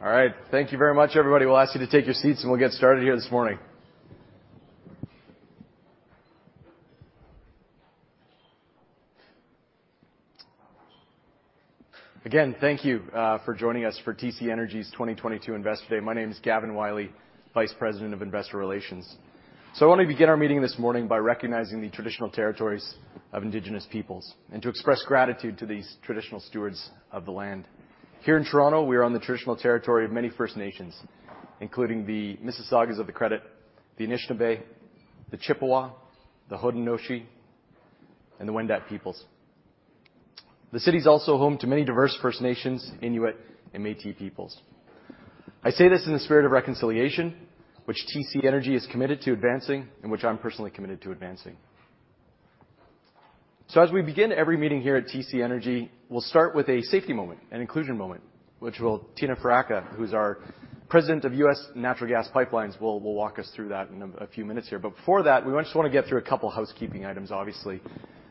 Hello. All right. Thank you very much, everybody. We'll ask you to take your seats, and we'll get started here this morning. Again, thank you for joining us for TC Energy's 2022 Investor Day. My name is Gavin Wylie, Vice President of Investor Relations. I wanna begin our meeting this morning by recognizing the traditional territories of indigenous peoples and to express gratitude to these traditional stewards of the land. Here in Toronto, we're on the traditional territory of many First Nations, including the Mississaugas of the Credit, the Anishinaabe, the Chippewa, the Haudenosaunee, and the Wendat peoples. The city is also home to many diverse First Nations, Inuit, and Métis peoples. I say this in the spirit of reconciliation, which TC Energy is committed to advancing and which I'm personally committed to advancing. As we begin every meeting here at TC Energy, we'll start with a safety moment and inclusion moment, which Tina Faraca, who's our President of U.S. Natural Gas Pipelines, will walk us through that in a few minutes here. Before that, we just wanna get through a couple housekeeping items, obviously.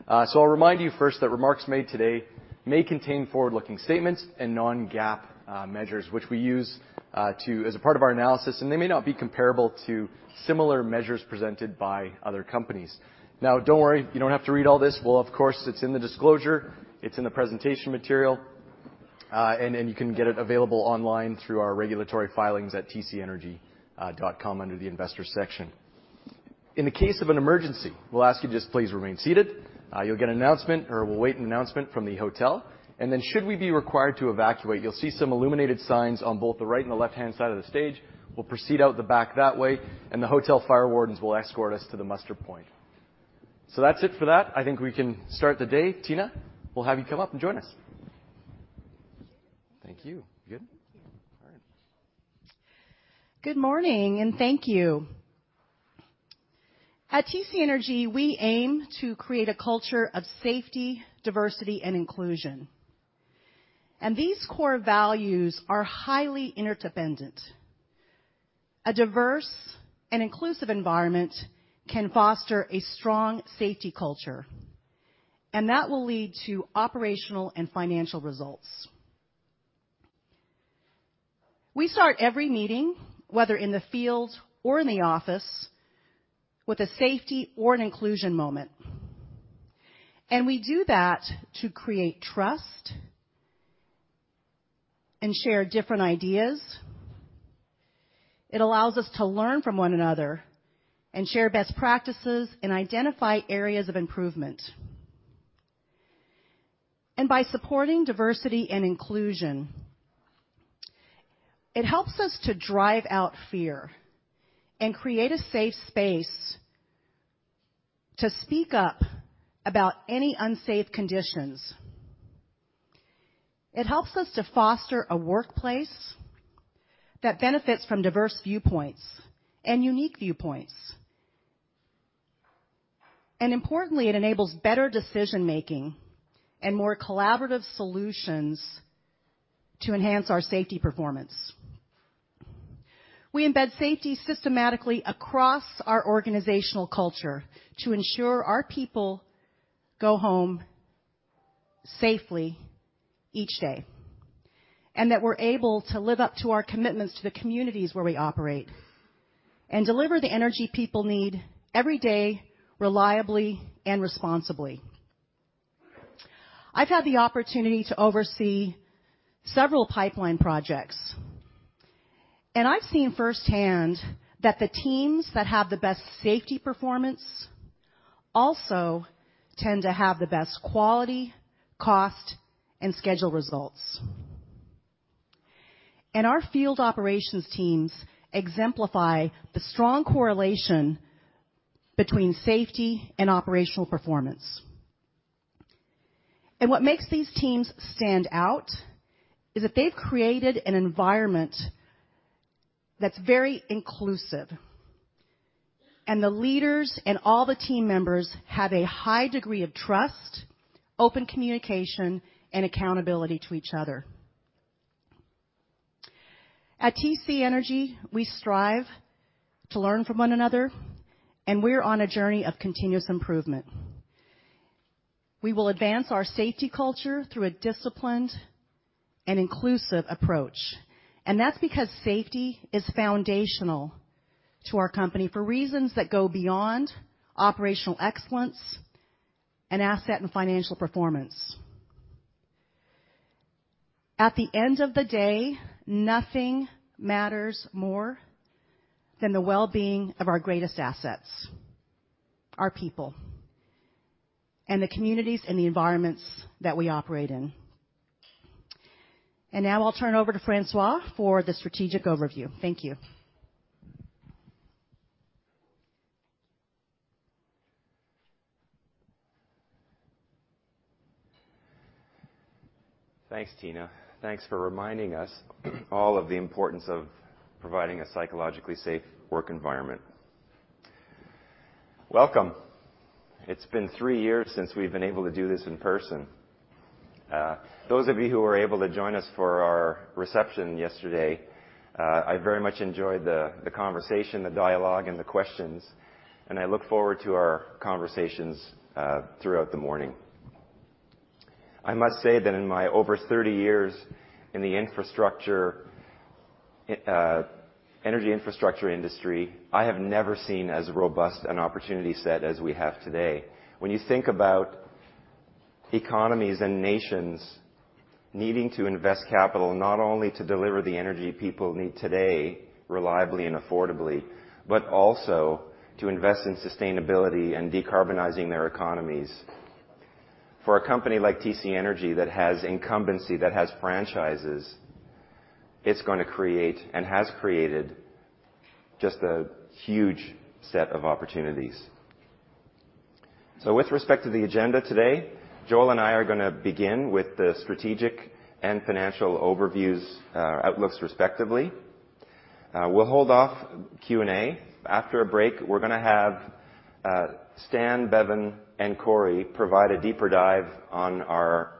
I'll remind you first that remarks made today may contain forward-looking statements and non-GAAP measures, which we use as a part of our analysis, and they may not be comparable to similar measures presented by other companies. Now, don't worry, you don't have to read all this. Well, of course, it's in the disclosure, it's in the presentation material, and you can get it available online through our regulatory filings at tcenergy.com under the Investors section. In the case of an emergency, we'll ask you to just please remain seated. You'll get an announcement or we'll wait an announcement from the hotel. Should we be required to evacuate, you'll see some illuminated signs on both the right and the left-hand side of the stage. We'll proceed out the back that way, and the hotel fire wardens will escort us to the muster point. That's it for that. I think we can start the day. Tina, we'll have you come up and join us. Thank you. Good? Thank you. All right. Good morning, and thank you. At TC Energy, we aim to create a culture of safety, diversity, and inclusion. These core values are highly interdependent. A diverse and inclusive environment can foster a strong safety culture. That will lead to operational and financial results. We start every meeting, whether in the field or in the office, with a safety or an inclusion moment. We do that to create trust and share different ideas. It allows us to learn from one another and share best practices and identify areas of improvement. By supporting diversity and inclusion, it helps us to drive out fear and create a safe space to speak up about any unsafe conditions. It helps us to foster a workplace that benefits from diverse viewpoints and unique viewpoints. Importantly, it enables better decision-making and more collaborative solutions to enhance our safety performance. We embed safety systematically across our organizational culture to ensure our people go home safely each day, and that we're able to live up to our commitments to the communities where we operate and deliver the energy people need every day reliably and responsibly. I've had the opportunity to oversee several pipeline projects, and I've seen firsthand that the teams that have the best safety performance also tend to have the best quality, cost, and schedule results. Our field operations teams exemplify the strong correlation between safety and operational performance. What makes these teams stand out is that they've created an environment that's very inclusive, and the leaders and all the team members have a high degree of trust, open communication, and accountability to each other. At TC Energy, we strive to learn from one another, and we're on a journey of continuous improvement. We will advance our safety culture through a disciplined and inclusive approach. That's because safety is foundational to our company for reasons that go beyond operational excellence and asset and financial performance. At the end of the day, nothing matters more than the well-being of our greatest assets, our people, and the communities and the environments that we operate in. Now I'll turn over to François for the strategic overview. Thank you. Thanks, Tina. Thanks for reminding us all of the importance of providing a psychologically safe work environment. Welcome. It's been three years since we've been able to do this in person. Those of you who were able to join us for our reception yesterday, I very much enjoyed the conversation, the dialogue, and the questions, and I look forward to our conversations throughout the morning. I must say that in my over 30 years in the infrastructure, energy infrastructure industry, I have never seen as robust an opportunity set as we have today. When you think about economies and nations needing to invest capital, not only to deliver the energy people need today reliably and affordably, but also to invest in sustainability and decarbonizing their economies. For a company like TC Energy that has incumbency, that has franchises, it's gonna create and has created just a huge set of opportunities. With respect to the agenda today, Joel and I are gonna begin with the strategic and financial overviews, outlooks respectively. We'll hold off Q&A. After a break, we're gonna have Stan, Bevin, and Corey provide a deeper dive on our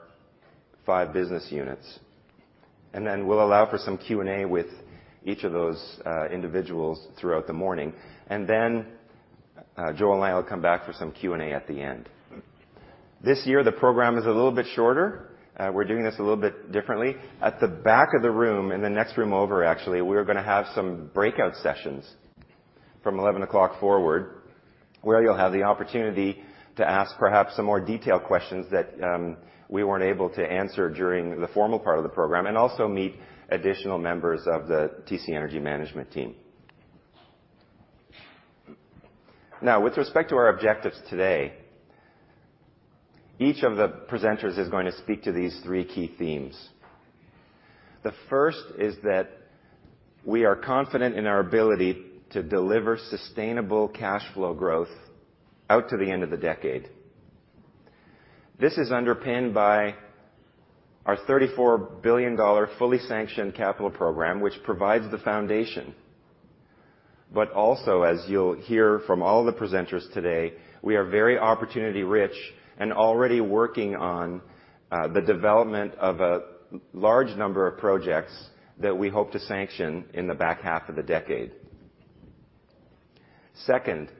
5 business units. We'll allow for some Q&A with each of those individuals throughout the morning. Joel and I will come back for some Q&A at the end. This year, the program is a little bit shorter. We're doing this a little bit differently. At the back of the room, in the next room over actually, we're gonna have some breakout sessions from 11:00 forward, where you'll have the opportunity to ask perhaps some more detailed questions that we weren't able to answer during the formal part of the program, and also meet additional members of the TC Energy management team. With respect to our objectives today, each of the presenters is going to speak to these three key themes. The first is that we are confident in our ability to deliver sustainable cash flow growth out to the end of the decade. This is underpinned by our $34 billion fully sanctioned capital program, which provides the foundation. Also, as you'll hear from all the presenters today, we are very opportunity rich and already working on the development of a large number of projects that we hope to sanction in the back half of the decade. Second,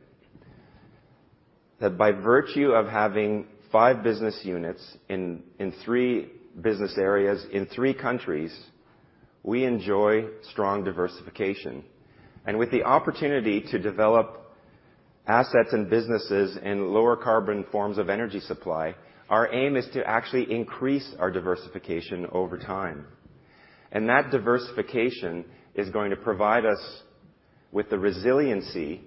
that by virtue of having five business units in three business areas in three countries, we enjoy strong diversification. With the opportunity to develop assets and businesses in lower carbon forms of energy supply, our aim is to actually increase our diversification over time. That diversification is going to provide us with the resiliency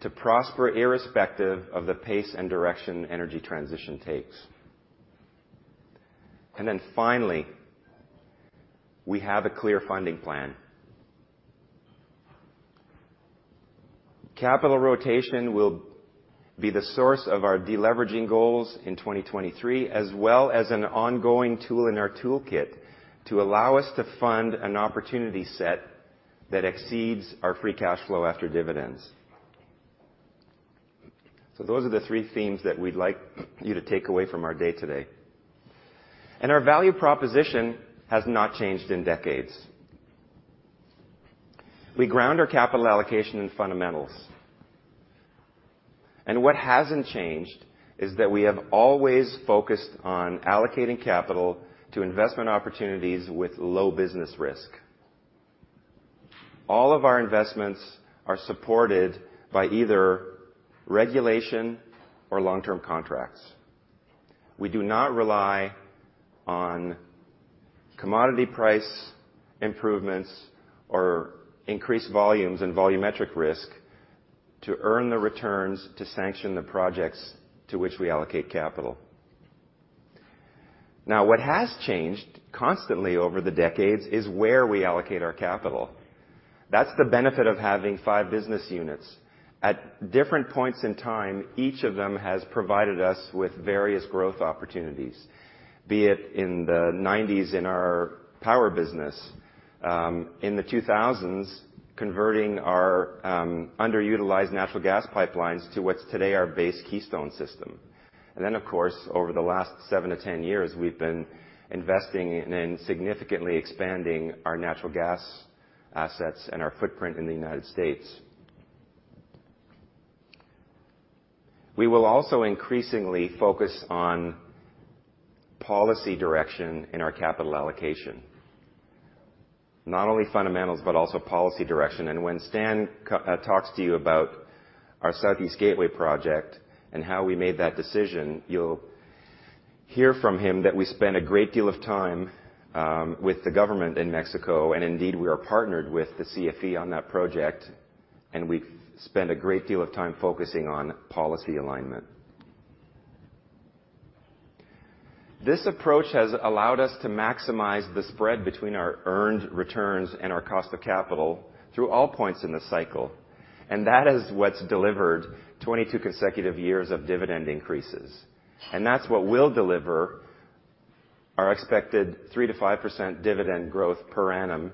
to prosper irrespective of the pace and direction energy transition takes. Finally, we have a clear funding plan. Capital rotation will be the source of our deleveraging goals in 2023, as well as an ongoing tool in our toolkit to allow us to fund an opportunity set that exceeds our free cash flow after dividends. Those are the three themes that we'd like you to take away from our day today. Our value proposition has not changed in decades. We ground our capital allocation in fundamentals. What hasn't changed is that we have always focused on allocating capital to investment opportunities with low business risk. All of our investments are supported by either regulation or long-term contracts. We do not rely on commodity price improvements or increased volumes and volumetric risk to earn the returns to sanction the projects to which we allocate capital. What has changed constantly over the decades is where we allocate our capital. That's the benefit of having five business units. At different points in time, each of them has provided us with various growth opportunities. Be it in the 1990s in our power business. In the 2000s, converting our underutilized natural gas pipelines to what's today our base Keystone system. Of course, over the last 7-10 years, we've been investing in and significantly expanding our natural gas assets and our footprint in the United States. We will also increasingly focus on policy direction in our capital allocation. Not only fundamentals, but also policy direction. When Stan Chapman talks to you about our Southeast Gateway project and how we made that decision, you'll hear from him that we spend a great deal of time with the government in Mexico, indeed, we are partnered with the CFE on that project, we spend a great deal of time focusing on policy alignment. This approach has allowed us to maximize the spread between our earned returns and our cost of capital through all points in the cycle, that is what's delivered 22 consecutive years of dividend increases. That's what will deliver our expected 3%-5% dividend growth per annum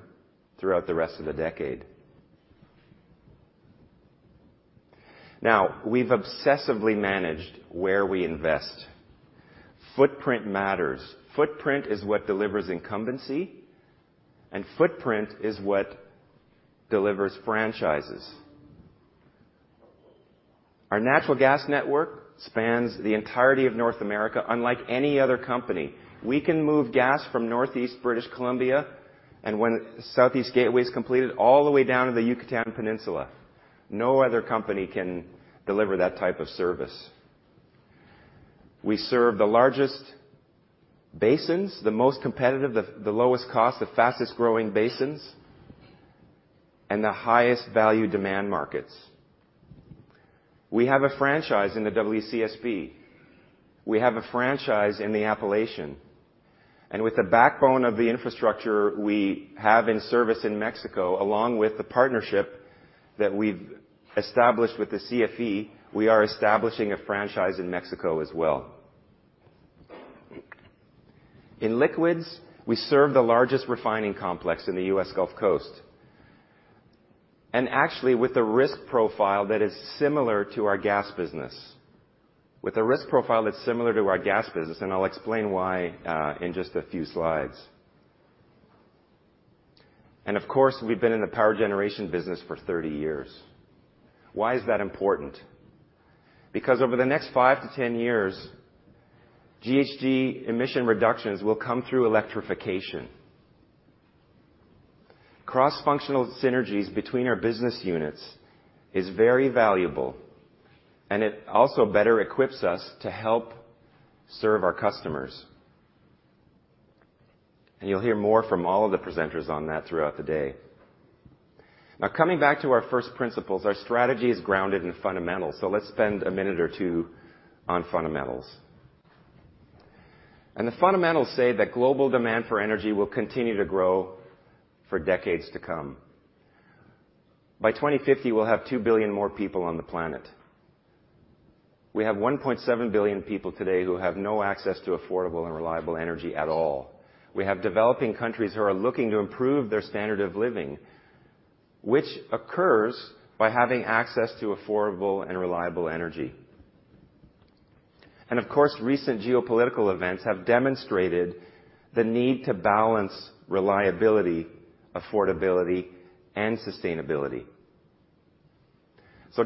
throughout the rest of the decade. We've obsessively managed where we invest. Footprint matters. Footprint is what delivers incumbency, footprint is what delivers franchises. Our natural gas network spans the entirety of North America unlike any other company. We can move gas from Northeast British Columbia. When Southeast Gateway is completed, all the way down to the Yucatan Peninsula. No other company can deliver that type of service. We serve the largest basins, the most competitive, the lowest cost, the fastest-growing basins, and the highest value demand markets. We have a franchise in the WCSB. We have a franchise in the Appalachian. With the backbone of the infrastructure we have in service in Mexico, along with the partnership that we've established with the CFE, we are establishing a franchise in Mexico as well. In liquids, we serve the largest refining complex in the U.S. Gulf Coast, actually with a risk profile that is similar to our gas business. With a risk profile that's similar to our gas business, I'll explain why in just a few slides. Of course, we've been in the power generation business for 30 years. Why is that important? Because over the next 5-10 years, GHG emission reductions will come through electrification. Cross-functional synergies between our business units is very valuable, and it also better equips us to help serve our customers. You'll hear more from all of the presenters on that throughout the day. Coming back to our first principles, our strategy is grounded in fundamentals. Let's spend a minute or two on fundamentals. The fundamentals say that global demand for energy will continue to grow for decades to come. By 2050, we'll have 2 billion more people on the planet. We have 1.7 billion people today who have no access to affordable and reliable energy at all. We have developing countries who are looking to improve their standard of living, which occurs by having access to affordable and reliable energy. Of course, recent geopolitical events have demonstrated the need to balance reliability, affordability, and sustainability.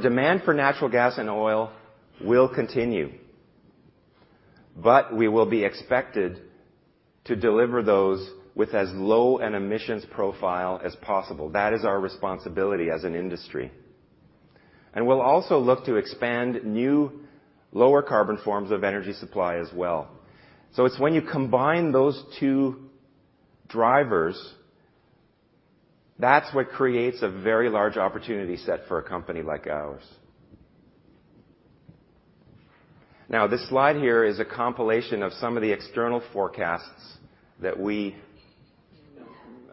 Demand for natural gas and oil will continue, but we will be expected to deliver those with as low an emissions profile as possible. That is our responsibility as an industry. We'll also look to expand new lower carbon forms of energy supply as well. It's when you combine those two drivers, that's what creates a very large opportunity set for a company like ours. This slide here is a compilation of some of the external forecasts that we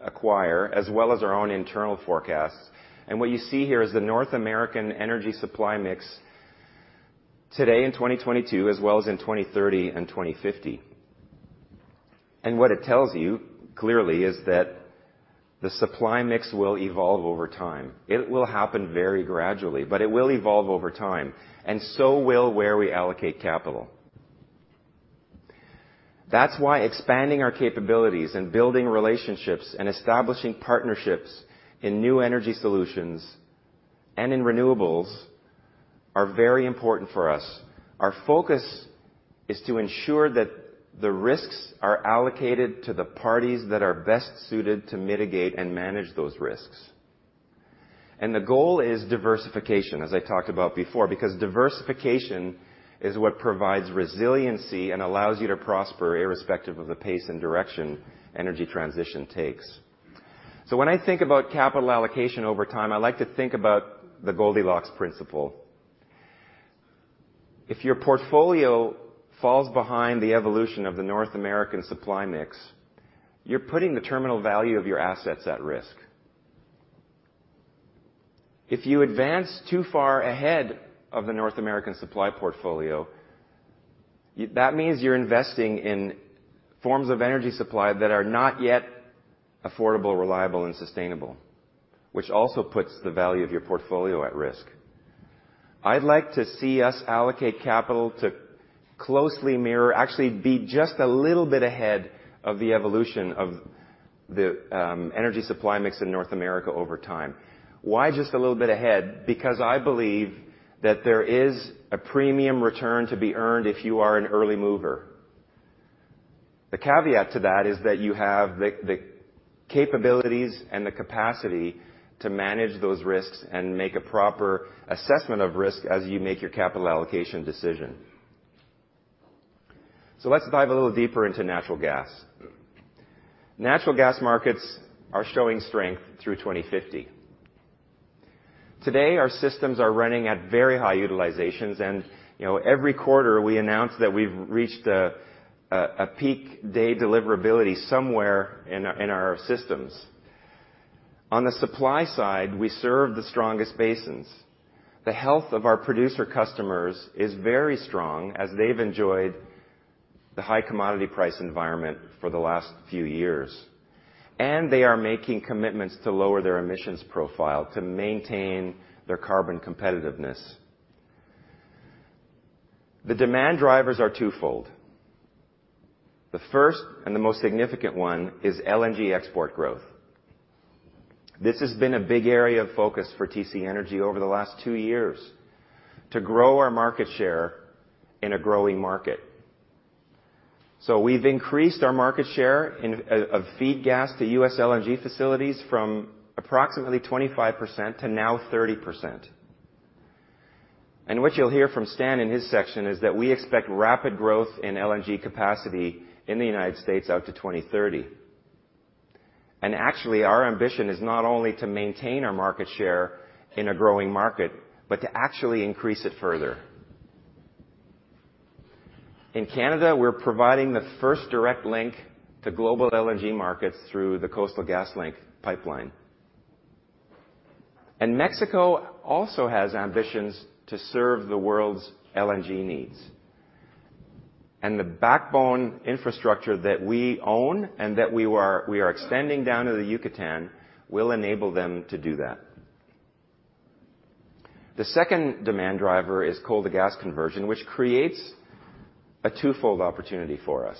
acquire, as well as our own internal forecasts. What you see here is the North American energy supply mix today in 2022, as well as in 2030 and 2050. What it tells you clearly is that the supply mix will evolve over time. It will happen very gradually, but it will evolve over time, and so will where we allocate capital. That's why expanding our capabilities and building relationships and establishing partnerships in new energy solutions and in renewables are very important for us. Our focus is to ensure that the risks are allocated to the parties that are best suited to mitigate and manage those risks. The goal is diversification, as I talked about before, because diversification is what provides resiliency and allows you to prosper irrespective of the pace and direction energy transition takes. When I think about capital allocation over time, I like to think about the Goldilocks principle. If your portfolio falls behind the evolution of the North American supply mix, you're putting the terminal value of your assets at risk. If you advance too far ahead of the North American supply portfolio, that means you're investing in forms of energy supply that are not yet affordable, reliable, and sustainable, which also puts the value of your portfolio at risk. I'd like to see us allocate capital to actually be just a little bit ahead of the evolution of the energy supply mix in North America over time. Why just a little bit ahead? Because I believe that there is a premium return to be earned if you are an early mover. The caveat to that is that you have the capabilities and the capacity to manage those risks and make a proper assessment of risk as you make your capital allocation decision. Let's dive a little deeper into natural gas. Natural gas markets are showing strength through 2050. Today, our systems are running at very high utilizations, you know, every quarter, we announce that we've reached a peak day deliverability somewhere in our systems. On the supply side, we serve the strongest basins. The health of our producer customers is very strong as they've enjoyed-the high commodity price environment for the last few years, they are making commitments to lower their emissions profile to maintain their carbon competitiveness. The demand drivers are twofold. The first and the most significant one is LNG export growth. This has been a big area of focus for TC Energy over the last two years to grow our market share in a growing market. We've increased our market share of feed gas to U.S. LNG facilities from approximately 25% to now 30%. What you'll hear from Stan in his section is that we expect rapid growth in LNG capacity in the United States out to 2030. Actually, our ambition is not only to maintain our market share in a growing market, but to actually increase it further. In Canada, we're providing the first direct link to global LNG markets through the Coastal GasLink pipeline. Mexico also has ambitions to serve the world's LNG needs. The backbone infrastructure that we own and that we are, we are extending down to the Yucatan will enable them to do that. The second demand driver is coal to gas conversion, which creates a twofold opportunity for us.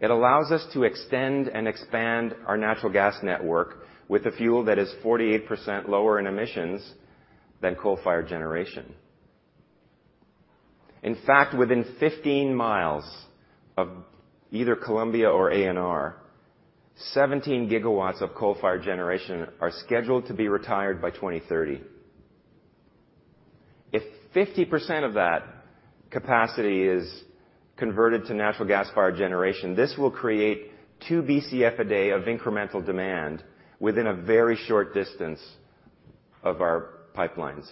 It allows us to extend and expand our natural gas network with a fuel that is 48% lower in emissions than coal-fired generation. In fact, within 15 mi of either Columbia or ANR, 17 GW of coal-fired generation are scheduled to be retired by 2030. If 50% of that capacity is converted to natural gas-fired generation, this will create 2 Bcf a day of incremental demand within a very short distance of our pipelines.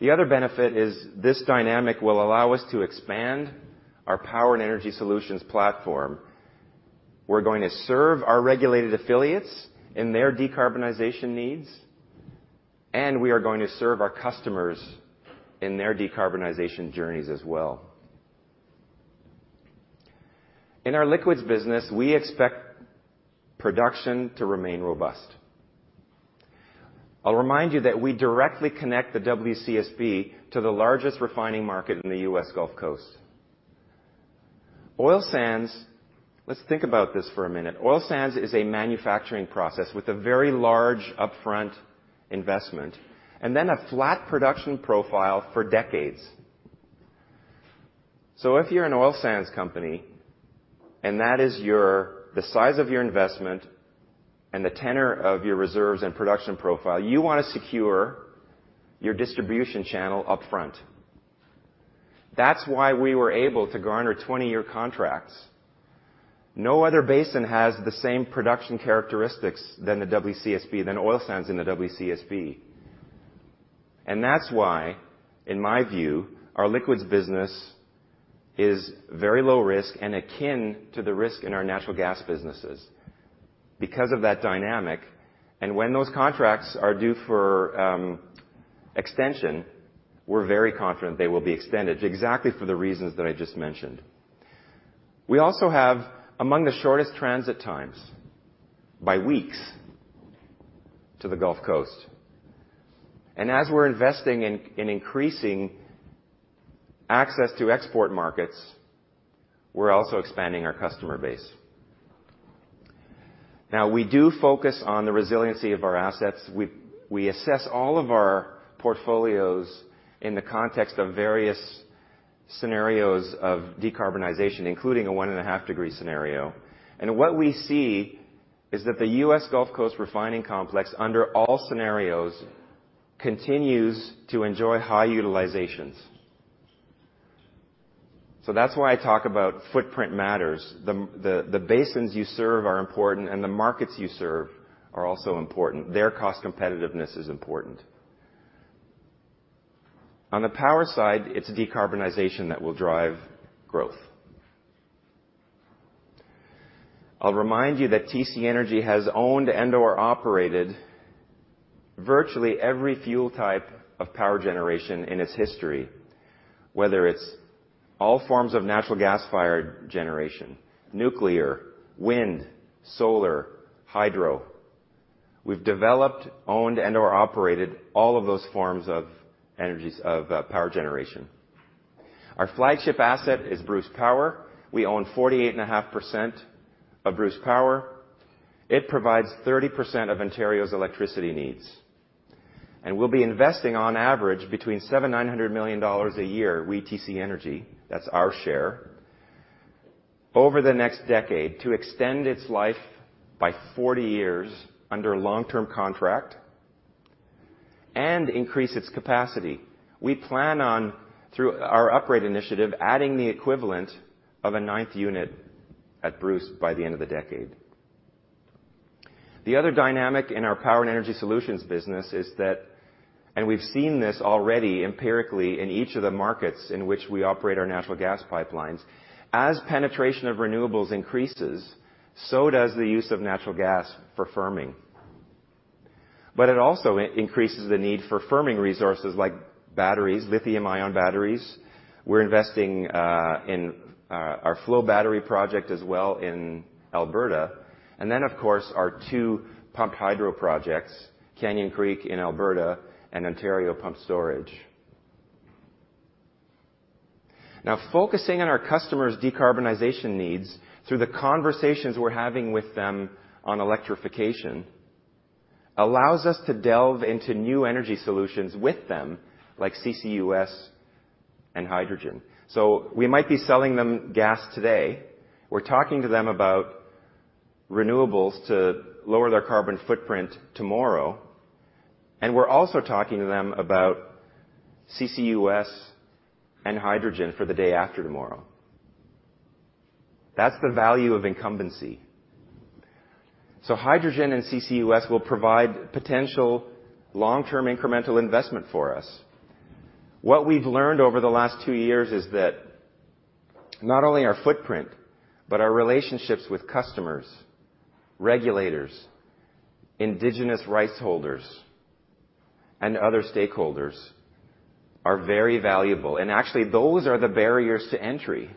The other benefit is this dynamic will allow us to expand our Power and Energy Solutions platform. We're going to serve our regulated affiliates in their decarbonization needs, and we are going to serve our customers in their decarbonization journeys as well. In our liquids business, we expect production to remain robust. I'll remind you that we directly connect the WCSB to the largest refining market in the U.S. Gulf Coast. Oil sands. Let's think about this for a minute. Oil sands is a manufacturing process with a very large upfront investment and then a flat production profile for decades. If you're an oil sands company, and that is the size of your investment and the tenor of your reserves and production profile, you wanna secure your distribution channel upfront. That's why we were able to garner 20-year contracts. No other basin has the same production characteristics than the WCSB, than oil sands in the WCSB. That's why, in my view, our liquids business is very low risk and akin to the risk in our natural gas businesses because of that dynamic. When those contracts are due for extension, we're very confident they will be extended exactly for the reasons that I just mentioned. We also have among the shortest transit times by weeks to the Gulf Coast. As we're investing in increasing access to export markets, we're also expanding our customer base. Now, we do focus on the resiliency of our assets. We assess all of our portfolios in the context of various scenarios of decarbonization, including a 1.5 degree scenario. What we see is that the U.S. Gulf Coast refining complex under all scenarios continues to enjoy high utilizations. That's why I talk about footprint matters. The basins you serve are important, and the markets you serve are also important. Their cost competitiveness is important. On the power side, it's decarbonization that will drive growth. I'll remind you that TC Energy has owned and/or operated virtually every fuel type of power generation in its history, whether it's all forms of natural gas-fired generation, nuclear, wind, solar, hydro. We've developed, owned, and/or operated all of those forms of energies of power generation. Our flagship asset is Bruce Power. We own 48.5% of Bruce Power. It provides 30% of Ontario's electricity needs. We'll be investing on average between $700 million and $900 million a year, we TC Energy, that's our share, over the next decade to extend its life by 40 years under a long-term contract and increase its capacity. We plan on, through our upgrade initiative, adding the equivalent of a ninth unit at Bruce by the end of the decade. The other dynamic in our Power and Energy Solutions business is that we've seen this already empirically in each of the markets in which we operate our natural gas pipelines, as penetration of renewables increases, so does the use of natural gas for firming. It also increases the need for firming resources like batteries, lithium-ion batteries. We're investing in our flow battery project as well in Alberta. Of course, our 2 pumped hydro projects, Canyon Creek in Alberta and Ontario Pumped Storage. Focusing on our customers' decarbonization needs through the conversations we're having with them on electrification allows us to delve into new energy solutions with them, like CCUS and hydrogen. We might be selling them gas today. We're talking to them about renewables to lower their carbon footprint tomorrow. We're also talking to them about CCUS and hydrogen for the day after tomorrow. That's the value of incumbency. Hydrogen and CCUS will provide potential long-term incremental investment for us. What we've learned over the last two years is that not only our footprint, but our relationships with customers, regulators, indigenous rights holders, and other stakeholders are very valuable. Actually, those are the barriers to entry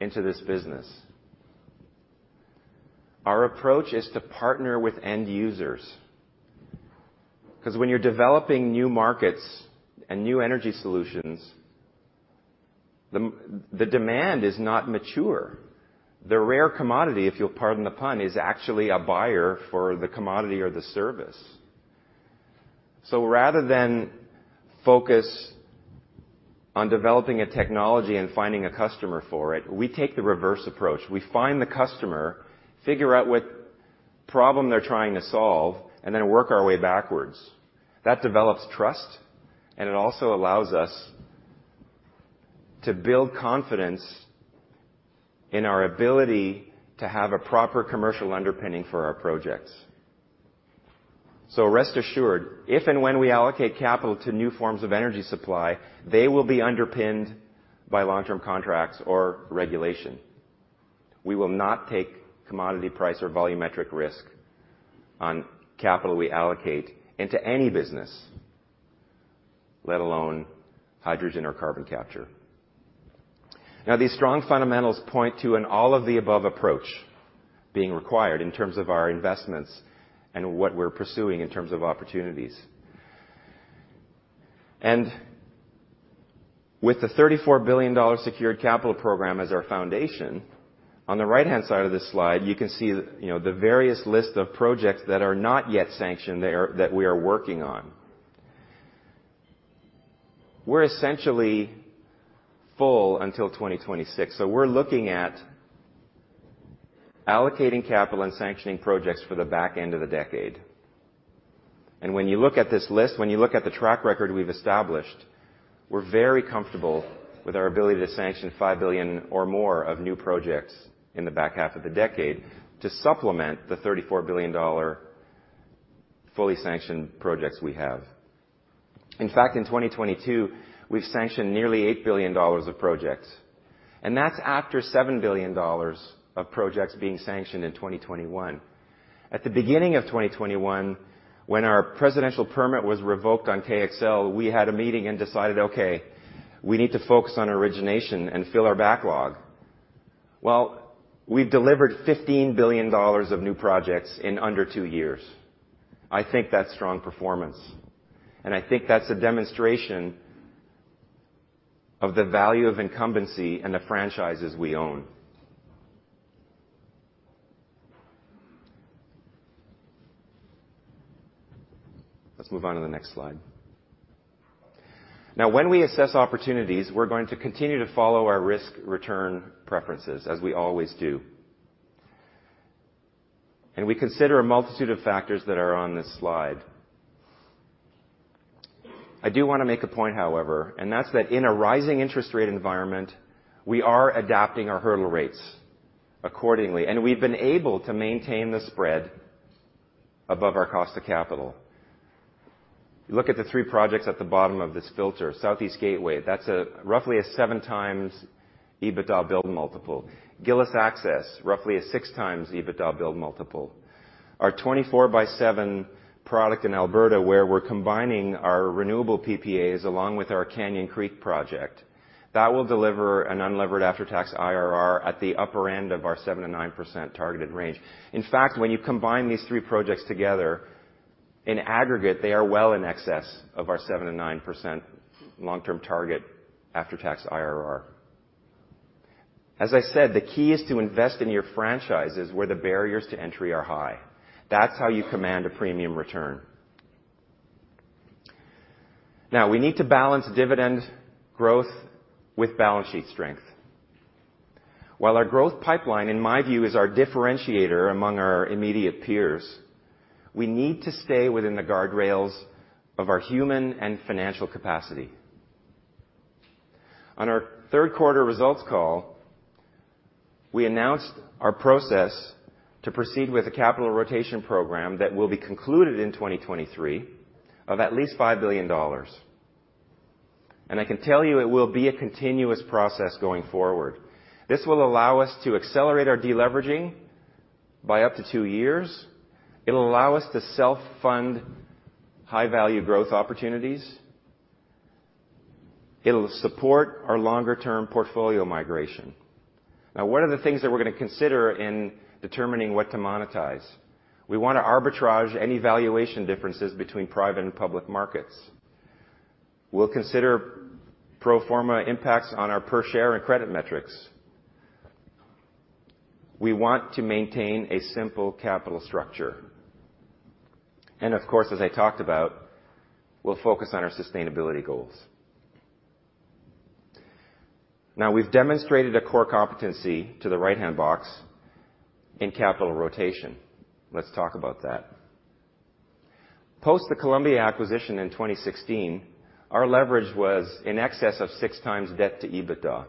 into this business. Our approach is to partner with end users, 'cause when you're developing new markets and new energy solutions, the demand is not mature. The rare commodity, if you'll pardon the pun, is actually a buyer for the commodity or the service. Rather than focus on developing a technology and finding a customer for it, we take the reverse approach. We find the customer, figure out what problem they're trying to solve, and then work our way backwards. That develops trust, and it also allows us to build confidence in our ability to have a proper commercial underpinning for our projects. Rest assured, if and when we allocate capital to new forms of energy supply, they will be underpinned by long-term contracts or regulation. We will not take commodity price or volumetric risk on capital we allocate into any business, let alone hydrogen or carbon capture. These strong fundamentals point to an all-of-the-above approach being required in terms of our investments and what we're pursuing in terms of opportunities. With the 34 billion dollars secured capital program as our foundation, on the right-hand side of this slide, you can see, you know, the various list of projects that are not yet sanctioned there, that we are working on. We're essentially full until 2026, so we're looking at allocating capital and sanctioning projects for the back end of the decade. When you look at this list, when you look at the track record we've established, we're very comfortable with our ability to sanction 5 billion or more of new projects in the back half of the decade to supplement the 34 billion dollar fully sanctioned projects we have. In fact, in 2022, we've sanctioned nearly 8 billion dollars of projects, and that's after 7 billion dollars of projects being sanctioned in 2021. At the beginning of 2021, when our presidential permit was revoked on KXL, we had a meeting and decided, "Okay, we need to focus on origination and fill our backlog." Well, we've delivered $15 billion of new projects in under 2 years. I think that's strong performance, and I think that's a demonstration of the value of incumbency and the franchises we own. Let's move on to the next slide. Now, when we assess opportunities, we're going to continue to follow our risk-return preferences, as we always do. We consider a multitude of factors that are on this slide. I do wanna make a point, however, and that's that in a rising interest rate environment, we are adapting our hurdle rates accordingly, and we've been able to maintain the spread above our cost of capital. Look at the 3 projects at the bottom of this filter. Southeast Gateway, that's roughly a 7 times EBITDA build multiple. Gillis Access, roughly a 6 times EBITDA build multiple. Our 24/7 product in Alberta, where we're combining our renewable PPAs along with our Canyon Creek Project, that will deliver an unlevered after-tax IRR at the upper end of our 7%-9% targeted range. When you combine these three projects together, in aggregate, they are well in excess of our 7%-9% long-term target after-tax IRR. As I said, the key is to invest in your franchises where the barriers to entry are high. That's how you command a premium return. We need to balance dividend growth with balance sheet strength. While our growth pipeline, in my view, is our differentiator among our immediate peers, we need to stay within the guardrails of our human and financial capacity. On our third quarter results call, we announced our process to proceed with a capital rotation program that will be concluded in 2023 of at least 5 billion dollars. I can tell you it will be a continuous process going forward. This will allow us to accelerate our deleveraging by up to two years. It'll allow us to self-fund high-value growth opportunities. It'll support our longer-term portfolio migration. What are the things that we're gonna consider in determining what to monetize? We wanna arbitrage any valuation differences between private and public markets. We'll consider pro forma impacts on our per share and credit metrics. We want to maintain a simple capital structure. Of course, as I talked about, we'll focus on our sustainability goals. We've demonstrated a core competency to the right-hand box in capital rotation. Let's talk about that. Post the Columbia acquisition in 2016, our leverage was in excess of 6 times debt to EBITDA.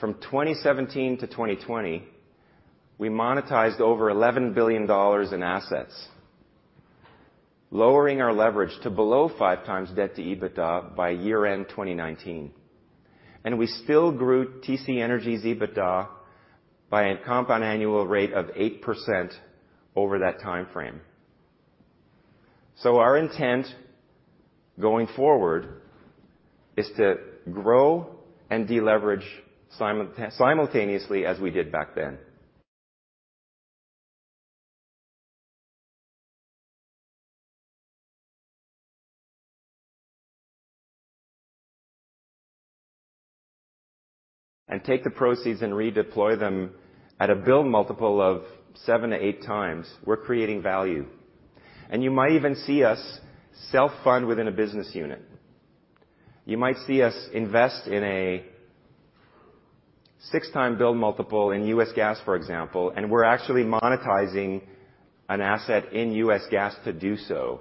From 2017 to 2020, we monetized over $11 billion in assets, lowering our leverage to below 5 times debt to EBITDA by year-end 2019. We still grew TC Energy's EBITDA by a compound annual rate of 8% over that timeframe. Our intent going forward is to grow and deleverage simultaneously as we did back then. Take the proceeds and redeploy them at a build multiple of 7 to 8 times, we're creating value. You might even see us self-fund within a business unit. You might see us invest in a 6-time build multiple in U.S. gas, for example, and we're actually monetizing an asset in U.S. gas to do so.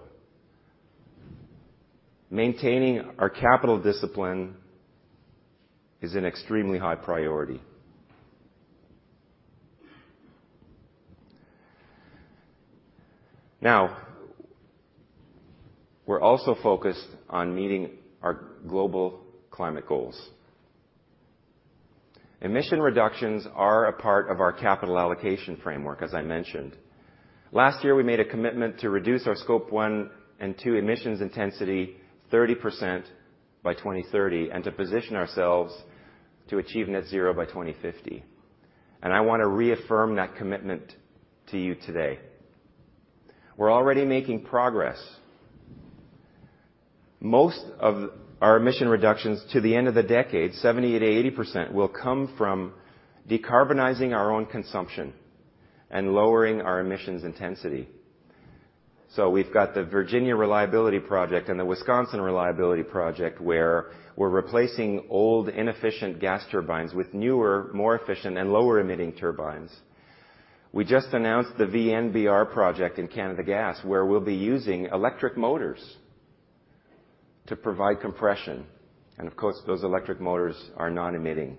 Maintaining our capital discipline is an extremely high priority. We're also focused on meeting our global climate goals. Emission reductions are a part of our capital allocation framework, as I mentioned. Last year, we made a commitment to reduce our scope 1 and 2 emissions intensity 30% by 2030, and to position ourselves to achieve net zero by 2050. I wanna reaffirm that commitment to you today. We're already making progress. Most of our emission reductions to the end of the decade, 70%-80%, will come from decarbonizing our own consumption and lowering our emissions intensity. We've got the Virginia Reliability Project and the Wisconsin Reliability Project, where we're replacing old, inefficient gas turbines with newer, more efficient and lower-emitting turbines. We just announced the V-LINE project in Canada Gas, where we'll be using electric motors to provide compression. Of course, those electric motors are non-emitting.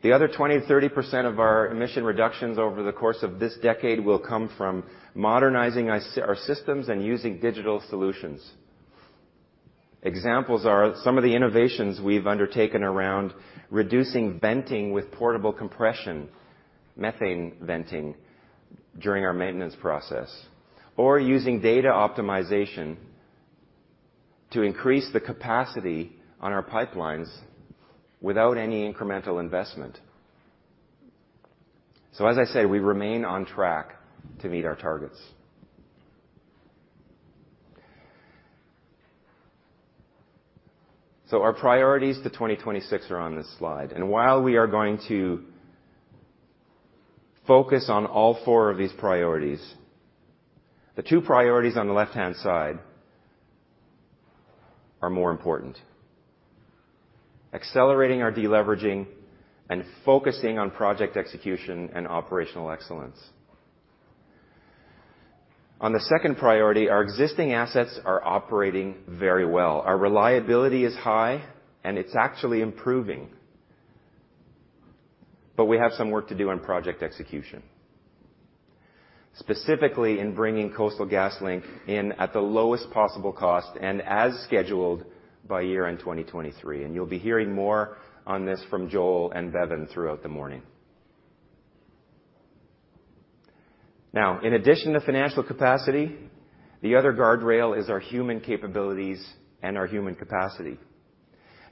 The other 20%-30% of our emission reductions over the course of this decade will come from modernizing our systems and using digital solutions. Examples are some of the innovations we've undertaken around reducing venting with portable compression, methane venting during our maintenance process, or using data optimization to increase the capacity on our pipelines without any incremental investment. As I say, we remain on track to meet our targets. Our priorities to 2026 are on this slide. While we are going to focus on all four of these priorities, the two priorities on the left-hand side are more important. Accelerating our deleveraging and focusing on project execution and operational excellence. On the second priority, our existing assets are operating very well. Our reliability is high, and it's actually improving. We have some work to do on project execution, specifically in bringing Coastal GasLink in at the lowest possible cost and as scheduled by year-end 2023. You'll be hearing more on this from Joel and Bevin throughout the morning. Now, in addition to financial capacity, the other guardrail is our human capabilities and our human capacity.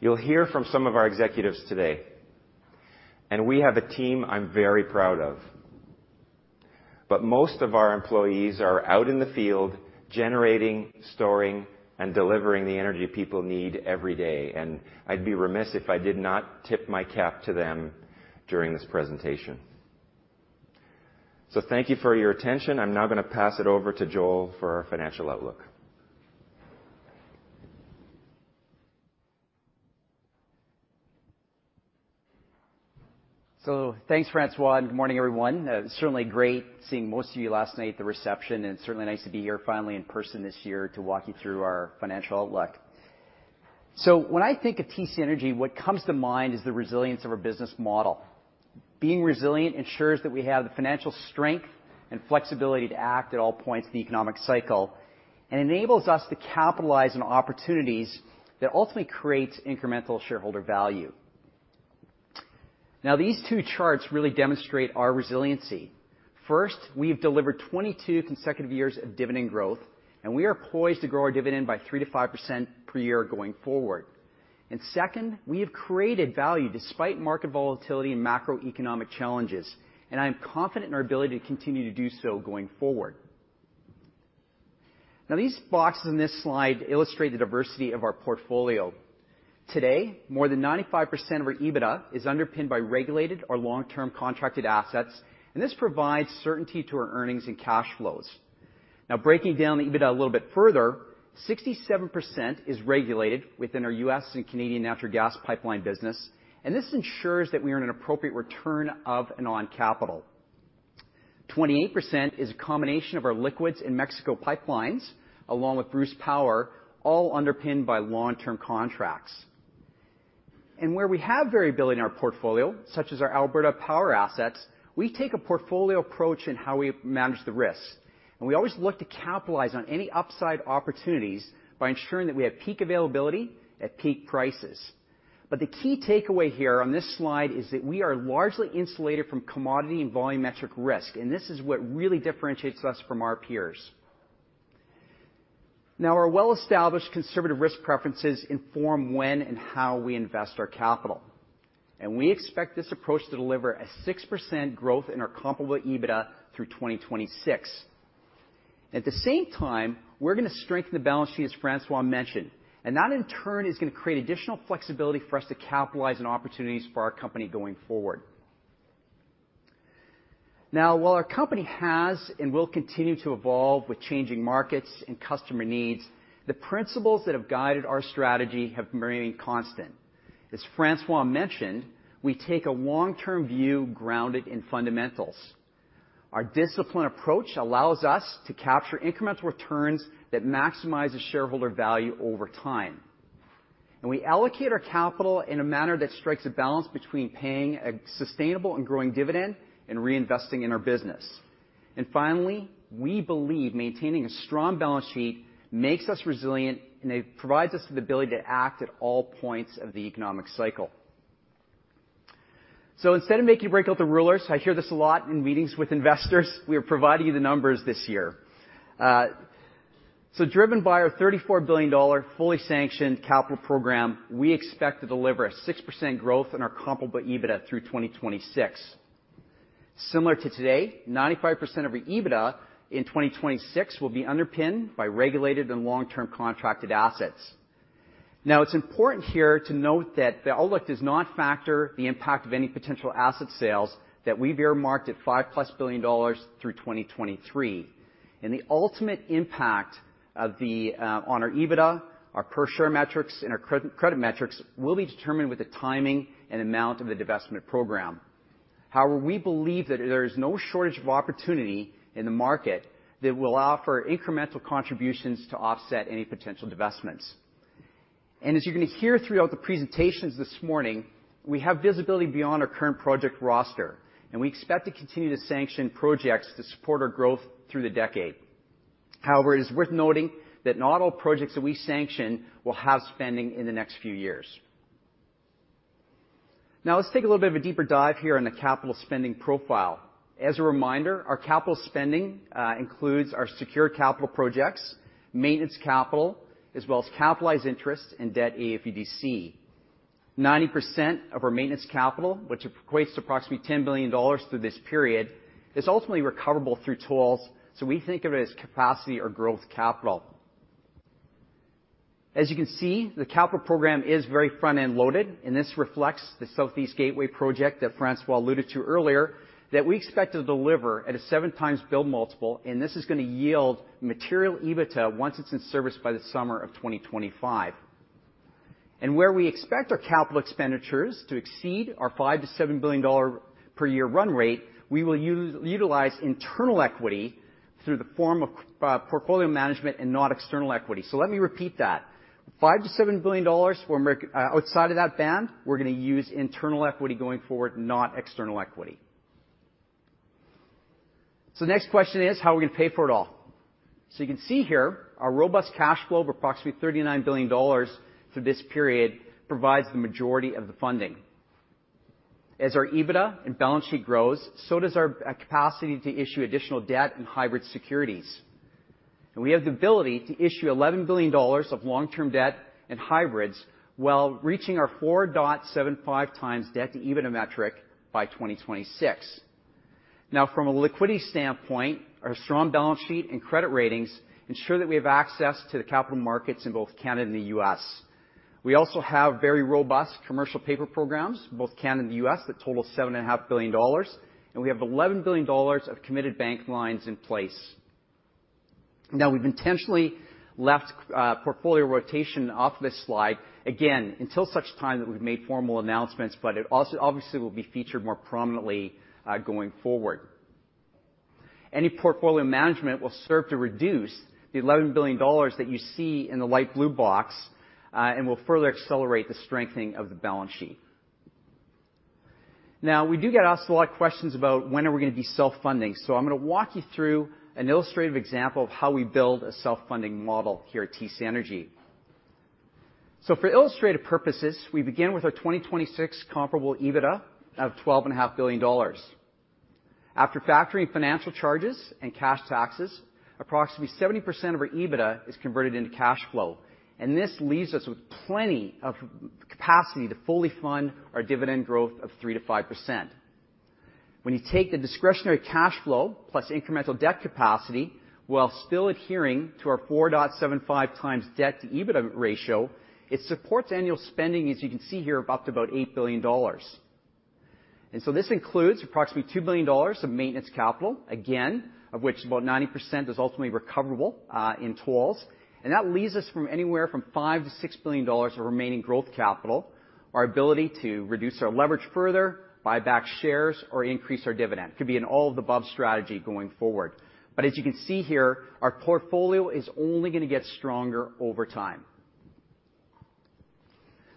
You'll hear from some of our executives today, and we have a team I'm very proud of. Most of our employees are out in the field generating, storing, and delivering the energy people need every day. I'd be remiss if I did not tip my cap to them during this presentation. Thank you for your attention. I'm now gonna pass it over to Joel for our financial outlook. Thanks, François, and good morning, everyone. Certainly great seeing most of you last night at the reception, and certainly nice to be here finally in person this year to walk you through our financial outlook. When I think of TC Energy, what comes to mind is the resilience of our business model. Being resilient ensures that we have the financial strength and flexibility to act at all points in the economic cycle, and enables us to capitalize on opportunities that ultimately creates incremental shareholder value. These two charts really demonstrate our resiliency. First, we have delivered 22 consecutive years of dividend growth, and we are poised to grow our dividend by 3%-5% per year going forward. Second, we have created value despite market volatility and macroeconomic challenges, and I am confident in our ability to continue to do so going forward. These boxes in this slide illustrate the diversity of our portfolio. Today, more than 95% of our EBITDA is underpinned by regulated or long-term contracted assets, and this provides certainty to our earnings and cash flows. Breaking down the EBITDA a little bit further, 67% is regulated within our U.S. and Canadian natural gas pipeline business, and this ensures that we earn an appropriate return of and on capital. 28% is a combination of our liquids in Mexico pipelines, along with Bruce Power, all underpinned by long-term contracts. Where we have variability in our portfolio, such as our Alberta Power assets, we take a portfolio approach in how we manage the risks. We always look to capitalize on any upside opportunities by ensuring that we have peak availability at peak prices. The key takeaway here on this slide is that we are largely insulated from commodity and volumetric risk, and this is what really differentiates us from our peers. Our well-established conservative risk preferences inform when and how we invest our capital. We expect this approach to deliver a 6% growth in our comparable EBITDA through 2026. At the same time, we're gonna strengthen the balance sheet, as Francois mentioned, and that in turn is gonna create additional flexibility for us to capitalize on opportunities for our company going forward. While our company has and will continue to evolve with changing markets and customer needs, the principles that have guided our strategy have remained constant. As Francois mentioned, we take a long-term view grounded in fundamentals. Our disciplined approach allows us to capture incremental returns that maximize the shareholder value over time. We allocate our capital in a manner that strikes a balance between paying a sustainable and growing dividend and reinvesting in our business. Finally, we believe maintaining a strong balance sheet makes us resilient, and it provides us with the ability to act at all points of the economic cycle. Instead of making you break out the rulers, I hear this a lot in meetings with investors, we are providing you the numbers this year. Driven by our $34 billion fully sanctioned capital program, we expect to deliver a 6% growth in our comparable EBITDA through 2026. Similar to today, 95% of our EBITDA in 2026 will be underpinned by regulated and long-term contracted assets. It's important here to note that the outlook does not factor the impact of any potential asset sales that we've earmarked at $5+ billion through 2023. The ultimate impact of the on our EBITDA, our per-share metrics, and our credit metrics will be determined with the timing and amount of the divestment program. However, we believe that there is no shortage of opportunity in the market that will offer incremental contributions to offset any potential divestments. As you're gonna hear throughout the presentations this morning, we have visibility beyond our current project roster, and we expect to continue to sanction projects to support our growth through the decade. However, it is worth noting that not all projects that we sanction will have spending in the next few years. Let's take a little bit of a deeper dive here on the capital spending profile. As a reminder, our capital spending includes our secure capital projects, maintenance capital, as well as capitalized interest and debt AFUDC. 90% of our maintenance capital, which equates to approximately $10 billion through this period, is ultimately recoverable through tolls, so we think of it as capacity or growth capital. As you can see, the capital program is very front-end loaded, this reflects the Southeast Gateway project that Francois alluded to earlier, that we expect to deliver at a 7x build multiple, and this is gonna yield material EBITDA once it's in service by the summer of 2025. Where we expect our capital expenditures to exceed our $5 billion-$7 billion per year run rate, we will utilize internal equity through the form of portfolio management and not external equity. Let me repeat that, $5 billion-$7 billion outside of that band, we're gonna use internal equity going forward, not external equity. The next question is, how are we gonna pay for it all? You can see here our robust cash flow of approximately $39 billion through this period provides the majority of the funding. As our EBITDA and balance sheet grows, so does our capacity to issue additional debt and hybrid securities. We have the ability to issue $11 billion of long-term debt and hybrids while reaching our 4.75 times debt to EBITDA metric by 2026. From a liquidity standpoint, our strong balance sheet and credit ratings ensure that we have access to the capital markets in both Canada and the U.S. We also have very robust commercial paper programs, both Canada and the U.S., that total seven and a half billion dollars, and we have $11 billion of committed bank lines in place. We've intentionally left portfolio rotation off this slide, again, until such time that we've made formal announcements, but it also obviously will be featured more prominently going forward. Any portfolio management will serve to reduce the $11 billion that you see in the light blue box, and will further accelerate the strengthening of the balance sheet. We do get asked a lot of questions about when are we gonna be self-funding. I'm gonna walk you through an illustrative example of how we build a self-funding model here at TC Energy. For illustrative purposes, we begin with our 2026 comparable EBITDA of twelve and a half billion dollars. After factoring financial charges and cash taxes, approximately 70% of our EBITDA is converted into cash flow. This leaves us with plenty of capacity to fully fund our dividend growth of 3%-5%. When you take the discretionary cash flow plus incremental debt capacity, while still adhering to our 4.75x debt-to-EBITDA ratio, it supports annual spending, as you can see here, of up to about 8 billion dollars. This includes approximately 2 billion dollars of maintenance capital, again, of which about 90% is ultimately recoverable in tolls. That leaves us from anywhere from 5 billion-6 billion dollars of remaining growth capital. Our ability to reduce our leverage further, buy back shares, or increase our dividend could be an all-of-the-above strategy going forward. As you can see here, our portfolio is only gonna get stronger over time.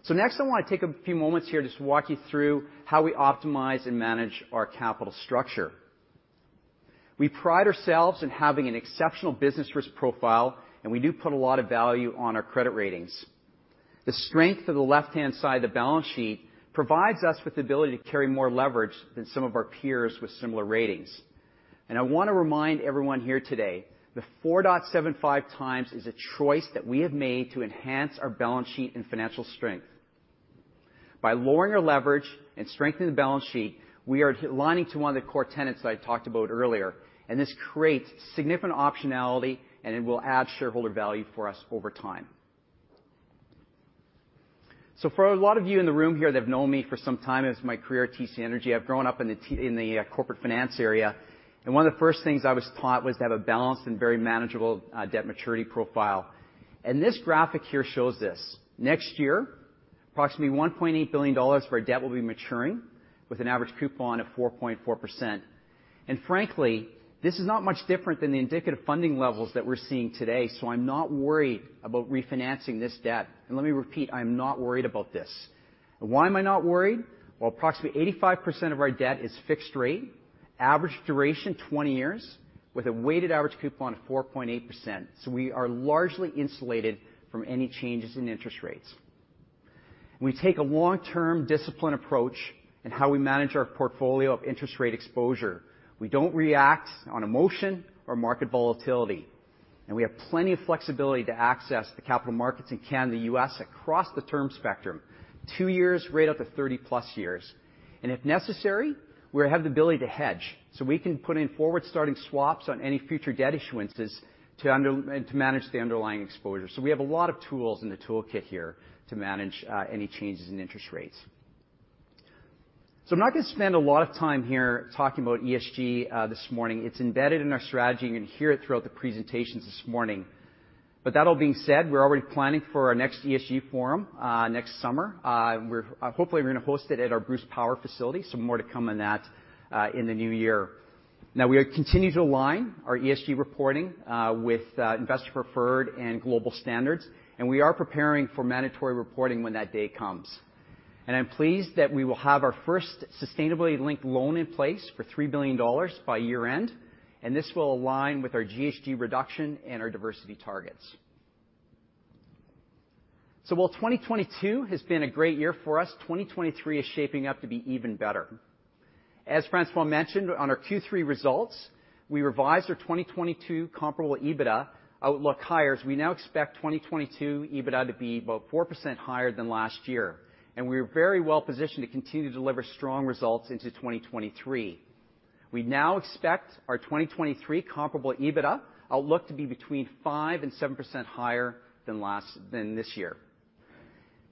Next, I wanna take a few moments here just to walk you through how we optimize and manage our capital structure. We pride ourselves in having an exceptional business risk profile, and we do put a lot of value on our credit ratings. The strength of the left-hand side of the balance sheet provides us with the ability to carry more leverage than some of our peers with similar ratings. I wanna remind everyone here today that 4.75 times is a choice that we have made to enhance our balance sheet and financial strength. By lowering our leverage and strengthening the balance sheet, we are aligning to one of the core tenets that I talked about earlier, and this creates significant optionality, and it will add shareholder value for us over time. For a lot of you in the room here that have known me for some time as my career at TC Energy, I've grown up in the corporate finance area, and one of the first things I was taught was to have a balanced and very manageable debt maturity profile. This graphic here shows this. Next year, approximately $1.8 billion of our debt will be maturing with an average coupon of 4.4%. Frankly, this is not much different than the indicative funding levels that we're seeing today, so I'm not worried about refinancing this debt. Let me repeat, I'm not worried about this. Why am I not worried? Well, approximately 85% of our debt is fixed rate, average duration 20 years, with a weighted average coupon of 4.8%. We are largely insulated from any changes in interest rates. We take a long-term discipline approach in how we manage our portfolio of interest rate exposure. We don't react on emotion or market volatility, and we have plenty of flexibility to access the capital markets in Canada, U.S., across the term spectrum, two years right up to 30-plus years. If necessary, we have the ability to hedge, so we can put in forward-starting swaps on any future debt issuances to manage the underlying exposure. We have a lot of tools in the toolkit here to manage any changes in interest rates. I'm not gonna spend a lot of time here talking about ESG this morning. It's embedded in our strategy, and you're gonna hear it throughout the presentations this morning. That all being said, we're already planning for our next ESG forum, next summer. Hopefully, we're gonna host it at our Bruce Power facility, so more to come on that, in the new year. Now, we continue to align our ESG reporting with investor-preferred and global standards, and we are preparing for mandatory reporting when that day comes. I'm pleased that we will have our first sustainably linked loan in place for $3 billion by year-end, and this will align with our GHG reduction and our diversity targets. While 2022 has been a great year for us, 2023 is shaping up to be even better. As Francois mentioned, on our Q3 results, we revised our 2022 comparable EBITDA outlook higher as we now expect 2022 EBITDA to be about 4% higher than last year. We are very well-positioned to continue to deliver strong results into 2023. We now expect our 2023 comparable EBITDA outlook to be between 5% and 7% higher than this year.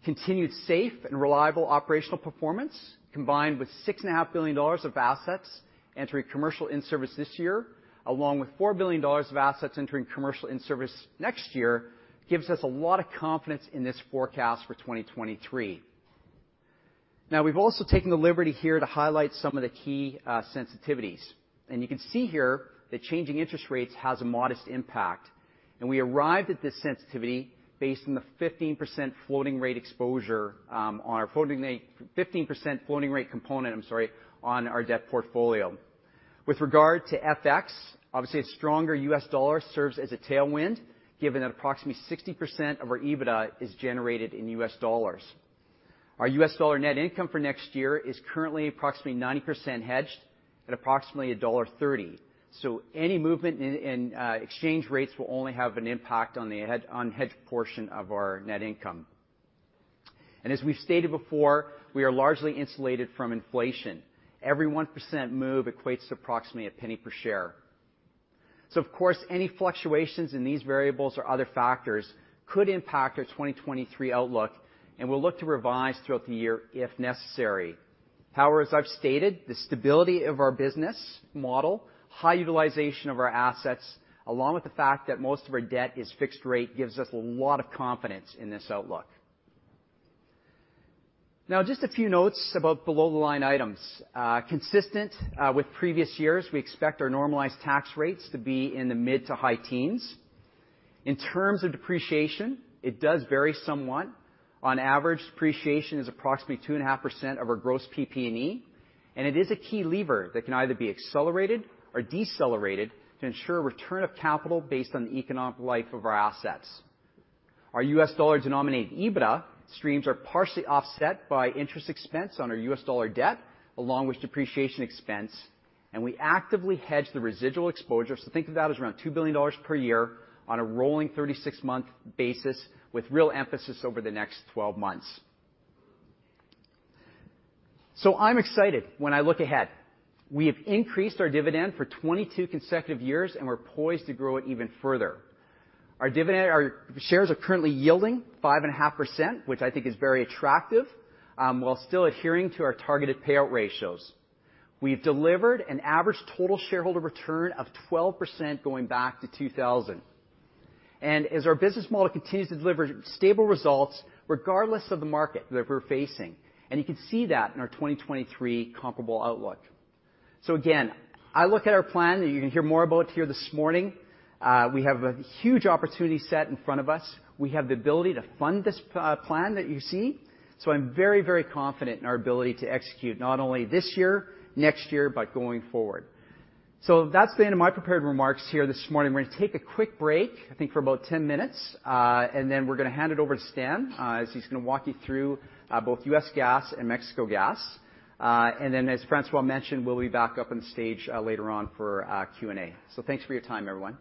Continued safe and reliable operational performance, combined with $six and a half billion of assets entering commercial in-service this year, along with $4 billion of assets entering commercial in-service next year, gives us a lot of confidence in this forecast for 2023. We've also taken the liberty here to highlight some of the key sensitivities. You can see here that changing interest rates has a modest impact. We arrived at this sensitivity based on the 15% floating rate exposure on our 15% floating rate component on our debt portfolio. With regard to FX, obviously, a stronger U.S. dollar serves as a tailwind, given that approximately 60% of our EBITDA is generated in U.S. dollars. Our U.S. dollar net income for next year is currently approximately 90% hedged at approximately $1.30. Any movement in exchange rates will only have an impact on the unhedged portion of our net income. As we've stated before, we are largely insulated from inflation. Every 1% move equates to approximately $0.01 per share. Of course, any fluctuations in these variables or other factors could impact our 2023 outlook, and we'll look to revise throughout the year if necessary. As I've stated, the stability of our business model, high utilization of our assets, along with the fact that most of our debt is fixed rate, gives us a lot of confidence in this outlook. Just a few notes about below-the-line items. Consistent with previous years, we expect our normalized tax rates to be in the mid to high teens. In terms of depreciation, it does vary somewhat. On average, depreciation is approximately 2.5% of our gross PP&E, and it is a key lever that can either be accelerated or decelerated to ensure return of capital based on the economic life of our assets. Our U.S. dollar-denominated EBITDA streams are partially offset by interest expense on our U.S. dollar debt, along with depreciation expense, and we actively hedge the residual exposure. Think of that as around 2 billion dollars per year on a rolling 36-month basis with real emphasis over the next 12 months. I'm excited when I look ahead. We have increased our dividend for 22 consecutive years, and we're poised to grow it even further. Our shares are currently yielding 5.5%, which I think is very attractive, while still adhering to our targeted payout ratios. We've delivered an average total shareholder return of 12% going back to 2000. As our business model continues to deliver stable results regardless of the market that we're facing. You can see that in our 2023 comparable outlook. Again, I look at our plan that you're gonna hear more about here this morning. We have a huge opportunity set in front of us. We have the ability to fund this plan that you see. I'm very, very confident in our ability to execute not only this year, next year, but going forward. That's the end of my prepared remarks here this morning. We're gonna take a quick break, I think for about 10 minutes, and then we're gonna hand it over to Stan, as he's gonna walk you through both U.S. Gas and Mexico Gas. As Francois mentioned, we'll be back up on stage later on for Q&A. Thanks for your time, everyone.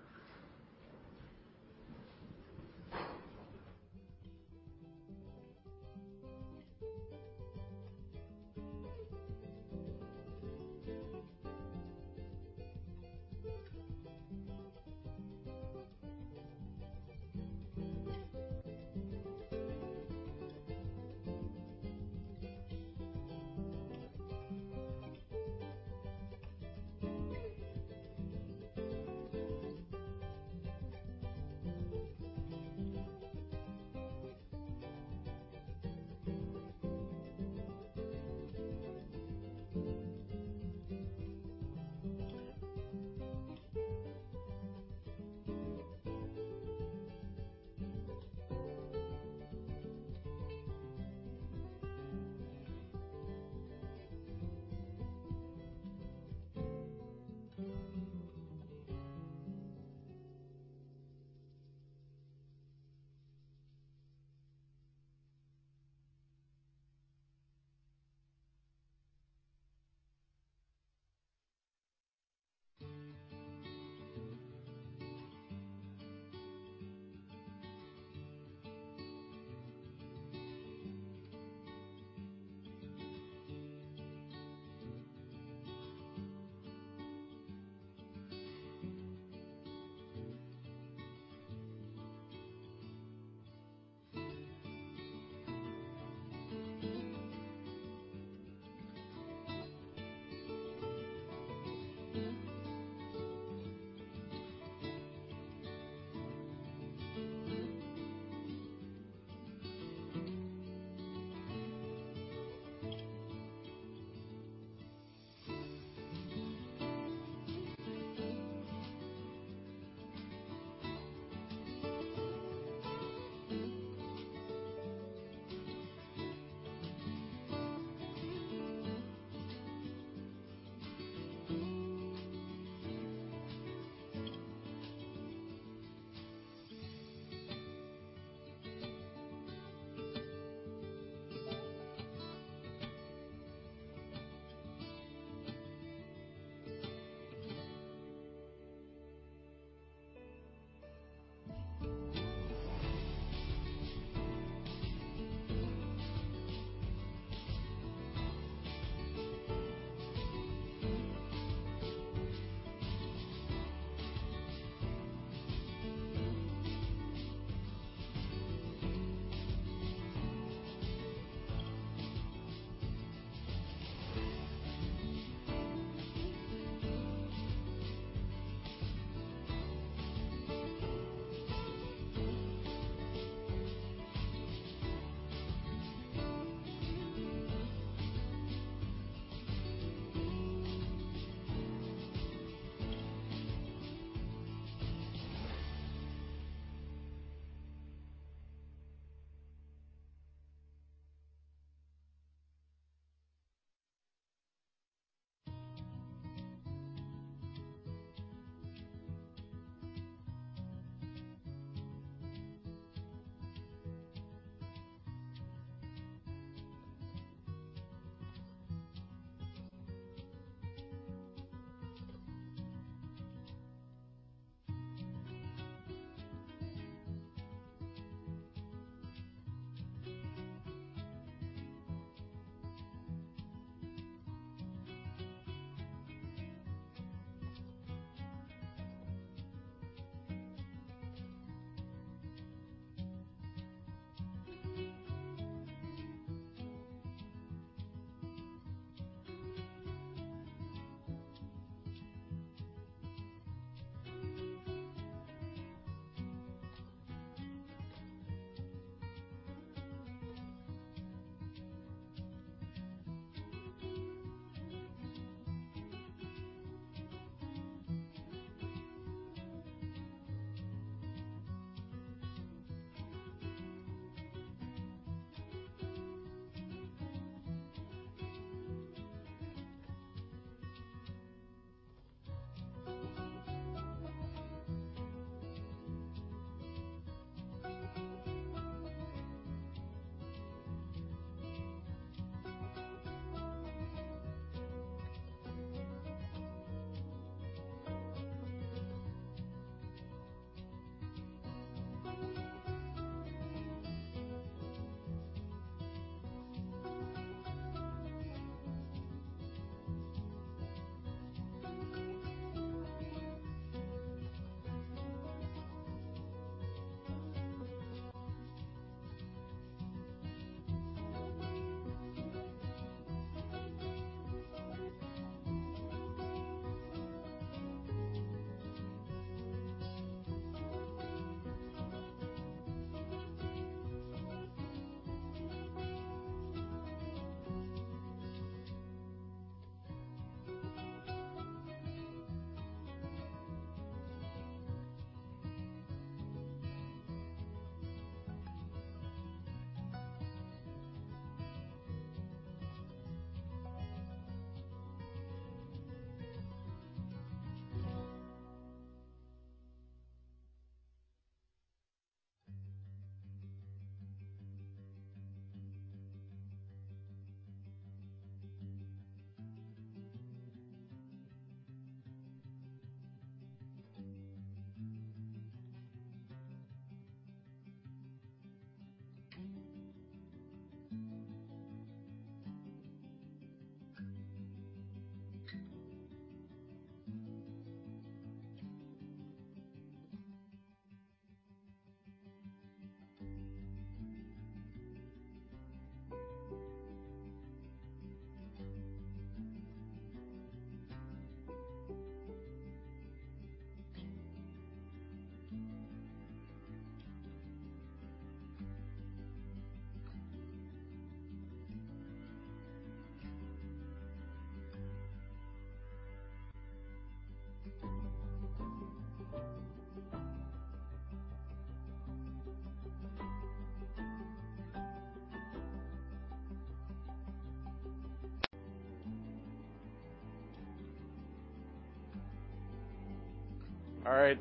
All right.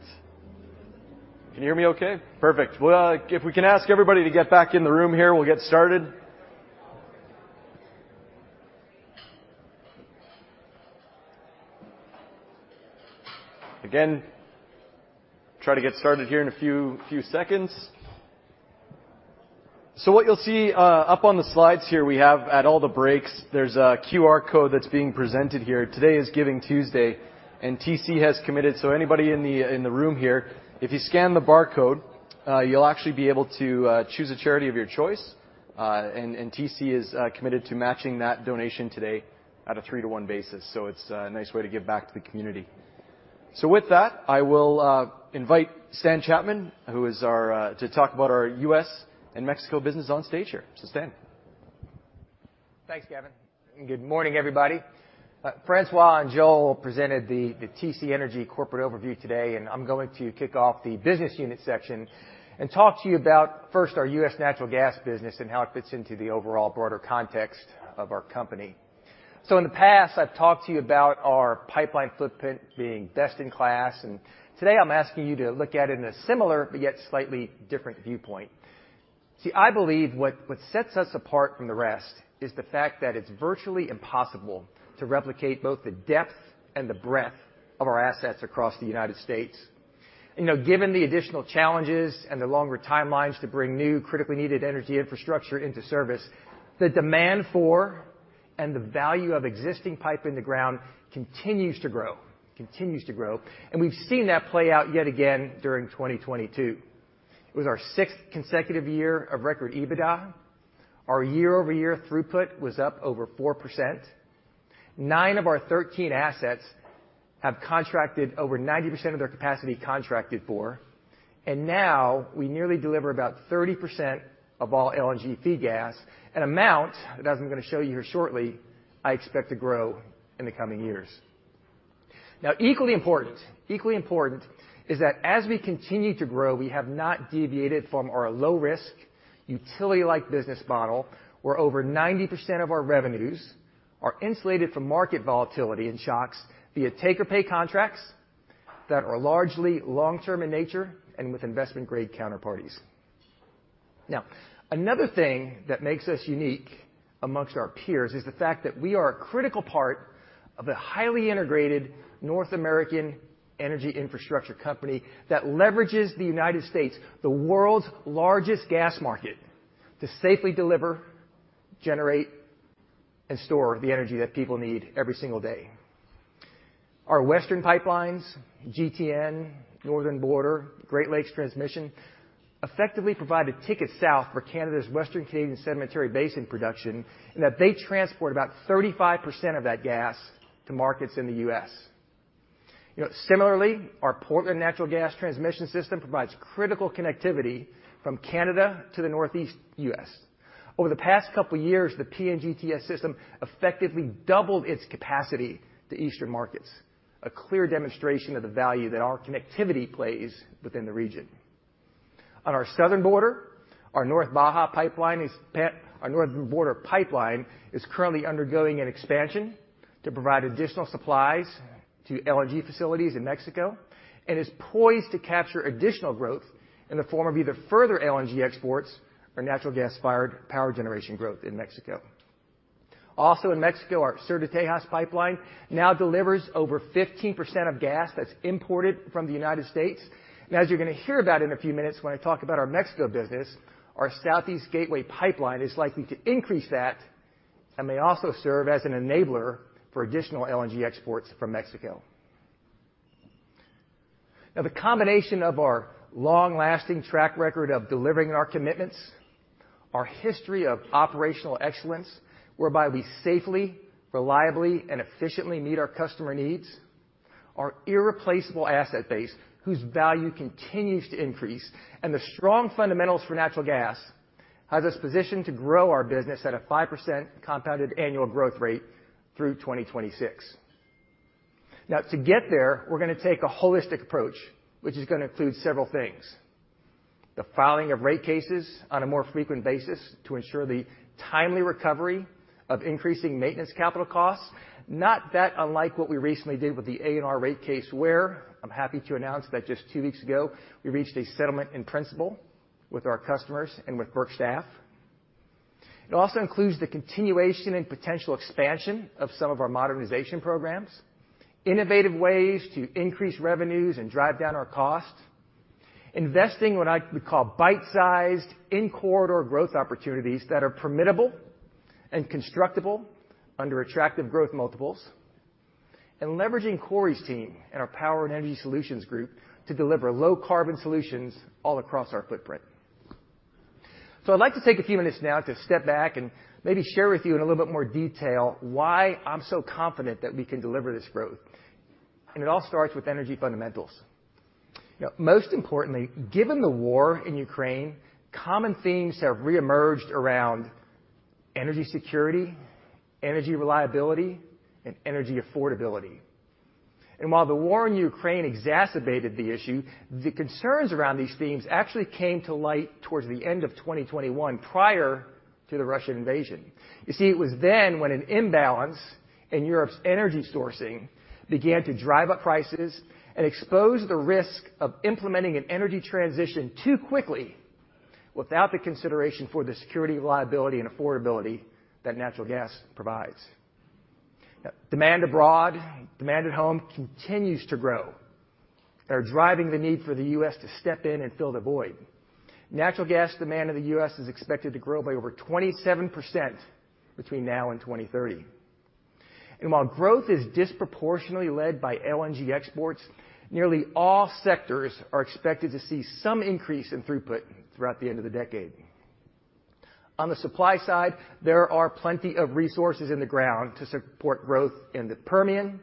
Can you hear me okay? Perfect. Well, if we can ask everybody to get back in the room here, we'll get started. Again, try to get started here in a few seconds. What you'll see up on the slides here, we have at all the breaks, there's a QR code that's being presented here. Today is Giving Tuesday, and TC has committed. Anybody in the room here, if you scan the barcode, you'll actually be able to choose a charity of your choice. And TC is committed to matching that donation today at a 3-to-1 basis. It's a nice way to give back to the community. With that, I will invite Stan Chapman, who is our to talk about our U.S. and Mexico business on stage here. Stan. Thanks, Gavin. Good morning, everybody. Francois and Joel presented the TC Energy corporate overview today, and I'm going to kick off the business unit section and talk to you about, first, our U.S. natural gas business and how it fits into the overall broader context of our company. In the past, I've talked to you about our pipeline footprint being best in class, and today I'm asking you to look at it in a similar but yet slightly different viewpoint. I believe what sets us apart from the rest is the fact that it's virtually impossible to replicate both the depth and the breadth of our assets across the United States. You know, given the additional challenges and the longer timelines to bring new critically needed energy infrastructure into service, the demand for and the value of existing pipe in the ground continues to grow. We've seen that play out yet again during 2022. It was our sixth consecutive year of record EBITDA. Our year-over-year throughput was up over 4%. Nine of our 13 assets have contracted over 90% of their capacity contracted for. Now we nearly deliver about 30% of all LNG feed gas, an amount that as I'm gonna show you here shortly, I expect to grow in the coming years. Equally important is that as we continue to grow, we have not deviated from our low risk, utility-like business model, where over 90% of our revenues are insulated from market volatility and shocks via take-or-pay contracts that are largely long-term in nature and with investment-grade counterparties. Another thing that makes us unique amongst our peers is the fact that we are a critical part of a highly integrated North American energy infrastructure company that leverages the United States, the world's largest gas market, to safely deliver, generate, and store the energy that people need every single day. Our Western pipelines, GTN, Northern Border, Great Lakes Transmission, effectively provide a ticket south for Canada's Western Canadian Sedimentary Basin production, and that they transport about 35% of that gas to markets in the U.S. You know, similarly, our Portland Natural Gas Transmission System provides critical connectivity from Canada to the Northeast U.S. Over the past couple years, the PNGTS system effectively doubled its capacity to eastern markets, a clear demonstration of the value that our connectivity plays within the region. On our southern border, our North Baja Pipeline, our Northern Border Pipeline is currently undergoing an expansion to provide additional supplies to LNG facilities in Mexico, and is poised to capture additional growth in the form of either further LNG exports or natural gas-fired power generation growth in Mexico. In Mexico, our Sur de Texas pipeline now delivers over 15% of gas that's imported from the United States. As you're gonna hear about in a few minutes when I talk about our Mexico business, our Southeast Gateway Pipeline is likely to increase that and may also serve as an enabler for additional LNG exports from Mexico. The combination of our long-lasting track record of delivering our commitments, our history of operational excellence, whereby we safely, reliably, and efficiently meet our customer needs, our irreplaceable asset base, whose value continues to increase, and the strong fundamentals for natural gas has us positioned to grow our business at a 5% compounded annual growth rate through 2026. To get there, we're gonna take a holistic approach, which is gonna include several things. The filing of rate cases on a more frequent basis to ensure the timely recovery of increasing maintenance capital costs, not that unlike what we recently did with the ANR rate case, where I'm happy to announce that just two weeks ago, we reached a settlement in principle with our customers and with FERC staff. It also includes the continuation and potential expansion of some of our modernization programs, innovative ways to increase revenues and drive down our costs, investing what I would call bite-sized in-corridor growth opportunities that are permittable and constructible under attractive growth multiples, and leveraging Corey's team and our Power and Energy Solutions group to deliver low-carbon solutions all across our footprint. I'd like to take a few minutes now to step back and maybe share with you in a little bit more detail why I'm so confident that we can deliver this growth. It all starts with energy fundamentals. You know, most importantly, given the war in Ukraine, common themes have reemerged around energy security, energy reliability, and energy affordability. While the war in Ukraine exacerbated the issue, the concerns around these themes actually came to light towards the end of 2021 prior to the Russian invasion. You see, it was then when an imbalance in Europe's energy sourcing began to drive up prices and expose the risk of implementing an energy transition too quickly without the consideration for the security, reliability, and affordability that natural gas provides. Demand abroad, demand at home continues to grow. They're driving the need for the U.S. to step in and fill the void. Natural gas demand in the U.S. is expected to grow by over 27% between now and 2030. While growth is disproportionately led by LNG exports, nearly all sectors are expected to see some increase in throughput throughout the end of the decade. On the supply side, there are plenty of resources in the ground to support growth in the Permian,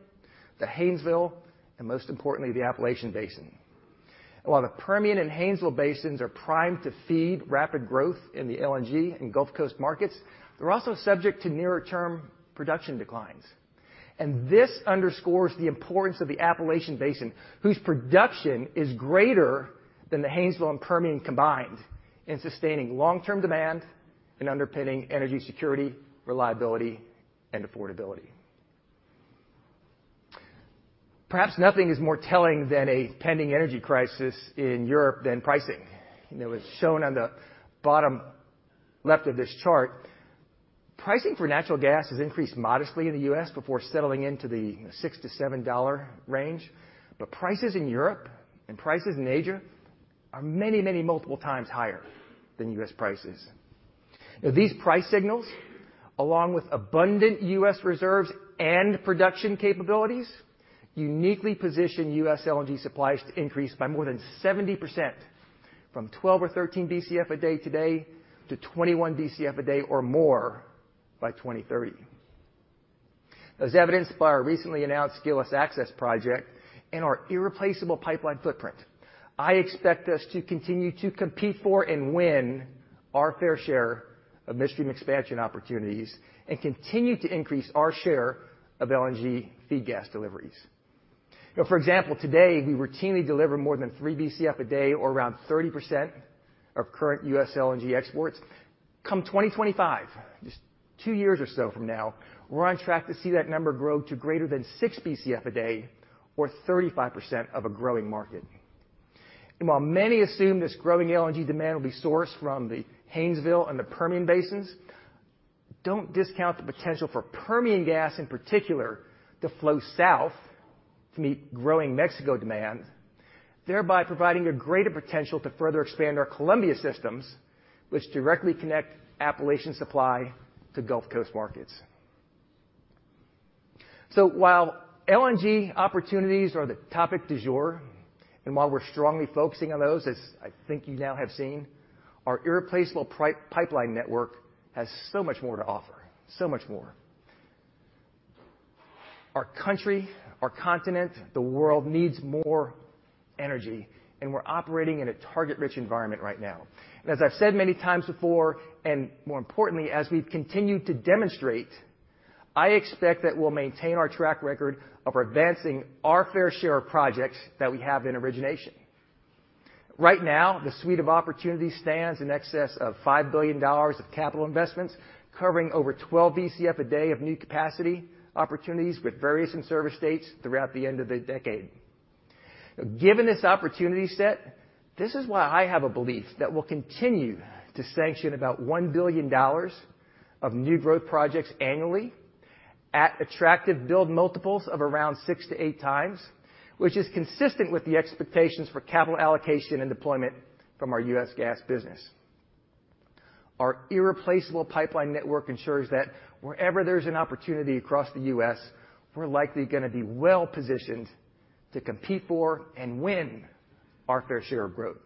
the Haynesville, and most importantly, the Appalachian Basin. While the Permian and Haynesville Basins are primed to feed rapid growth in the LNG and Gulf Coast markets, they're also subject to nearer-term production declines. This underscores the importance of the Appalachian Basin, whose production is greater than the Haynesville and Permian combined in sustaining long-term demand and underpinning energy security, reliability, and affordability. Perhaps nothing is more telling than a pending energy crisis in Europe than pricing. You know, as shown on the bottom left of this chart, pricing for natural gas has increased modestly in the U.S. before settling into the $6-$7 range. Prices in Europe and prices in Asia are many, many multiple times higher than U.S. prices. These price signals, along with abundant U.S. reserves and production capabilities, uniquely position U.S. LNG supplies to increase by more than 70% from 12 or 13 Bcf a day today to 21 Bcf a day or more by 2030. As evidenced by our recently announced Gillis Access Project and our irreplaceable pipeline footprint, I expect us to continue to compete for and win our fair share of midstream expansion opportunities and continue to increase our share of LNG feed gas deliveries. You know, for example, today, we routinely deliver more than 3 Bcf a day or around 30% of current U.S. LNG exports. Come 2025, just 2 years or so from now, we're on track to see that number grow to greater than 6 Bcf a day or 35% of a growing market. While many assume this growing LNG demand will be sourced from the Haynesville and the Permian Basins, don't discount the potential for Permian gas, in particular, to flow south to meet growing Mexico demand, thereby providing a greater potential to further expand our Columbia systems, which directly connect Appalachian supply to Gulf Coast markets. While LNG opportunities are the topic du jour. While we're strongly focusing on those, as I think you now have seen, our irreplaceable pipeline network has so much more to offer, so much more. Our country, our continent, the world needs more energy. We're operating in a target-rich environment right now. As I've said many times before, and more importantly, as we've continued to demonstrate, I expect that we'll maintain our track record of advancing our fair share of projects that we have in origination. Right now, the suite of opportunities stands in excess of $5 billion of capital investments covering over 12 Bcf a day of new capacity opportunities with various in-service dates throughout the end of the decade. Given this opportunity set, this is why I have a belief that we'll continue to sanction about $1 billion of new growth projects annually at attractive build multiples of around 6 to 8 times, which is consistent with the expectations for capital allocation and deployment from our U.S. gas business. Our irreplaceable pipeline network ensures that wherever there's an opportunity across the U.S., we're likely gonna be well-positioned to compete for and win our fair share of growth.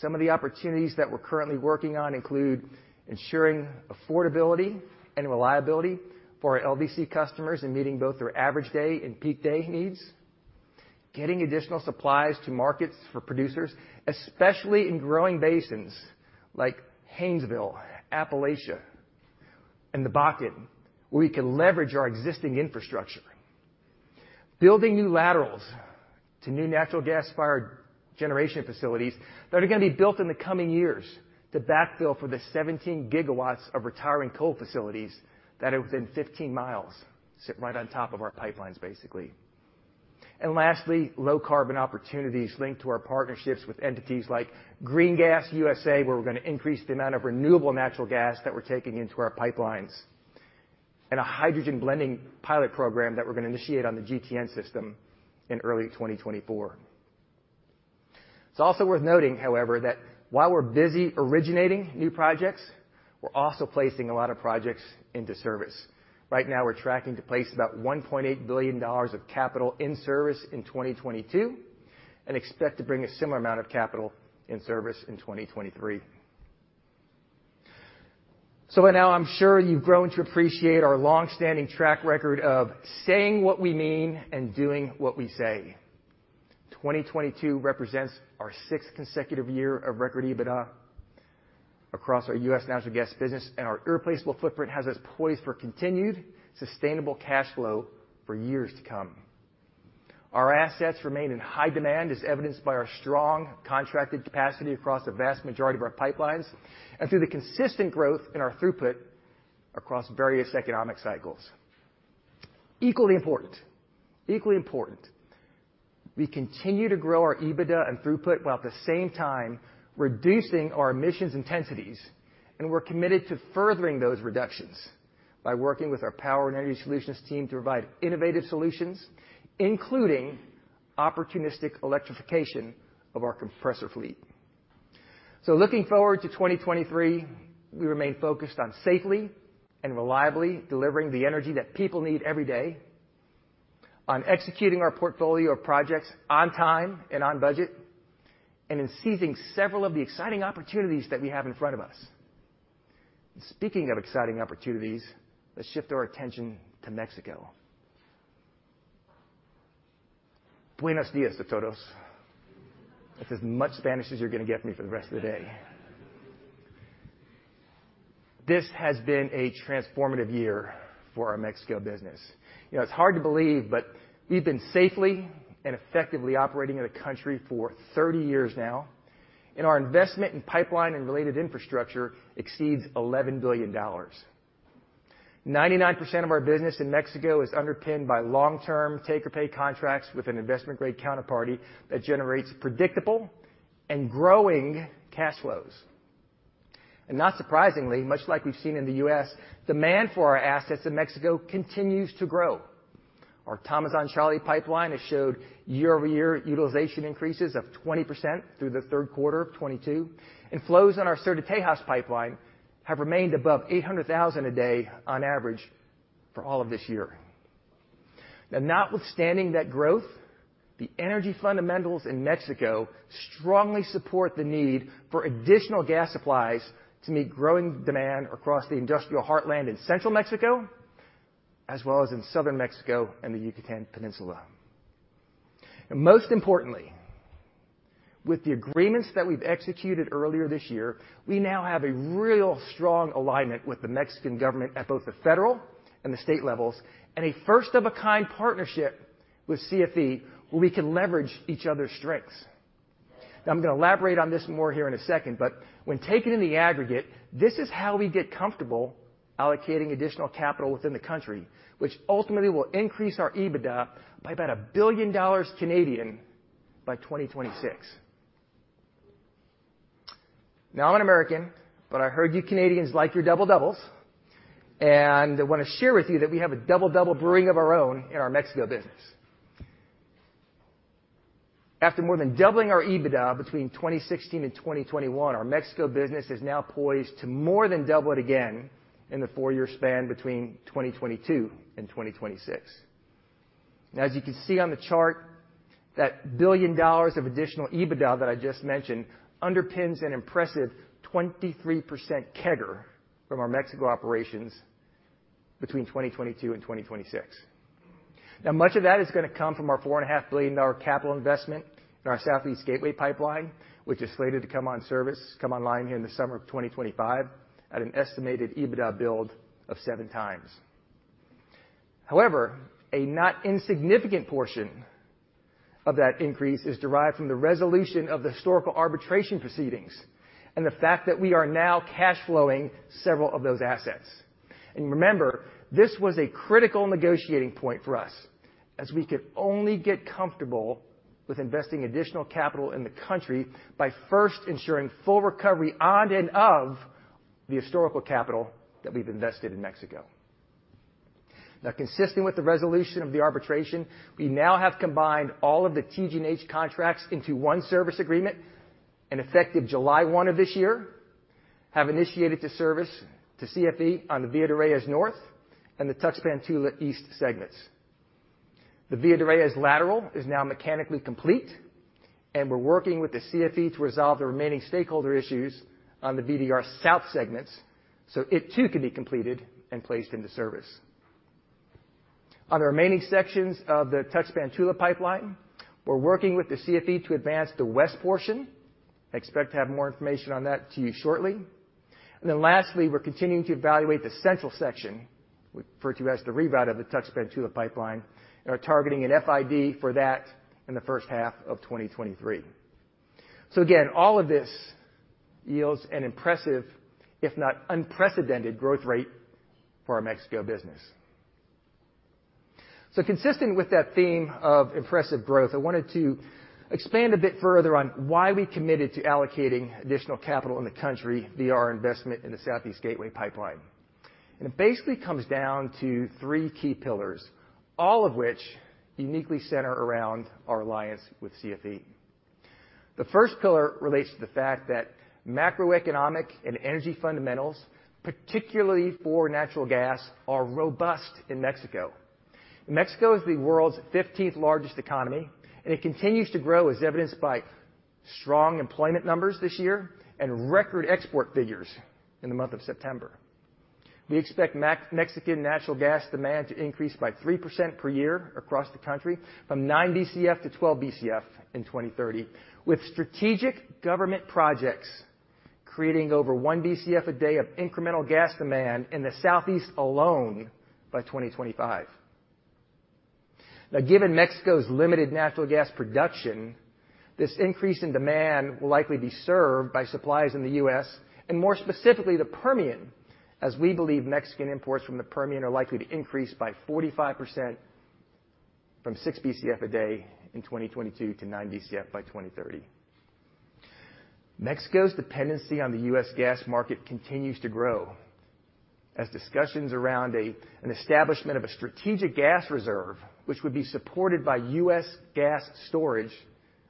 Some of the opportunities that we're currently working on include ensuring affordability and reliability for our LDC customers and meeting both their average day and peak day needs. Getting additional supplies to markets for producers, especially in growing basins like Haynesville, Appalachia, and the Bakken, where we can leverage our existing infrastructure. Building new laterals to new natural gas-fired generation facilities that are gonna be built in the coming years to backfill for the 17 GW of retiring coal facilities that are within 15 mi, sit right on top of our pipelines, basically. Lastly, low-carbon opportunities linked to our partnerships with entities like GreenGasUSA, where we're gonna increase the amount of renewable natural gas that we're taking into our pipelines. A hydrogen blending pilot program that we're gonna initiate on the GTN system in early 2024. It's also worth noting, however, that while we're busy originating new projects, we're also placing a lot of projects into service. Right now, we're tracking to place about $1.8 billion of capital in service in 2022 and expect to bring a similar amount of capital in service in 2023. By now I'm sure you've grown to appreciate our long-standing track record of saying what we mean and doing what we say. 2022 represents our sixth consecutive year of record EBITDA across our U.S. natural gas business, and our irreplaceable footprint has us poised for continued sustainable cash flow for years to come. Our assets remain in high demand, as evidenced by our strong contracted capacity across the vast majority of our pipelines and through the consistent growth in our throughput across various economic cycles. Equally important, we continue to grow our EBITDA and throughput while at the same time reducing our emissions intensities, and we're committed to furthering those reductions by working with our Power and Energy Solutions team to provide innovative solutions, including opportunistic electrification of our compressor fleet. Looking forward to 2023, we remain focused on safely and reliably delivering the energy that people need every day, on executing our portfolio of projects on time and on budget, and in seizing several of the exciting opportunities that we have in front of us. Speaking of exciting opportunities, let's shift our attention to Mexico. Buenos días a todos. That's as much Spanish as you're gonna get me for the rest of the day. This has been a transformative year for our Mexico business. You know, it's hard to believe, but we've been safely and effectively operating in the country for 30 years now, and our investment in pipeline and related infrastructure exceeds $11 billion. 99% of our business in Mexico is underpinned by long-term take-or-pay contracts with an investment-grade counterparty that generates predictable and growing cash flows. Not surprisingly, much like we've seen in the U.S., demand for our assets in Mexico continues to grow. Our Tamazunchale Pipeline has showed year-over-year utilization increases of 20% through the third quarter of 2022, and flows in our Sur de Texas Pipeline have remained above 800,000 a day on average for all of this year. Now notwithstanding that growth, the energy fundamentals in Mexico strongly support the need for additional gas supplies to meet growing demand across the industrial heartland in central Mexico, as well as in southern Mexico and the Yucatan Peninsula. Most importantly, with the agreements that we've executed earlier this year, we now have a real strong alignment with the Mexican government at both the federal and the state levels, and a first-of-a-kind partnership with CFE where we can leverage each other's strengths. I'm gonna elaborate on this more here in a second, but when taken in the aggregate, this is how we get comfortable allocating additional capital within the country, which ultimately will increase our EBITDA by about 1 billion dollars by 2026. I'm an American, but I heard you Canadians like your double doubles, and I wanna share with you that we have a double double brewing of our own in our Mexico business. After more than doubling our EBITDA between 2016 and 2021, our Mexico business is now poised to more than double it again. In the 4-year span between 2022 and 2026. As you can see on the chart, that 1 billion dollars of additional EBITDA that I just mentioned underpins an impressive 23% CAGR from our Mexico operations between 2022 and 2026. Much of that is gonna come from our four and a half billion dollar capital investment in our Southeast Gateway Pipeline, which is slated to come on service, come online here in the summer of 2025 at an estimated EBITDA build of 7x. However, a not insignificant portion of that increase is derived from the resolution of the historical arbitration proceedings and the fact that we are now cash flowing several of those assets. Remember, this was a critical negotiating point for us as we could only get comfortable with investing additional capital in the country by first ensuring full recovery on and of the historical capital that we've invested in Mexico. Consistent with the resolution of the arbitration, we now have combined all of the TGNH contracts into one service agreement, and effective July 1 of this year, have initiated the service to CFE on the Villa de Reyes North and the Tuxpan-Tula East segments. The Villa de Reyes lateral is now mechanically complete, and we're working with the CFE to resolve the remaining stakeholder issues on the Villa de Reyes South segments so it too can be completed and placed into service. On the remaining sections of the Tuxpan-Tula pipeline, we're working with the CFE to advance the west portion. Expect to have more information on that to you shortly. Lastly, we're continuing to evaluate the central section, we refer to as the revout of the Tuxpan-Tula pipeline, and are targeting an FID for that in the first half of 2023. Again, all of this yields an impressive, if not unprecedented, growth rate for our Mexico business. Consistent with that theme of impressive growth, I wanted to expand a bit further on why we committed to allocating additional capital in the country via our investment in the Southeast Gateway Pipeline. It basically comes down to three key pillars, all of which uniquely center around our alliance with CFE. The first pillar relates to the fact that macroeconomic and energy fundamentals, particularly for natural gas, are robust in Mexico. Mexico is the world's fifteenth-largest economy, and it continues to grow as evidenced by strong employment numbers this year and record export figures in the month of September. We expect Mexican natural gas demand to increase by 3% per year across the country from 9 Bcf to 12 Bcf in 2030, with strategic government projects creating over 1 Bcf a day of incremental gas demand in the southeast alone by 2025. Given Mexico's limited natural gas production, this increase in demand will likely be served by suppliers in the U.S., and more specifically, the Permian, as we believe Mexican imports from the Permian are likely to increase by 45% from 6 Bcf a day in 2022 to 9 Bcf by 2030. Mexico's dependency on the U.S. gas market continues to grow as discussions around an establishment of a strategic gas reserve, which would be supported by U.S. gas storage,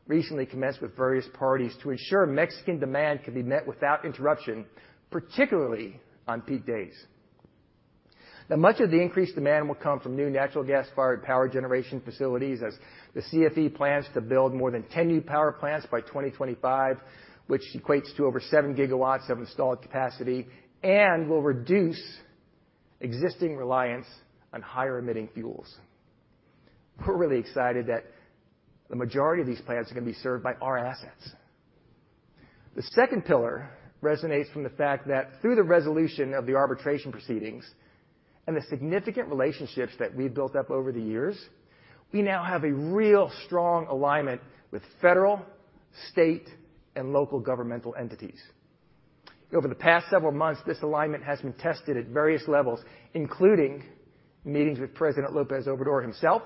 recently commenced with various parties to ensure Mexican demand could be met without interruption, particularly on peak days. Now much of the increased demand will come from new natural gas-fired power generation facilities as the CFE plans to build more than 10 new power plants by 2025, which equates to over 7 GW of installed capacity and will reduce existing reliance on higher-emitting fuels. We're really excited that the majority of these plants are gonna be served by our assets. The second pillar resonates from the fact that through the resolution of the arbitration proceedings and the significant relationships that we've built up over the years, we now have a real strong alignment with federal, state, and local governmental entities. Over the past several months, this alignment has been tested at various levels, including meetings with President López Obrador himself,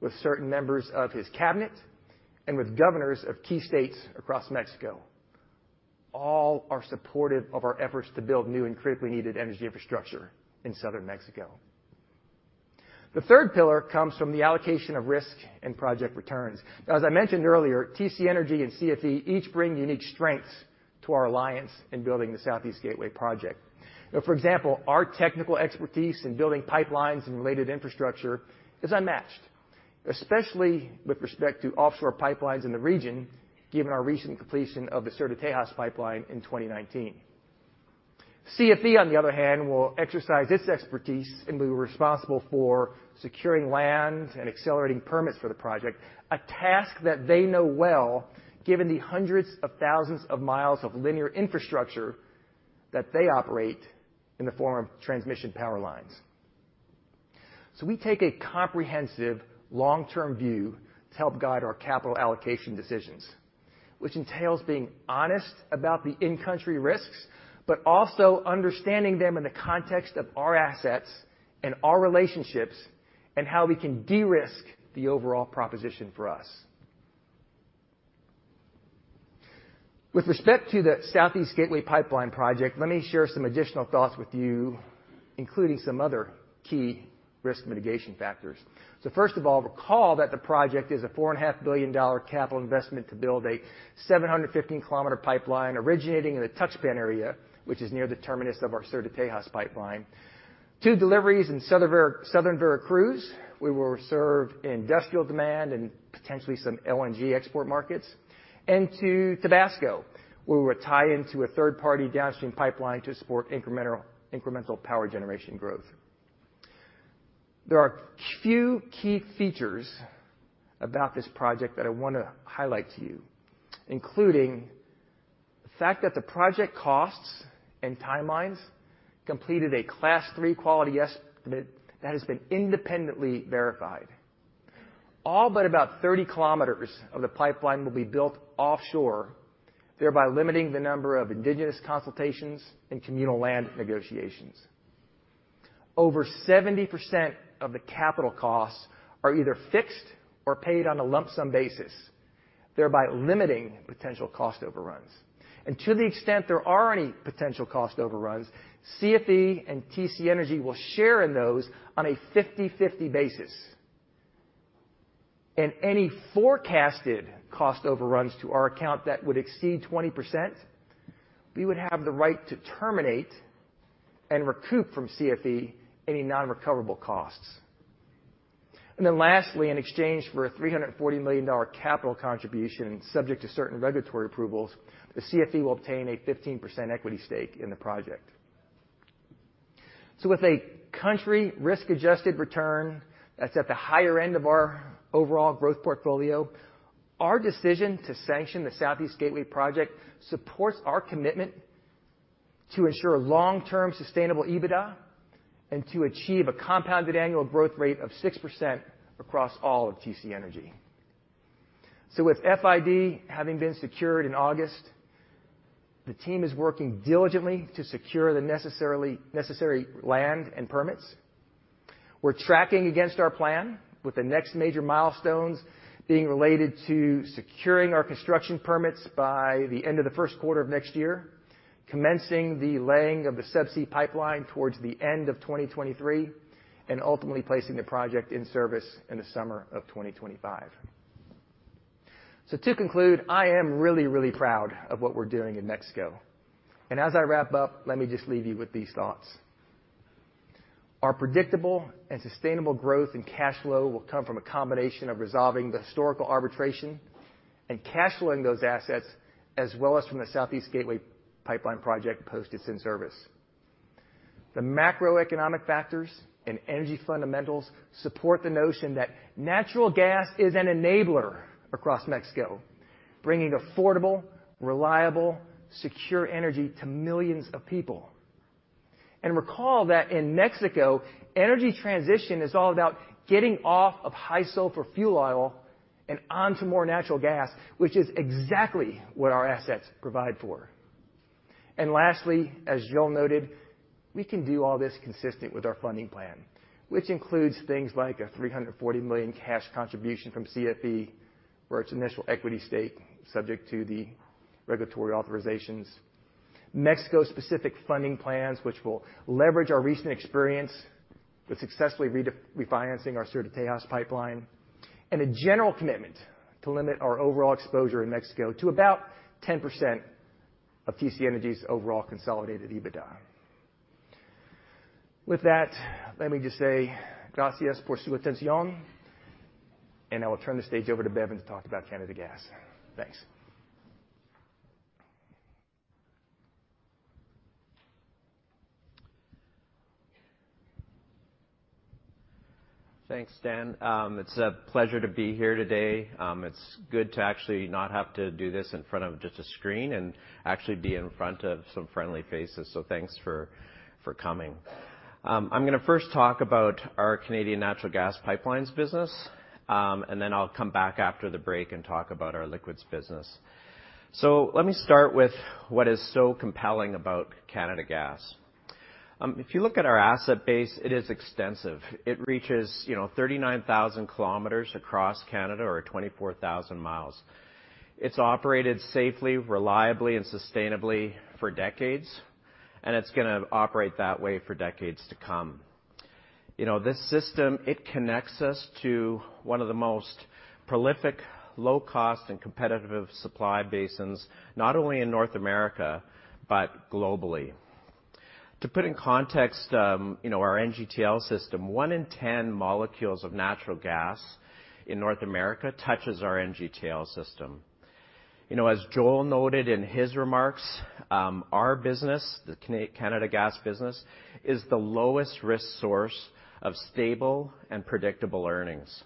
with certain members of his cabinet, and with governors of key states across Mexico. All are supportive of our efforts to build new and critically needed energy infrastructure in Southern Mexico. The third pillar comes from the allocation of risk and project returns. I mentioned earlier, TC Energy and CFE each bring unique strengths to our alliance in building the Southeast Gateway project. For example, our technical expertise in building pipelines and related infrastructure is unmatched, especially with respect to offshore pipelines in the region, given our recent completion of the Sur de Texas pipeline in 2019. CFE, on the other hand, will exercise its expertise and be responsible for securing lands and accelerating permits for the project, a task that they know well, given the hundreds of thousands of miles of linear infrastructure that they operate in the form of transmission power lines. We take a comprehensive long-term view to help guide our capital allocation decisions, which entails being honest about the in-country risks, but also understanding them in the context of our assets and our relationships and how we can de-risk the overall proposition for us. With respect to the Southeast Gateway Pipeline project, let me share some additional thoughts with you, including some other key risk mitigation factors. First of all, recall that the project is a $4.5 billion capital investment to build a 715-km pipeline originating in the Tuxpan area, which is near the terminus of our Sur de Texas-Tuxpan pipeline, to deliveries in Southern Veracruz, where we serve industrial demand and potentially some LNG export markets, and to Tabasco, where we're tied into a third-party downstream pipeline to support incremental power generation growth. There are a few key features about this project that I wanna highlight to you, including the fact that the project costs and timelines completed a Class 3 quality estimate that has been independently verified. All but about 30 km of the pipeline will be built offshore, thereby limiting the number of indigenous consultations and communal land negotiations. Over 70% of the capital costs are either fixed or paid on a lump sum basis, thereby limiting potential cost overruns. To the extent there are any potential cost overruns, CFE and TC Energy will share in those on a 50/50 basis. Any forecasted cost overruns to our account that would exceed 20%, we would have the right to terminate and recoup from CFE any non-recoverable costs. Lastly, in exchange for a $340 million capital contribution, subject to certain regulatory approvals, the CFE will obtain a 15% equity stake in the project. With a country risk-adjusted return that's at the higher end of our overall growth portfolio, our decision to sanction the Southeast Gateway project supports our commitment to ensure long-term sustainable EBITDA and to achieve a compounded annual growth rate of 6% across all of TC Energy. With FID having been secured in August, the team is working diligently to secure the necessary land and permits. We're tracking against our plan, with the next major milestones being related to securing our construction permits by the end of the first quarter of next year, commencing the laying of the subsea pipeline towards the end of 2023, and ultimately placing the project in service in the summer of 2025. To conclude, I am really, really proud of what we're doing in Mexico. As I wrap up, let me just leave you with these thoughts. Our predictable and sustainable growth and cash flow will come from a combination of resolving the historical arbitration and cash flowing those assets, as well as from the Southeast Gateway pipeline project post its in-service. The macroeconomic factors and energy fundamentals support the notion that natural gas is an enabler across Mexico, bringing affordable, reliable, secure energy to millions of people. Recall that in Mexico, energy transition is all about getting off of high sulfur fuel oil and onto more natural gas, which is exactly what our assets provide for. Lastly, as Joel noted, we can do all this consistent with our funding plan, which includes things like a $340 million cash contribution from CFE for its initial equity stake, subject to the regulatory authorizations. Mexico-specific funding plans, which will leverage our recent experience with successfully refinancing our Sur de Texas pipeline, and a general commitment to limit our overall exposure in Mexico to about 10% of TC Energy's overall consolidated EBITDA. With that, let me just say, gracias por su atención, and I will turn the stage over to Bevin to talk about Canada Gas. Thanks. Thanks, Stan. It's a pleasure to be here today. It's good to actually not have to do this in front of just a screen and actually be in front of some friendly faces. Thanks for coming. I'm gonna first talk about our Canadian natural gas pipelines business, and then I'll come back after the break and talk about our liquids business. Let me start with what is so compelling about Canada Gas. If you look at our asset base, it is extensive. It reaches, you know, 39,000 km across Canada or 24,000 mi. It's operated safely, reliably, and sustainably for decades, and it's gonna operate that way for decades to come. You know, this system, it connects us to one of the most prolific, low-cost, and competitive supply basins, not only in North America, but globally. To put in context, you know, our NGTL System, 1 in 10 molecules of natural gas in North America touches our NGTL System. You know, as Joel noted in his remarks, our business, the Canada Gas business, is the lowest risk source of stable and predictable earnings.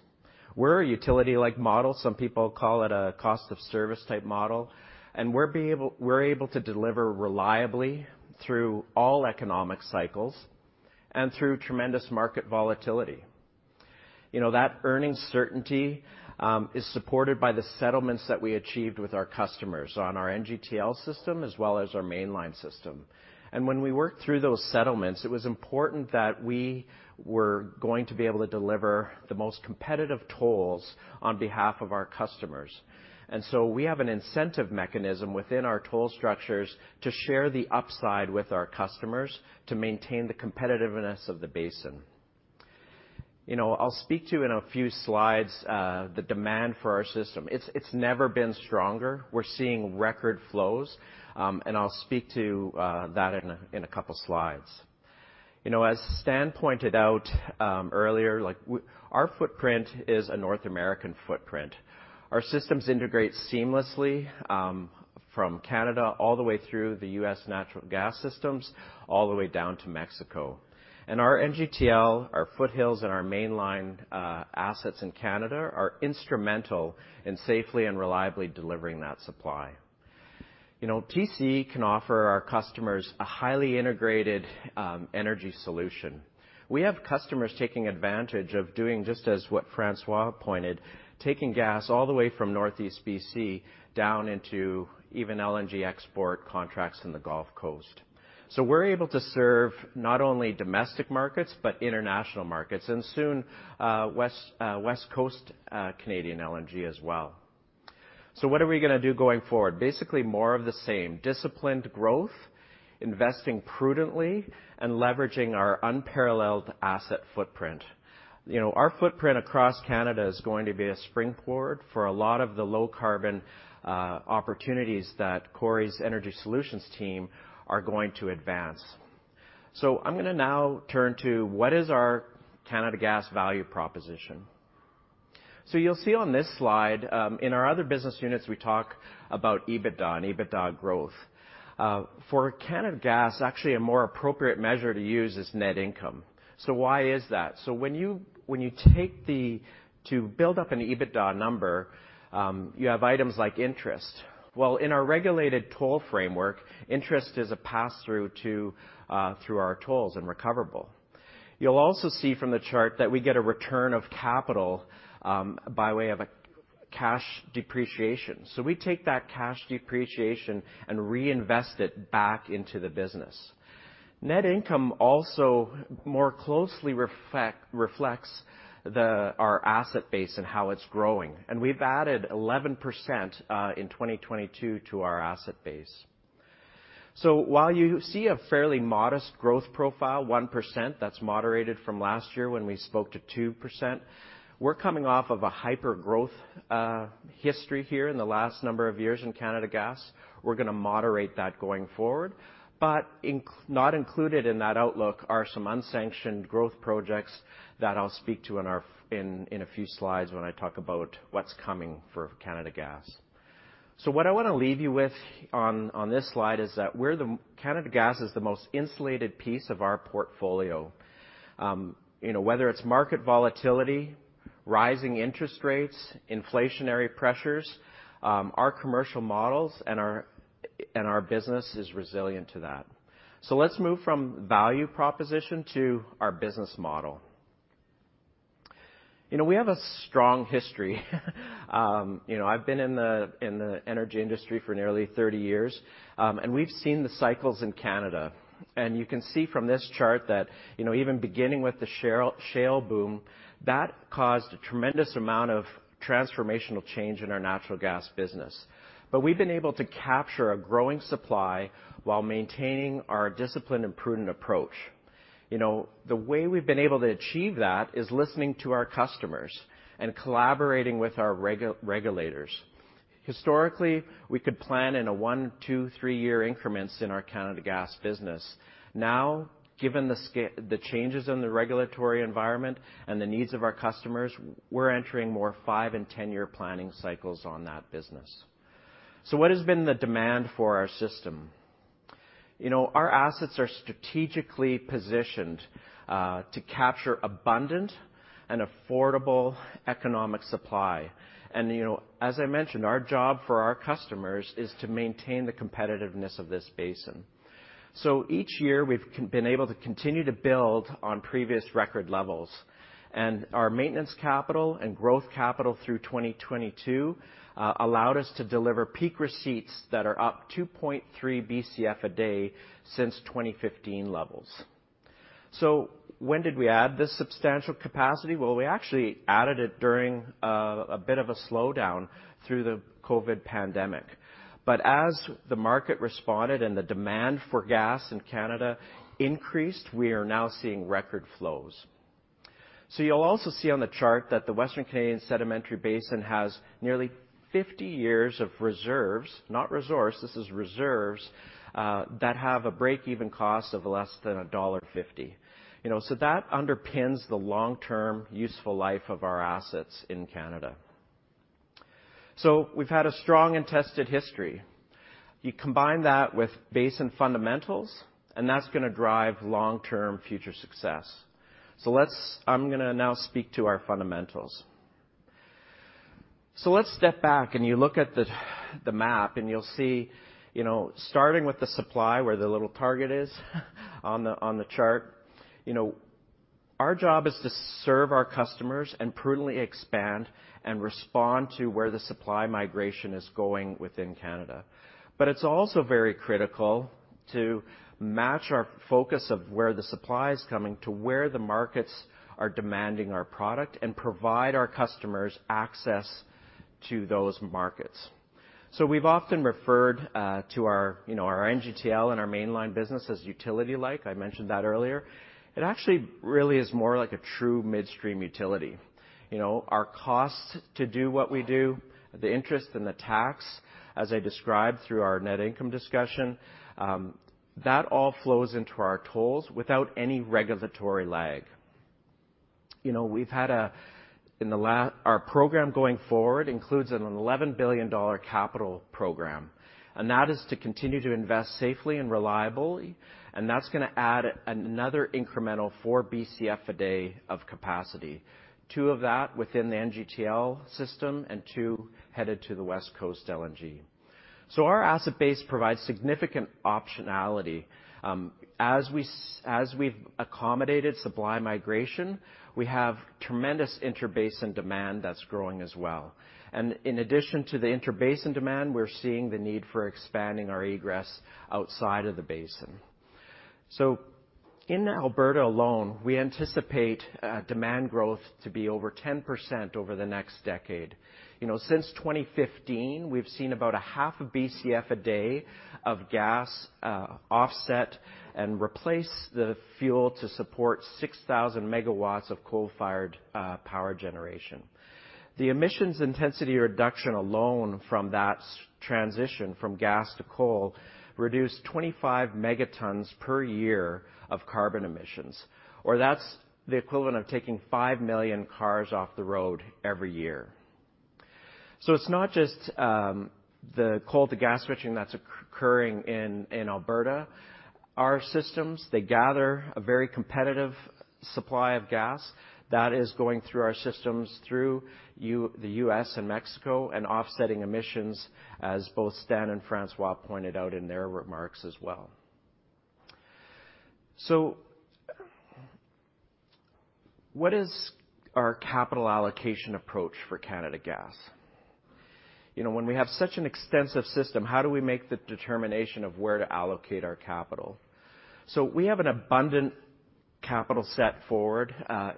We're a utility-like model. Some people call it a cost of service type model, and we're able to deliver reliably through all economic cycles and through tremendous market volatility. You know, that earnings certainty is supported by the settlements that we achieved with our customers on our NGTL System as well as our mainline system. When we worked through those settlements, it was important that we were going to be able to deliver the most competitive tolls on behalf of our customers. We have an incentive mechanism within our toll structures to share the upside with our customers to maintain the competitiveness of the basin. You know, I'll speak to in a few slides, the demand for our system. It's, it's never been stronger. We're seeing record flows, and I'll speak to that in a couple slides. You know, as Stan pointed out, earlier, like our footprint is a North American footprint. Our systems integrate seamlessly, from Canada all the way through the U.S. natural gas systems, all the way down to Mexico. Our NGTL, our foothills, and our mainline assets in Canada are instrumental in safely and reliably delivering that supply. You know, TCE can offer our customers a highly integrated energy solution. We have customers taking advantage of doing just as what Francois pointed, taking gas all the way from Northeast BC down into even LNG export contracts in the Gulf Coast. We're able to serve not only domestic markets, but international markets, and soon, West Coast Canadian LNG as well. What are we gonna do going forward? Basically, more of the same. Disciplined growth, investing prudently, and leveraging our unparalleled asset footprint. You know, our footprint across Canada is going to be a springboard for a lot of the low-carbon opportunities that Corey's Energy Solutions team are going to advance. I'm gonna now turn to what is our Canada Gas value proposition. You'll see on this slide, in our other business units we talk about EBITDA and EBITDA growth. For Canada Gas, actually a more appropriate measure to use is net income. Why is that? When you take to build up an EBITDA number, you have items like interest. Well, in our regulated toll framework, interest is a pass-through through our tolls and recoverable. You'll also see from the chart that we get a return of capital by way of a cash depreciation. We take that cash depreciation and reinvest it back into the business. Net income also more closely reflects our asset base and how it's growing. We've added 11% in 2022 to our asset base. While you see a fairly modest growth profile, 1%, that's moderated from last year when we spoke to 2%, we're coming off of a hyper-growth history here in the last number of years in Canada Gas. We're gonna moderate that going forward, but not included in that outlook are some unsanctioned growth projects that I'll speak to in our in a few slides when I talk about what's coming for Canada Gas. What I wanna leave you with on this slide is that we're the Canada Gas is the most insulated piece of our portfolio. You know, whether it's market volatility, rising interest rates, inflationary pressures, our commercial models and our business is resilient to that. Let's move from value proposition to our business model. You know, we have a strong history. You know, I've been in the, in the energy industry for nearly 30 years. We've seen the cycles in Canada. You can see from this chart that, you know, even beginning with the shale boom, that caused a tremendous amount of transformational change in our natural gas business. We've been able to capture a growing supply while maintaining our discipline and prudent approach. You know, the way we've been able to achieve that is listening to our customers and collaborating with our regulators. Historically, we could plan in a 1, 2, 3-year increments in our Canada Gas business. Now, given the changes in the regulatory environment and the needs of our customers, we're entering more 5- and 10-year planning cycles on that business. What has been the demand for our system? You know, our assets are strategically positioned to capture abundant and affordable economic supply. You know, as I mentioned, our job for our customers is to maintain the competitiveness of this basin. Each year, we've been able to continue to build on previous record levels, and our maintenance capital and growth capital through 2022 allowed us to deliver peak receipts that are up 2.3 Bcf a day since 2015 levels. When did we add this substantial capacity? Well, we actually added it during a bit of a slowdown through the COVID pandemic. As the market responded and the demand for gas in Canada increased, we are now seeing record flows. You'll also see on the chart that the Western Canadian Sedimentary Basin has nearly 50 years of reserves, not resource, this is reserves, that have a break-even cost of less than $1.50. You know, that underpins the long-term useful life of our assets in Canada. We've had a strong and tested history. You combine that with basin fundamentals, and that's gonna drive long-term future success. I'm gonna now speak to our fundamentals. Let's step back, and you look at the map, and you'll see, you know, starting with the supply where the little target is on the, on the chart. You know, our job is to serve our customers and prudently expand and respond to where the supply migration is going within Canada. It's also very critical-To match our focus of where the supply is coming to where the markets are demanding our product and provide our customers access to those markets. We've often referred, you know, to our NGTL and our mainline business as utility-like. I mentioned that earlier. It actually really is more like a true midstream utility. You know, our cost to do what we do, the interest and the tax, as I described through our net income discussion, that all flows into our tolls without any regulatory lag. You know, Our program going forward includes a 11 billion dollar capital program, and that is to continue to invest safely and reliably, and that's gonna add another incremental 4 Bcf a day of capacity. 2 of that within the NGTL system and 2 headed to the West Coast LNG. Our asset base provides significant optionality. As we've accommodated supply migration, we have tremendous inter-basin demand that's growing as well. In addition to the inter-basin demand, we're seeing the need for expanding our egress outside of the basin. In Alberta alone, we anticipate demand growth to be over 10% over the next decade. You know, since 2015, we've seen about 0.5 Bcf a day of gas offset and replace the fuel to support 6,000 megawatts of coal-fired power generation. The emissions intensity reduction alone from that transition from gas to coal reduced 25 megatons per year of carbon emissions, or that's the equivalent of taking 5 million cars off the road every year. It's not just the coal to gas switching that's occurring in Alberta. Our systems, they gather a very competitive supply of gas that is going through our systems through the U.S. and Mexico and offsetting emissions as both Stan and Francois pointed out in their remarks as well. What is our capital allocation approach for Canada Gas? You know, when we have such an extensive system, how do we make the determination of where to allocate our capital? We have an abundant capital set forward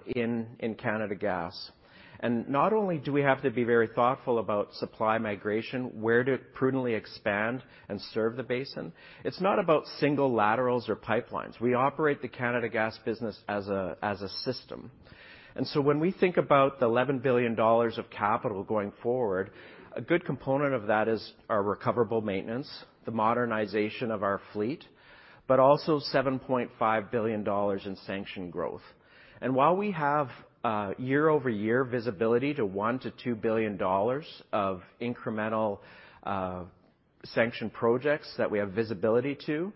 in Canada Gas. Not only do we have to be very thoughtful about supply migration, where to prudently expand and serve the basin, it's not about single laterals or pipelines. We operate the Canada Gas business as a system. When we think about the 11 billion dollars of capital going forward, a good component of that is our recoverable maintenance, the modernization of our fleet, but also 7.5 billion dollars in sanction growth. While we have year-over-year visibility to 1 billion-2 billion dollars of incremental sanction projects that we have visibility to,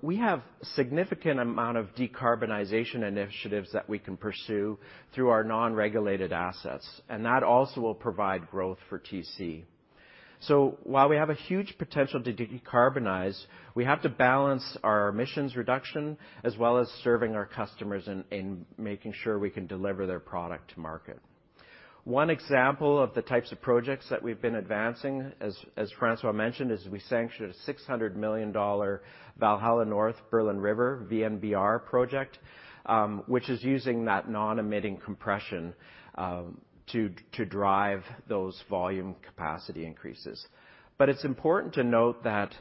we have significant amount of decarbonization initiatives that we can pursue through our non-regulated assets, and that also will provide growth for TC. While we have a huge potential to decarbonize, we have to balance our emissions reduction as well as serving our customers and making sure we can deliver their product to market. One example of the types of projects that we've been advancing, as Francois mentioned, is we sanctioned a $600 million Valhalla North, Berland River, V-LINE project, which is using that non-emitting compression to drive those volume capacity increases. It's important to note that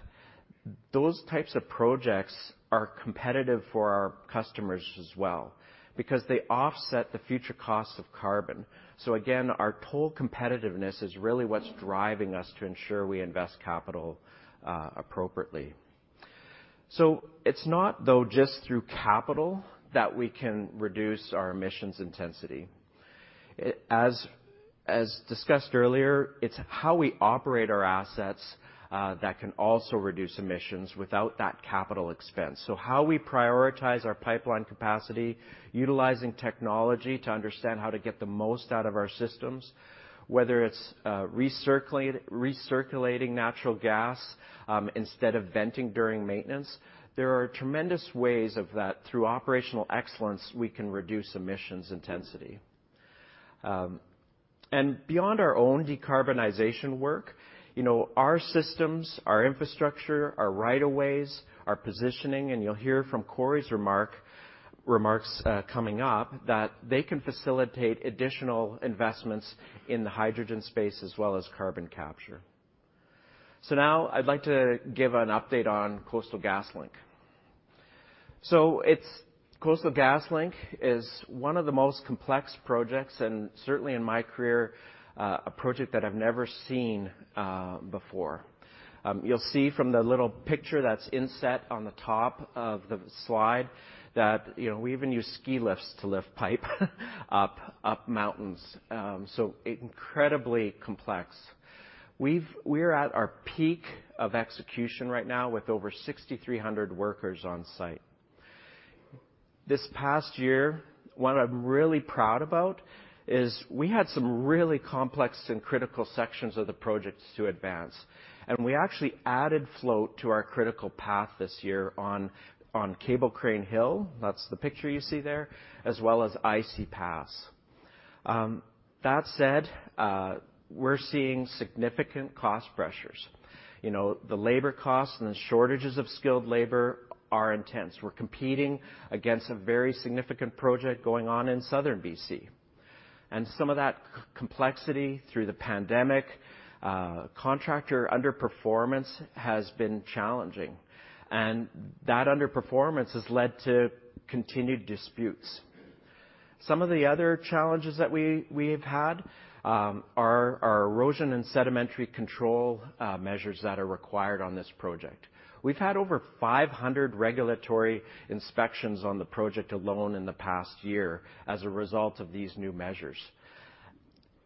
those types of projects are competitive for our customers as well because they offset the future costs of carbon. Again, our toll competitiveness is really what's driving us to ensure we invest capital appropriately. It's not though just through capital that we can reduce our emissions intensity. As discussed earlier, it's how we operate our assets that can also reduce emissions without that capital expense. How we prioritize our pipeline capacity, utilizing technology to understand how to get the most out of our systems, whether it's recirculating natural gas instead of venting during maintenance, there are tremendous ways of that through operational excellence, we can reduce emissions intensity. Beyond our own decarbonization work, you know, our systems, our infrastructure, our right of ways, our positioning, and you'll hear from Corey's remarks coming up, that they can facilitate additional investments in the hydrogen space as well as carbon capture. Now I'd like to give an update on Coastal GasLink. Coastal GasLink is one of the most complex projects, and certainly in my career, a project that I've never seen before. You'll see from the little picture that's inset on the top of the slide that, you know, we even use ski lifts to lift pipe up mountains. We're at our peak of execution right now with over 6,300 workers on site. This past year, what I'm really proud about is we had some really complex and critical sections of the projects to advance, and we actually added float to our critical path this year on Cable Crane Hill, that's the picture you see there, as well as Icy Pass. That said, we're seeing significant cost pressures. You know, the labor costs and the shortages of skilled labor are intense. We're competing against a very significant project going on in Southern BC. Some of that complexity through the pandemic, contractor underperformance has been challenging, and that underperformance has led to continued disputes. Some of the other challenges that we have had are erosion and sedimentary control measures that are required on this project. We've had over 500 regulatory inspections on the project alone in the past year as a result of these new measures.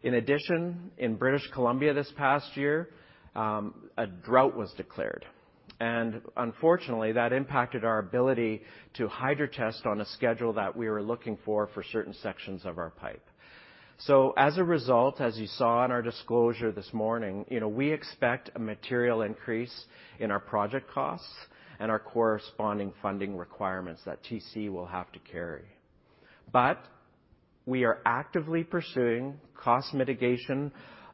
In addition, in British Columbia this past year, a drought was declared, and unfortunately, that impacted our ability to hydrotest on a schedule that we were looking for certain sections of our pipe. As a result, as you saw in our disclosure this morning, you know, we expect a material increase in our project costs and our corresponding funding requirements that TC will have to carry. We are actively pursuing cost mitigation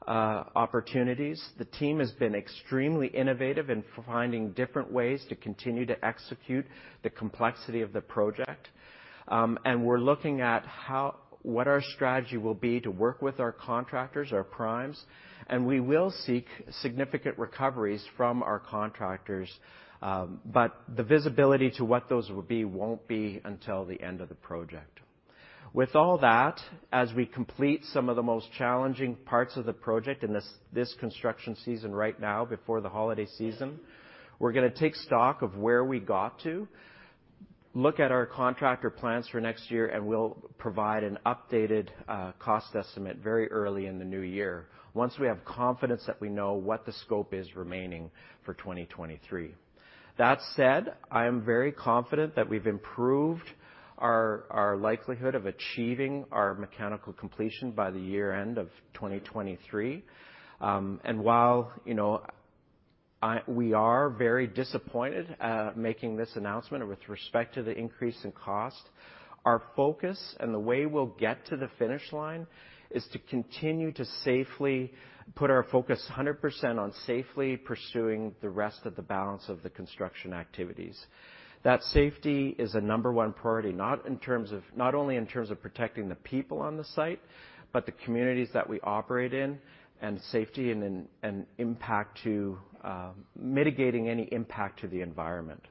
opportunities. The team has been extremely innovative in finding different ways to continue to execute the complexity of the project. We're looking at what our strategy will be to work with our contractors, our primes, and we will seek significant recoveries from our contractors. The visibility to what those will be won't be until the end of the project. With all that, as we complete some of the most challenging parts of the project in this construction season right now before the holiday season, we're gonna take stock of where we got to, look at our contractor plans for next year, and we'll provide an updated, cost estimate very early in the new year once we have confidence that we know what the scope is remaining for 2023. That said, I am very confident that we've improved our likelihood of achieving our mechanical completion by the year-end of 2023. And while, you know, we are very disappointed at making this announcement with respect to the increase in cost, our focus and the way we'll get to the finish line is to continue to safely put our focus 100% on safely pursuing the rest of the balance of the construction activities. That safety is a number one priority, not only in terms of protecting the people on the site, but the communities that we operate in and safety and impact to mitigating any impact to the environment.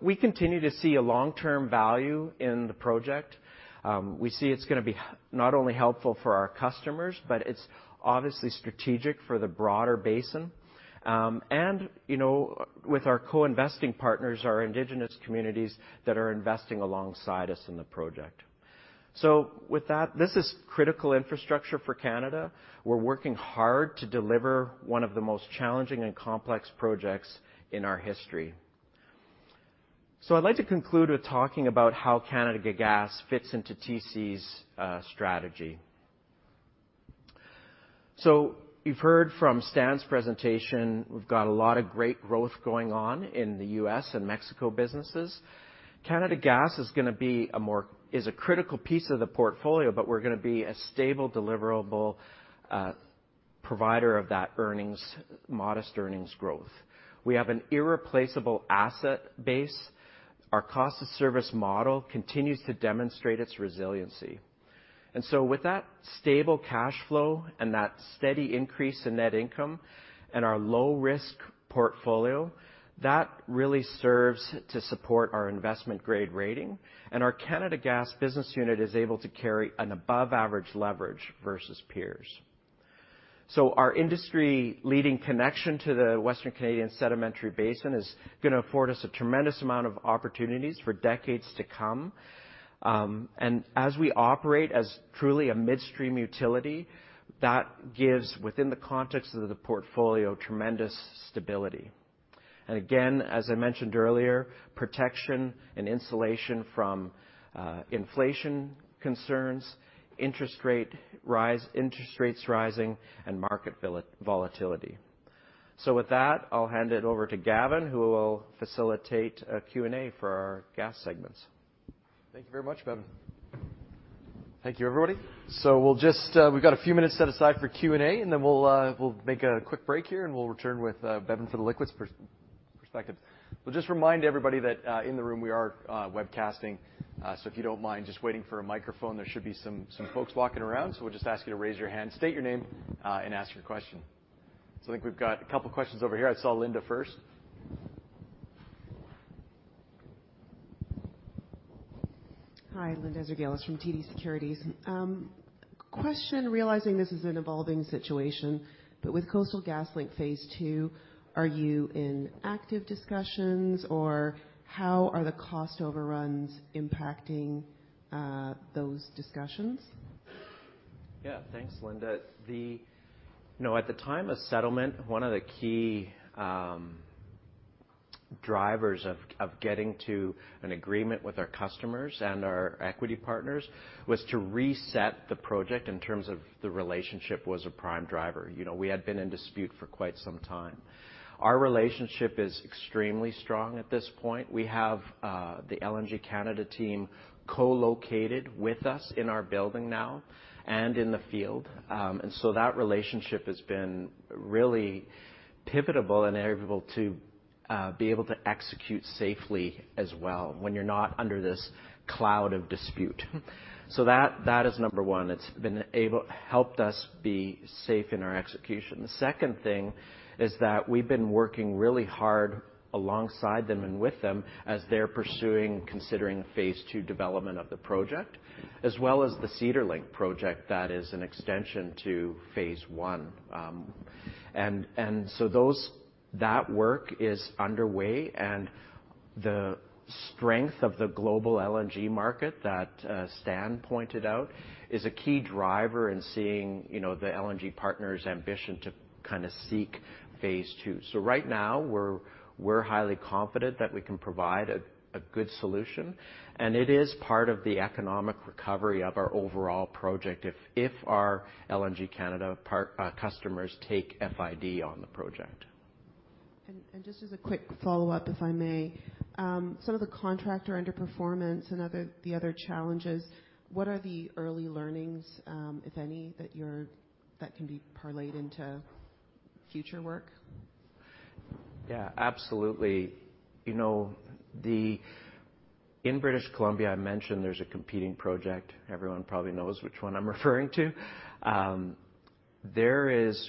We continue to see a long-term value in the project. We see it's gonna be not only helpful for our customers, but it's obviously strategic for the broader basin. You know, with our co-investing partners, our indigenous communities that are investing alongside us in the project. With that, this is critical infrastructure for Canada. We're working hard to deliver one of the most challenging and complex projects in our history. I'd like to conclude with talking about how Canada Gas fits into TC's strategy. You've heard from Stan's presentation, we've got a lot of great growth going on in the U.S. and Mexico businesses. Canada Gas is gonna be a critical piece of the portfolio, we're gonna be a stable deliverable provider of that earnings, modest earnings growth. We have an irreplaceable asset base. Our cost of service model continues to demonstrate its resiliency. With that stable cash flow and that steady increase in net income and our low-risk portfolio, that really serves to support our investment grade rating. Our Canada Gas business unit is able to carry an above average leverage versus peers. Our industry-leading connection to the Western Canadian Sedimentary Basin is gonna afford us a tremendous amount of opportunities for decades to come. As we operate as truly a midstream utility, that gives, within the context of the portfolio, tremendous stability. Again, as I mentioned earlier, protection and insulation from inflation concerns, interest rates rising, and market volatility. With that, I'll hand it over to Gavin, who will facilitate a Q&A for our gas segments. Thank you very much, Bevin. Thank you, everybody. We'll just, we've got a few minutes set aside for Q&A, and then we'll make a quick break here, and we'll return with Bevin for the liquids perspective. We'll just remind everybody that in the room, we are webcasting. If you don't mind just waiting for a microphone, there should be some folks walking around. We'll just ask you to raise your hand, state your name, and ask your question. I think we've got a couple questions over here. I saw Linda first. Hi, Linda Ezergailis from TD Securities. question, realizing this is an evolving situation, but with Coastal GasLink Phase II, are you in active discussions, or how are the cost overruns impacting those discussions? Yeah. Thanks, Linda. You know, at the time of settlement, one of the key. Drivers of getting to an agreement with our customers and our equity partners was to reset the project in terms of the relationship was a prime driver. You know, we had been in dispute for quite some time. Our relationship is extremely strong at this point. We have the LNG Canada team co-located with us in our building now, and in the field. That relationship has been really pivotable and able to be able to execute safely as well when you're not under this cloud of dispute. That, that is number one. Helped us be safe in our execution. The second thing is that we've been working really hard alongside them and with them as they're pursuing considering Phase II development of the project, as well as the Cedar Link project that is an extension to Phase I. That work is underway, the strength of the global LNG market that Stan pointed out is a key driver in seeing, you know, the LNG partners' ambition to kind of seek Phase II. Right now, we're highly confident that we can provide a good solution, and it is part of the economic recovery of our overall project if our LNG Canada customers take FID on the project. Just as a quick follow-up, if I may. Some of the contractor underperformance and the other challenges, what are the early learnings, if any, that can be parlayed into future work? Yeah, absolutely. You know, in British Columbia, I mentioned there's a competing project. Everyone probably knows which one I'm referring to.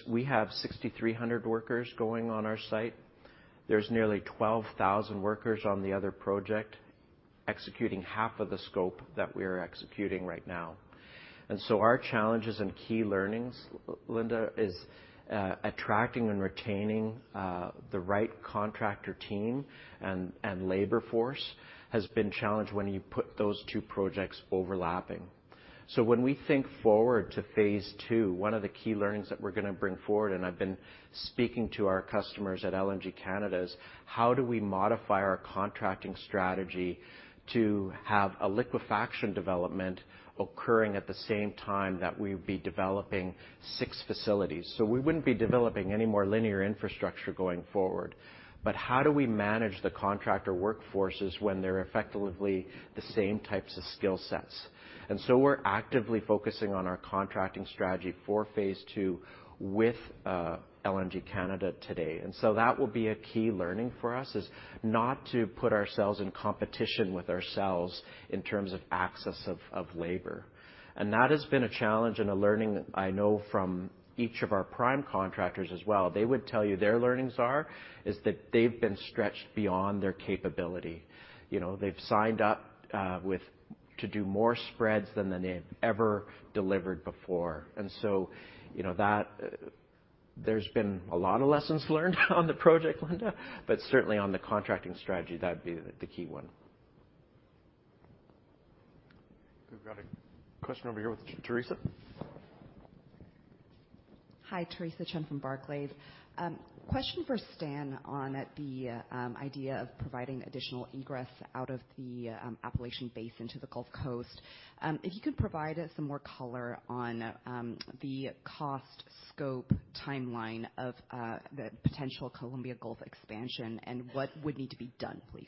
We have 6,300 workers going on our site. There's nearly 12,000 workers on the other project, executing half of the scope that we're executing right now. Our challenges and key learnings, Linda, is attracting and retaining the right contractor team and labor force has been challenged when you put those two projects overlapping. When we think forward to Phase II, one of the key learnings that we're gonna bring forward, and I've been speaking to our customers at LNG Canada, is how do we modify our contracting strategy to have a liquefaction development occurring at the same time that we'd be developing 6 facilities? We wouldn't be developing any more linear infrastructure going forward. How do we manage the contractor workforces when they're effectively the same types of skill sets? We're actively focusing on our contracting strategy for Phase II with LNG Canada today. That will be a key learning for us, is not to put ourselves in competition with ourselves in terms of access of labor. That has been a challenge and a learning I know from each of our prime contractors as well. They would tell you their learnings are, is that they've been stretched beyond their capability. You know, they've signed up to do more spreads than they've ever delivered before. You know, there's been a lot of lessons learned on the project, Linda. Certainly on the contracting strategy, that'd be the key one. We've got a question over here with Theresa. Hi, Theresa Chen from Barclays. Question for Stan on the idea of providing additional ingress out of the Appalachian Basin to the Gulf Coast? If you could provide us some more color on the cost, scope, timeline of the potential Columbia Gulf expansion and what would need to be done, please?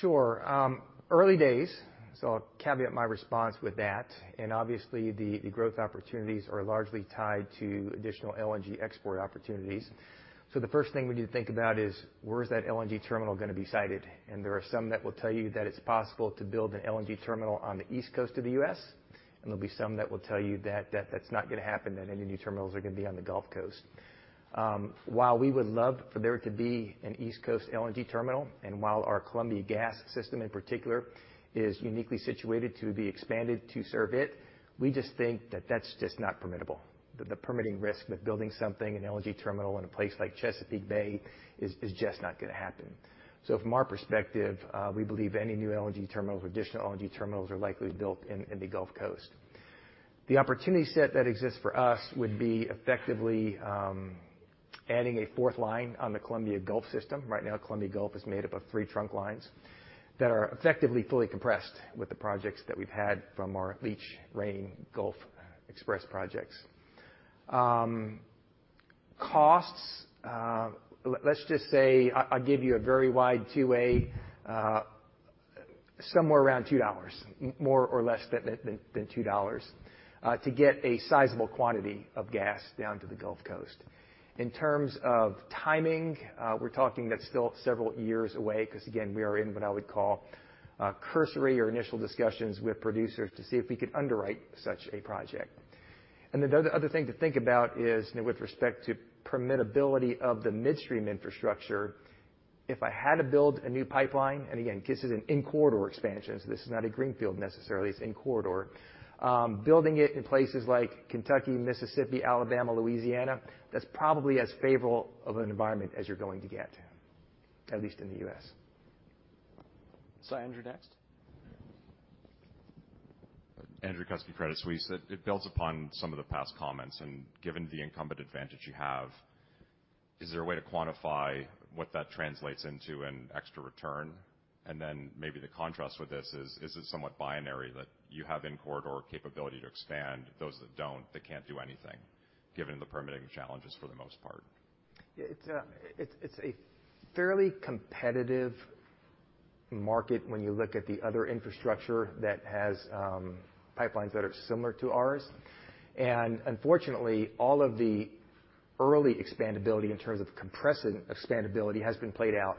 Sure. Early days, I'll caveat my response with that. Obviously the growth opportunities are largely tied to additional LNG export opportunities. The first thing we need to think about is where is that LNG terminal gonna be sited? There are some that will tell you that it's possible to build an LNG terminal on the East Coast of the U.S., and there'll be some that will tell you that that's not gonna happen, that any new terminals are gonna be on the Gulf Coast. While we would love for there to be an East Coast LNG terminal, and while our Columbia Gas system in particular is uniquely situated to be expanded to serve it, we just think that that's just not permittable. The permitting risk of building something, an LNG terminal in a place like Chesapeake Bay is just not gonna happen. From our perspective, we believe any new LNG terminal or additional LNG terminals are likely built in the Gulf Coast. The opportunity set that exists for us would be effectively adding a fourth line on the Columbia Gulf system. Right now, Columbia Gulf is made up of three trunk lines that are effectively fully compressed with the projects that we've had from our Leach XPress, Rayne XPress, Gulf Xpress projects. Costs, let's just say I'll give you a very wide 2 A, somewhere around $2, more or less than $2, to get a sizable quantity of gas down to the Gulf Coast. In terms of timing, we're talking that's still several years away, 'cause again, we are in what I would call, cursory or initial discussions with producers to see if we could underwrite such a project. The other thing to think about is, you know, with respect to permittability of the midstream infrastructure, if I had to build a new pipeline, and again, this is an in-corridor expansion, so this is not a greenfield necessarily, it's in-corridor. Building it in places like Kentucky, Mississippi, Alabama, Louisiana, that's probably as favorable of an environment as you're going to get, at least in the U.S. Sir Andrew, you're next. Given the incumbent advantage you have, is there a way to quantify what that translates into in extra return? Then maybe the contrast with this is it somewhat binary that you have in corridor capability to expand those that don't, they can't do anything given the permitting challenges for the most part? Yeah, it's a fairly competitive market when you look at the other infrastructure that has pipelines that are similar to ours. Unfortunately, all of the early expandability in terms of compressing expandability has been played out.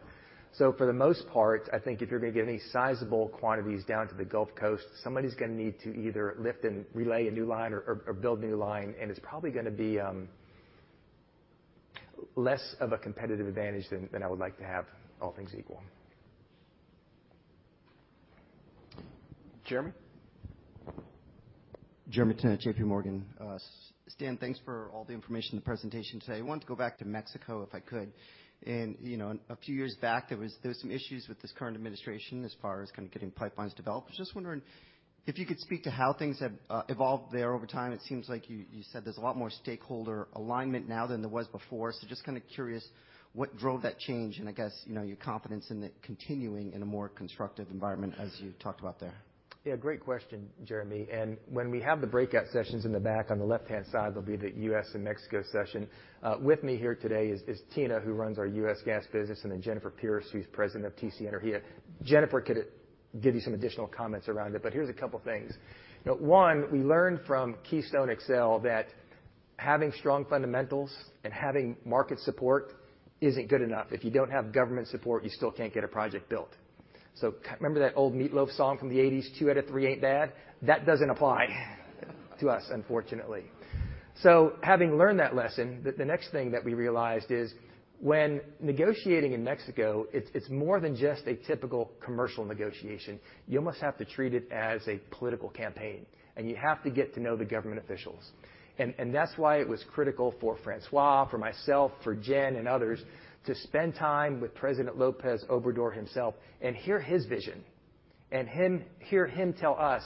For the most part, I think if you're gonna get any sizable quantities down to the Gulf Coast, somebody's gonna need to either lift and relay a new line or build a new line. It's probably gonna be less of a competitive advantage than I would like to have all things equal. Jeremy. Jeremy Tonet, J.P. Morgan. Stan, thanks for all the information in the presentation today. I wanted to go back to Mexico, if I could. You know, a few years back, there was some issues with this current administration as far as kind of getting pipelines developed. Just wondering if you could speak to how things have evolved there over time. It seems like you said there's a lot more stakeholder alignment now than there was before. Just kind of curious what drove that change, and I guess, you know, your confidence in it continuing in a more constructive environment as you talked about there. Yeah, great question, Jeremy. When we have the breakout sessions in the back, on the left-hand side, there'll be the U.S. and Mexico session. With me here today is Tina, who runs our U.S. gas business, and then Jennifer Pierce, who's president of TC Energía. Jennifer could give you some additional comments around it, but here's a couple things. You know, one, we learned from Keystone XL that having strong fundamentals and having market support isn't good enough. If you don't have government support, you still can't get a project built. Remember that old Meatloaf song from the 80s, "Two out of three ain't bad?" That doesn't apply to us, unfortunately. Having learned that lesson, the next thing that we realized is when negotiating in Mexico, it's more than just a typical commercial negotiation. You almost have to treat it as a political campaign, you have to get to know the government officials. That's why it was critical for Francois, for myself, for Jen, and others to spend time with President López Obrador himself and hear his vision, and hear him tell us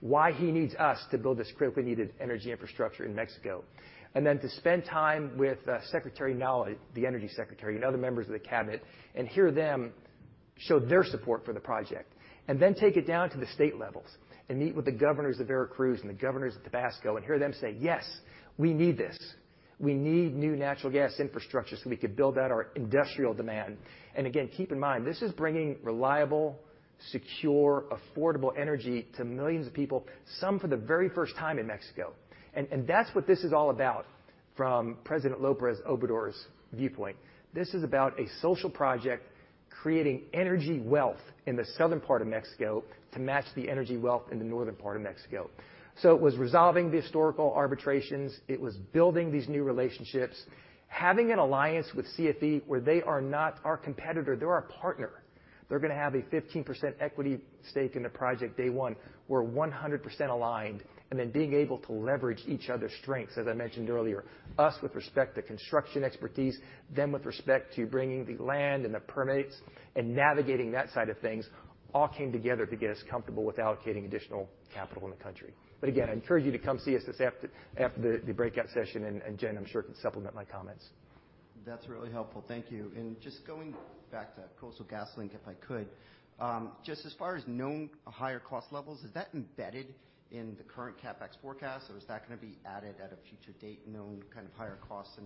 why he needs us to build this critically needed energy infrastructure in Mexico. To spend time with Secretary Nahle, the Energy Secretary, and other members of the cabinet, and hear them show their support for the project. Take it down to the state levels and meet with the governors of Veracruz and the governors of Tabasco and hear them say, "Yes, we need this. We need new natural gas infrastructure so we can build out our industrial demand. Again, keep in mind, this is bringing reliable, secure, affordable energy to millions of people, some for the very first time in Mexico. That's what this is all about from President López Obrador's viewpoint. This is about a social project creating energy wealth in the southern part of Mexico to match the energy wealth in the northern part of Mexico. It was resolving the historical arbitrations. It was building these new relationships, having an alliance with CFE, where they are not our competitor, they're our partner. They're gonna have a 15% equity stake in the project day 1. We're 100% aligned, being able to leverage each other's strengths, as I mentioned earlier. Us with respect to construction expertise, them with respect to bringing the land and the permits and navigating that side of things, all came together to get us comfortable with allocating additional capital in the country. Again, I encourage you to come see us this after the breakout session, and Jen, I'm sure, can supplement my comments. That's really helpful. Thank you. Just going back to Coastal GasLink, if I could. Just as far as known higher cost levels, is that embedded in the current CapEx forecast, or is that gonna be added at a future date, known kind of higher costs?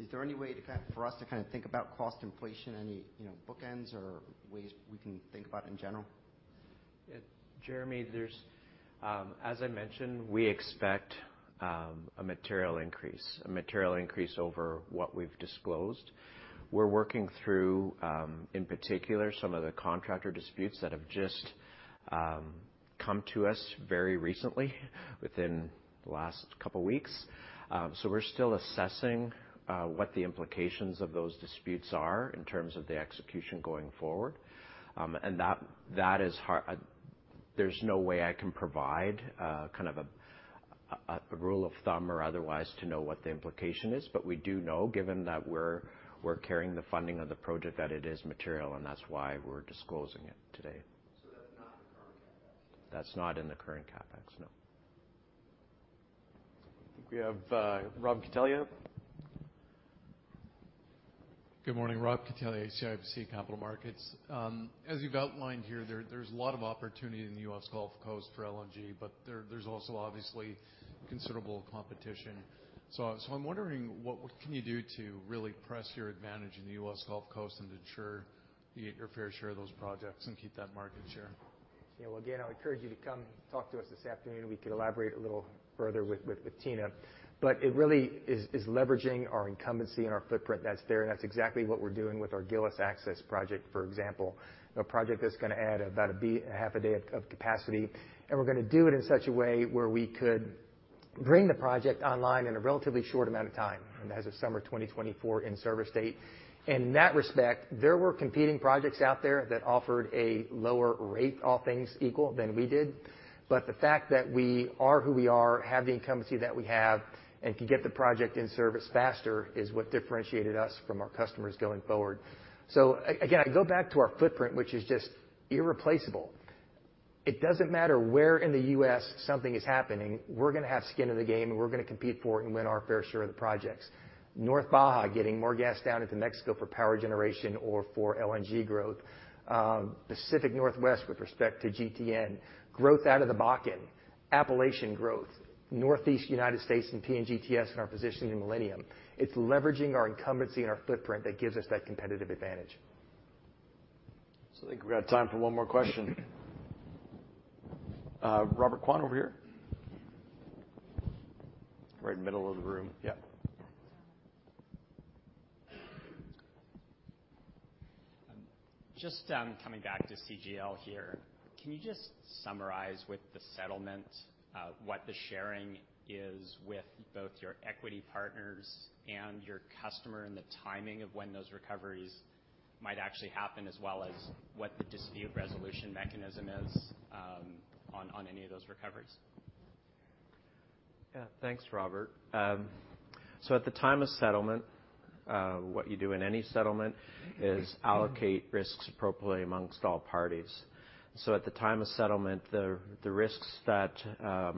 Is there any way to kind of for us to kinda think about cost inflation, any, you know, bookends or ways we can think about in general? Jeremy, there's, as I mentioned, we expect a material increase over what we've disclosed. We're working through, in particular, some of the contractor disputes that have just come to us very recently within the last couple weeks. We're still assessing what the implications of those disputes are in terms of the execution going forward. That is There's no way I can provide kind of a rule of thumb or otherwise to know what the implication is. We do know, given that we're carrying the funding of the project, that it is material, and that's why we're disclosing it today. That's not in the current CapEx? That's not in the current CapEx, no. I think we have, Robert Catellier. Good morning. Robert Catellier, CIBC Capital Markets. As you've outlined here, there's a lot of opportunity in the U.S. Gulf Coast for LNG, but there's also obviously considerable competition. I'm wondering, what can you do to really press your advantage in the U.S. Gulf Coast and ensure you get your fair share of those projects and keep that market share? Well, again, I would encourage you to come talk to us this afternoon. We could elaborate a little further with Tina. It really is leveraging our incumbency and our footprint that's there. That's exactly what we're doing with our Gillis Access Project, for example. A project that's going to add about half a day of capacity, and we're going to do it in such a way where we could bring the project online in a relatively short amount of time, and as of summer 2024 in service date. In that respect, there were competing projects out there that offered a lower rate, all things equal, than we did. The fact that we are who we are, have the incumbency that we have, and can get the project in service faster, is what differentiated us from our customers going forward. Again, I go back to our footprint, which is just irreplaceable. It doesn't matter where in the U.S. something is happening, we're gonna have skin in the game, and we're gonna compete for it and win our fair share of the projects. North Baja getting more gas down into Mexico for power generation or for LNG growth, Pacific Northwest with respect to GTN, growth out of the Bakken, Appalachian growth, Northeast United States and PNGTS and our position in Millennium. It's leveraging our incumbency and our footprint that gives us that competitive advantage. I think we've got time for one more question. Robert Kwan over here. Right in the middle of the room. Yep. Just, coming back to CGL here, can you just summarize with the settlement, what the sharing is with both your equity partners and your customer, and the timing of when those recoveries might actually happen, as well as what the dispute resolution mechanism is, on any of those recoveries? Thanks, Robert. At the time of settlement, what you do in any settlement is allocate risks appropriately amongst all parties. At the time of settlement, the risks that our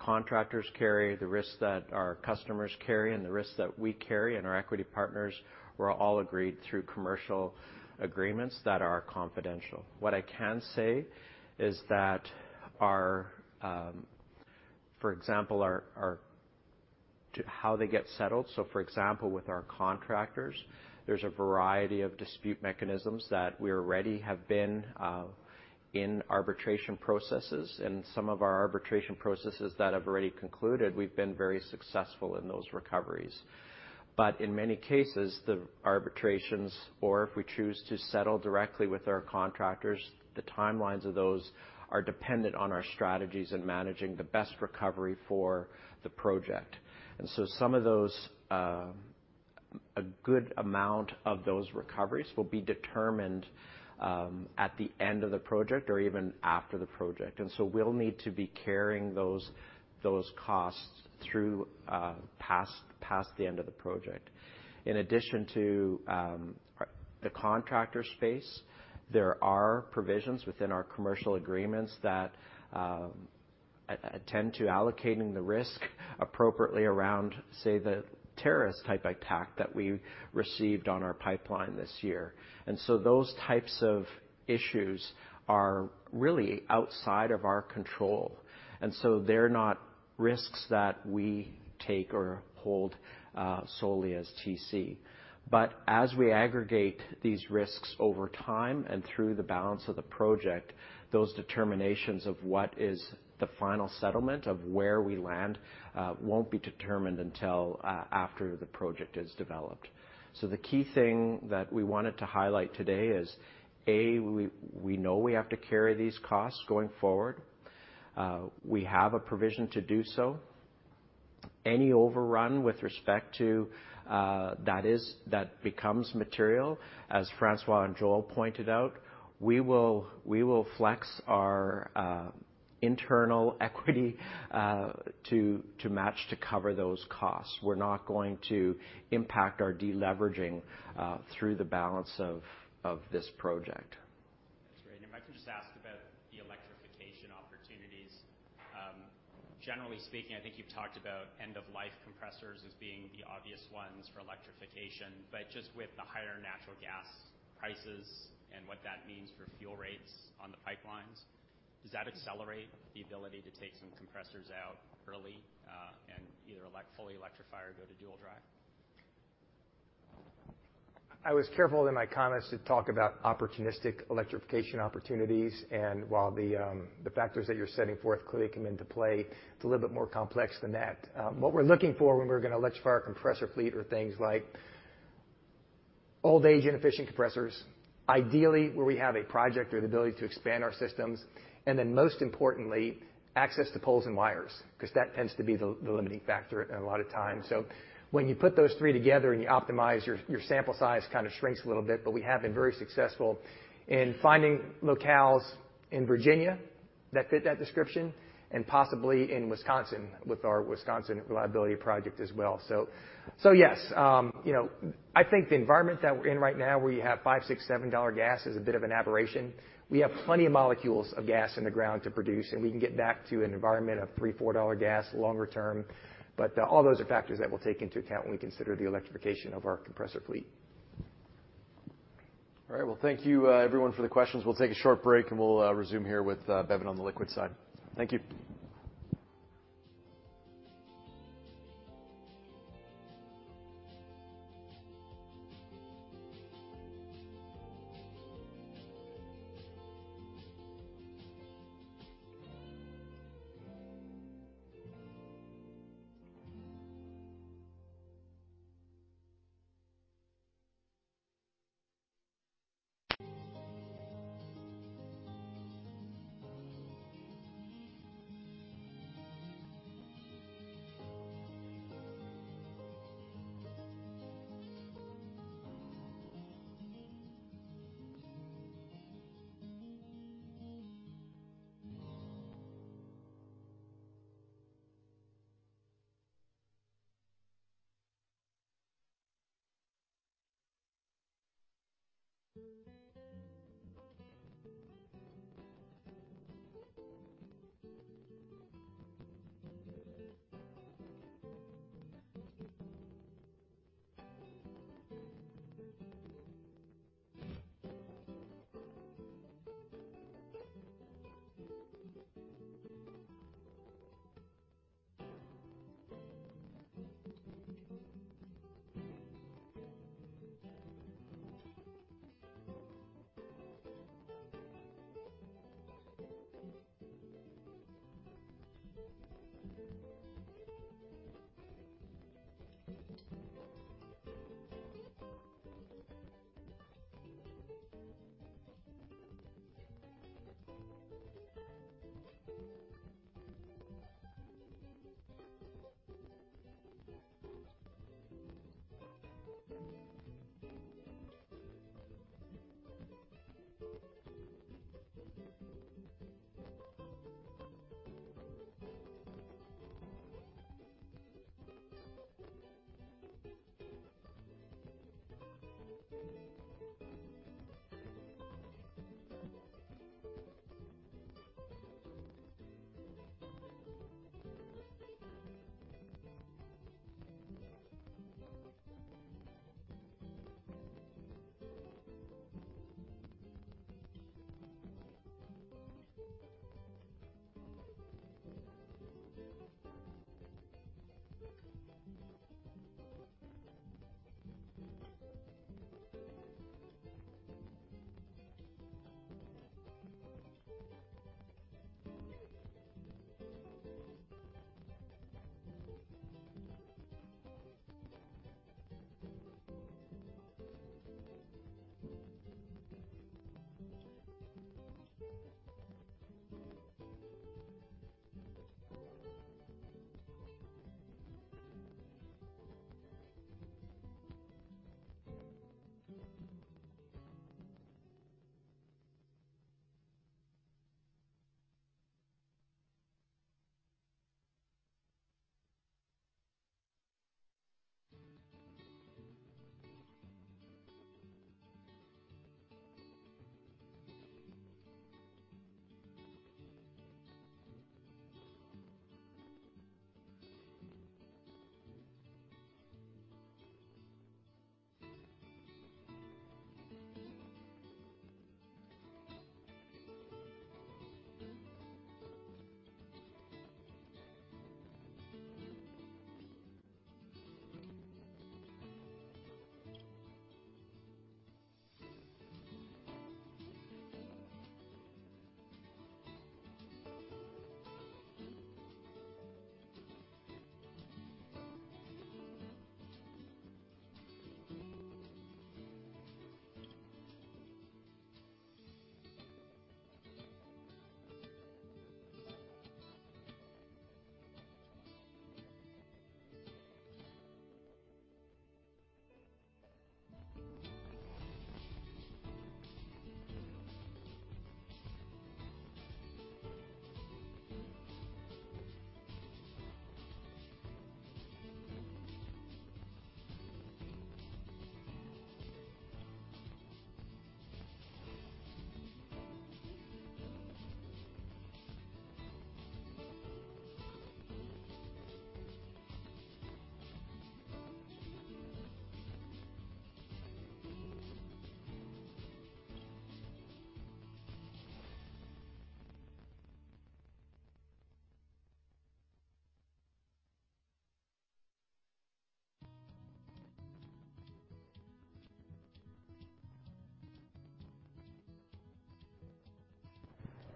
contractors carry, the risks that our customers carry, and the risks that we carry, and our equity partners were all agreed through commercial agreements that are confidential. What I can say is that our, for example, how they get settled. For example, with our contractors, there's a variety of dispute mechanisms that we already have been in arbitration processes, and some of our arbitration processes that have already concluded, we've been very successful in those recoveries. In many cases, the arbitrations or if we choose to settle directly with our contractors, the timelines of those are dependent on our strategies in managing the best recovery for the project. Some of those, a good amount of those recoveries will be determined at the end of the project or even after the project. We'll need to be carrying those costs through past the end of the project. In addition to the contractor space, there are provisions within our commercial agreements that tend to allocating the risk appropriately around, say, the terrorist-type attack that we received on our pipeline this year. Those types of issues are really outside of our control, and so they're not risks that we take or hold solely as TC. As we aggregate these risks over time and through the balance of the project, those determinations of what is the final settlement of where we land, won't be determined until after the project is developed. The key thing that we wanted to highlight today is, A, we know we have to carry these costs going forward. We have a provision to do so. Any overrun with respect to that is, that becomes material, as Francois and Joel pointed out, we will flex our internal equity to match to cover those costs. We're not going to impact our deleveraging through the balance of this project. That's great. If I could just ask about the electrification opportunities. Generally speaking, I think you've talked about end of life compressors as being the obvious ones for electrification, but just with the higher natural gas prices and what that means for fuel rates on the pipelines, does that accelerate the ability to take some compressors out early, and either fully electrify or go to dual drive? I was careful in my comments to talk about opportunistic electrification opportunities. While the factors that you're setting forth clearly come into play, it's a little bit more complex than that. What we're looking for when we're gonna electrify our compressor fleet are things like old age inefficient compressors, ideally where we have a project or the ability to expand our systems, and then most importantly, access to poles and wires, 'cause that tends to be the limiting factor a lot of times. When you put those three together and you optimize, your sample size kind of shrinks a little bit, but we have been very successful in finding locales in Virginia that fit that description and possibly in Wisconsin with our Wisconsin Reliability Project as well. yes, you know, I think the environment that we're in right now, where you have $5, $6, $7 gas is a bit of an aberration. We have plenty of molecules of gas in the ground to produce, and we can get back to an environment of $3, $4 gas longer term. All those are factors that we'll take into account when we consider the electrification of our compressor fleet. All right. Well, thank you, everyone for the questions. We'll take a short break, and we'll resume here with Bevin on the liquid side. Thank you.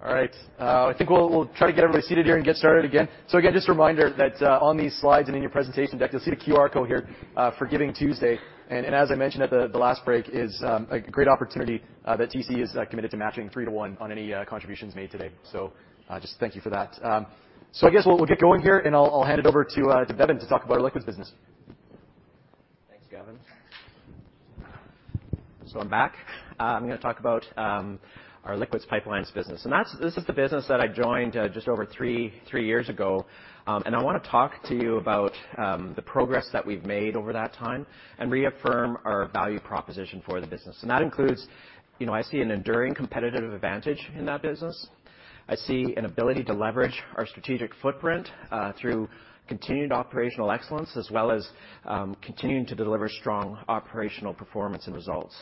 All right. I think we'll try to get everybody seated here and get started again. Again, just a reminder that on these slides and in your presentation deck, you'll see the QR code here for Giving Tuesday. As I mentioned at the last break is a great opportunity that TC is committed to matching 3 to 1 on any contributions made today. Just thank you for that. I guess we'll get going here, and I'll hand it over to Bevin to talk about our liquids business. Thanks, Gavin. I'm back. I'm gonna talk about our liquids pipelines business. This is the business that I joined just over 3 years ago. I wanna talk to you about the progress that we've made over that time and reaffirm our value proposition for the business. That includes, you know, I see an enduring competitive advantage in that business. I see an ability to leverage our strategic footprint through continued operational excellence, as well as continuing to deliver strong operational performance and results.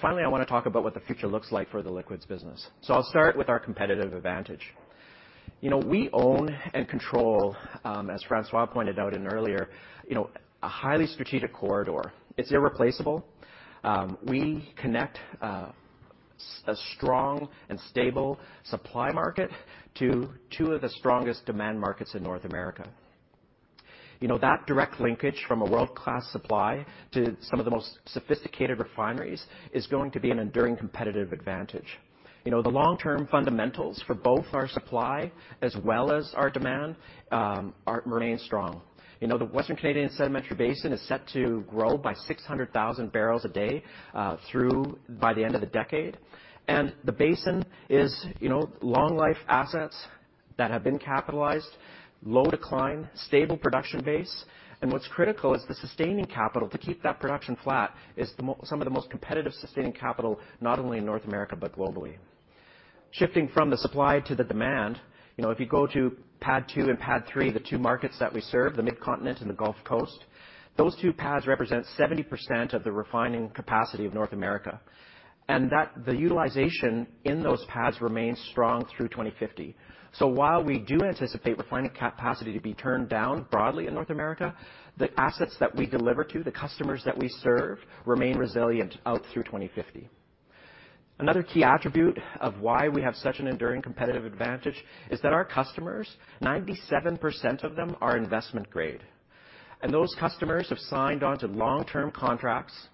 Finally, I wanna talk about what the future looks like for the liquids business. I'll start with our competitive advantage. You know, we own and control, as Francois pointed out in earlier, you know, a highly strategic corridor. It's irreplaceable. We connect a strong and stable supply market to two of the strongest demand markets in North America. You know, that direct linkage from a world-class supply to some of the most sophisticated refineries is going to be an enduring competitive advantage. You know, the long-term fundamentals for both our supply as well as our demand remain strong. You know, the Western Canadian Sedimentary Basin is set to grow by 600,000 barrels a day through by the end of the decade. The basin is, you know, long-life assets that have been capitalized, low decline, stable production base, and what's critical is the sustaining capital to keep that production flat is some of the most competitive sustaining capital, not only in North America, but globally. Shifting from the supply to the demand, you know, if you go to Pad 2 and Pad 3, the two markets that we serve, the Mid-Continent and the Gulf Coast, those two pads represent 70% of the refining capacity of North America. The utilization in those pads remains strong through 2050. While we do anticipate refining capacity to be turned down broadly in North America, the assets that we deliver to the customers that we serve remain resilient out through 2050. Another key attribute of why we have such an enduring competitive advantage is that our customers, 97% of them are investment grade. Those customers have signed on to long-term contracts,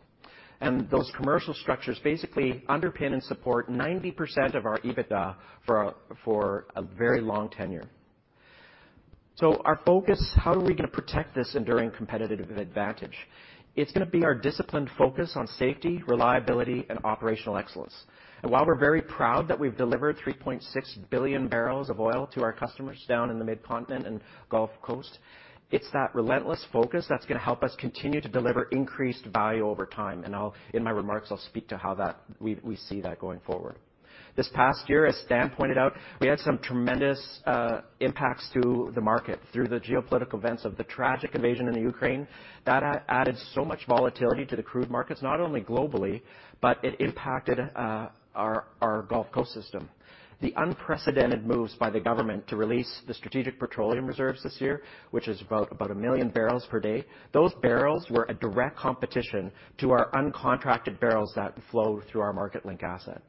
and those commercial structures basically underpin and support 90% of our EBITDA for a, for a very long tenure. Our focus, how are we gonna protect this enduring competitive advantage? It's gonna be our disciplined focus on safety, reliability, and operational excellence. While we're very proud that we've delivered $3.6 billion barrels of oil to our customers down in the Mid-Continent and Gulf Coast, it's that relentless focus that's gonna help us continue to deliver increased value over time. In my remarks, I'll speak to how we see that going forward. This past year, as Stan pointed out, we had some tremendous impacts to the market through the geopolitical events of the tragic invasion in the Ukraine. That added so much volatility to the crude markets, not only globally, but it impacted our Gulf Coast system. The unprecedented moves by the government to release the strategic petroleum reserves this year, which is about 1 million barrels per day. Those barrels were a direct competition to our uncontracted barrels that flow through our Marketlink asset.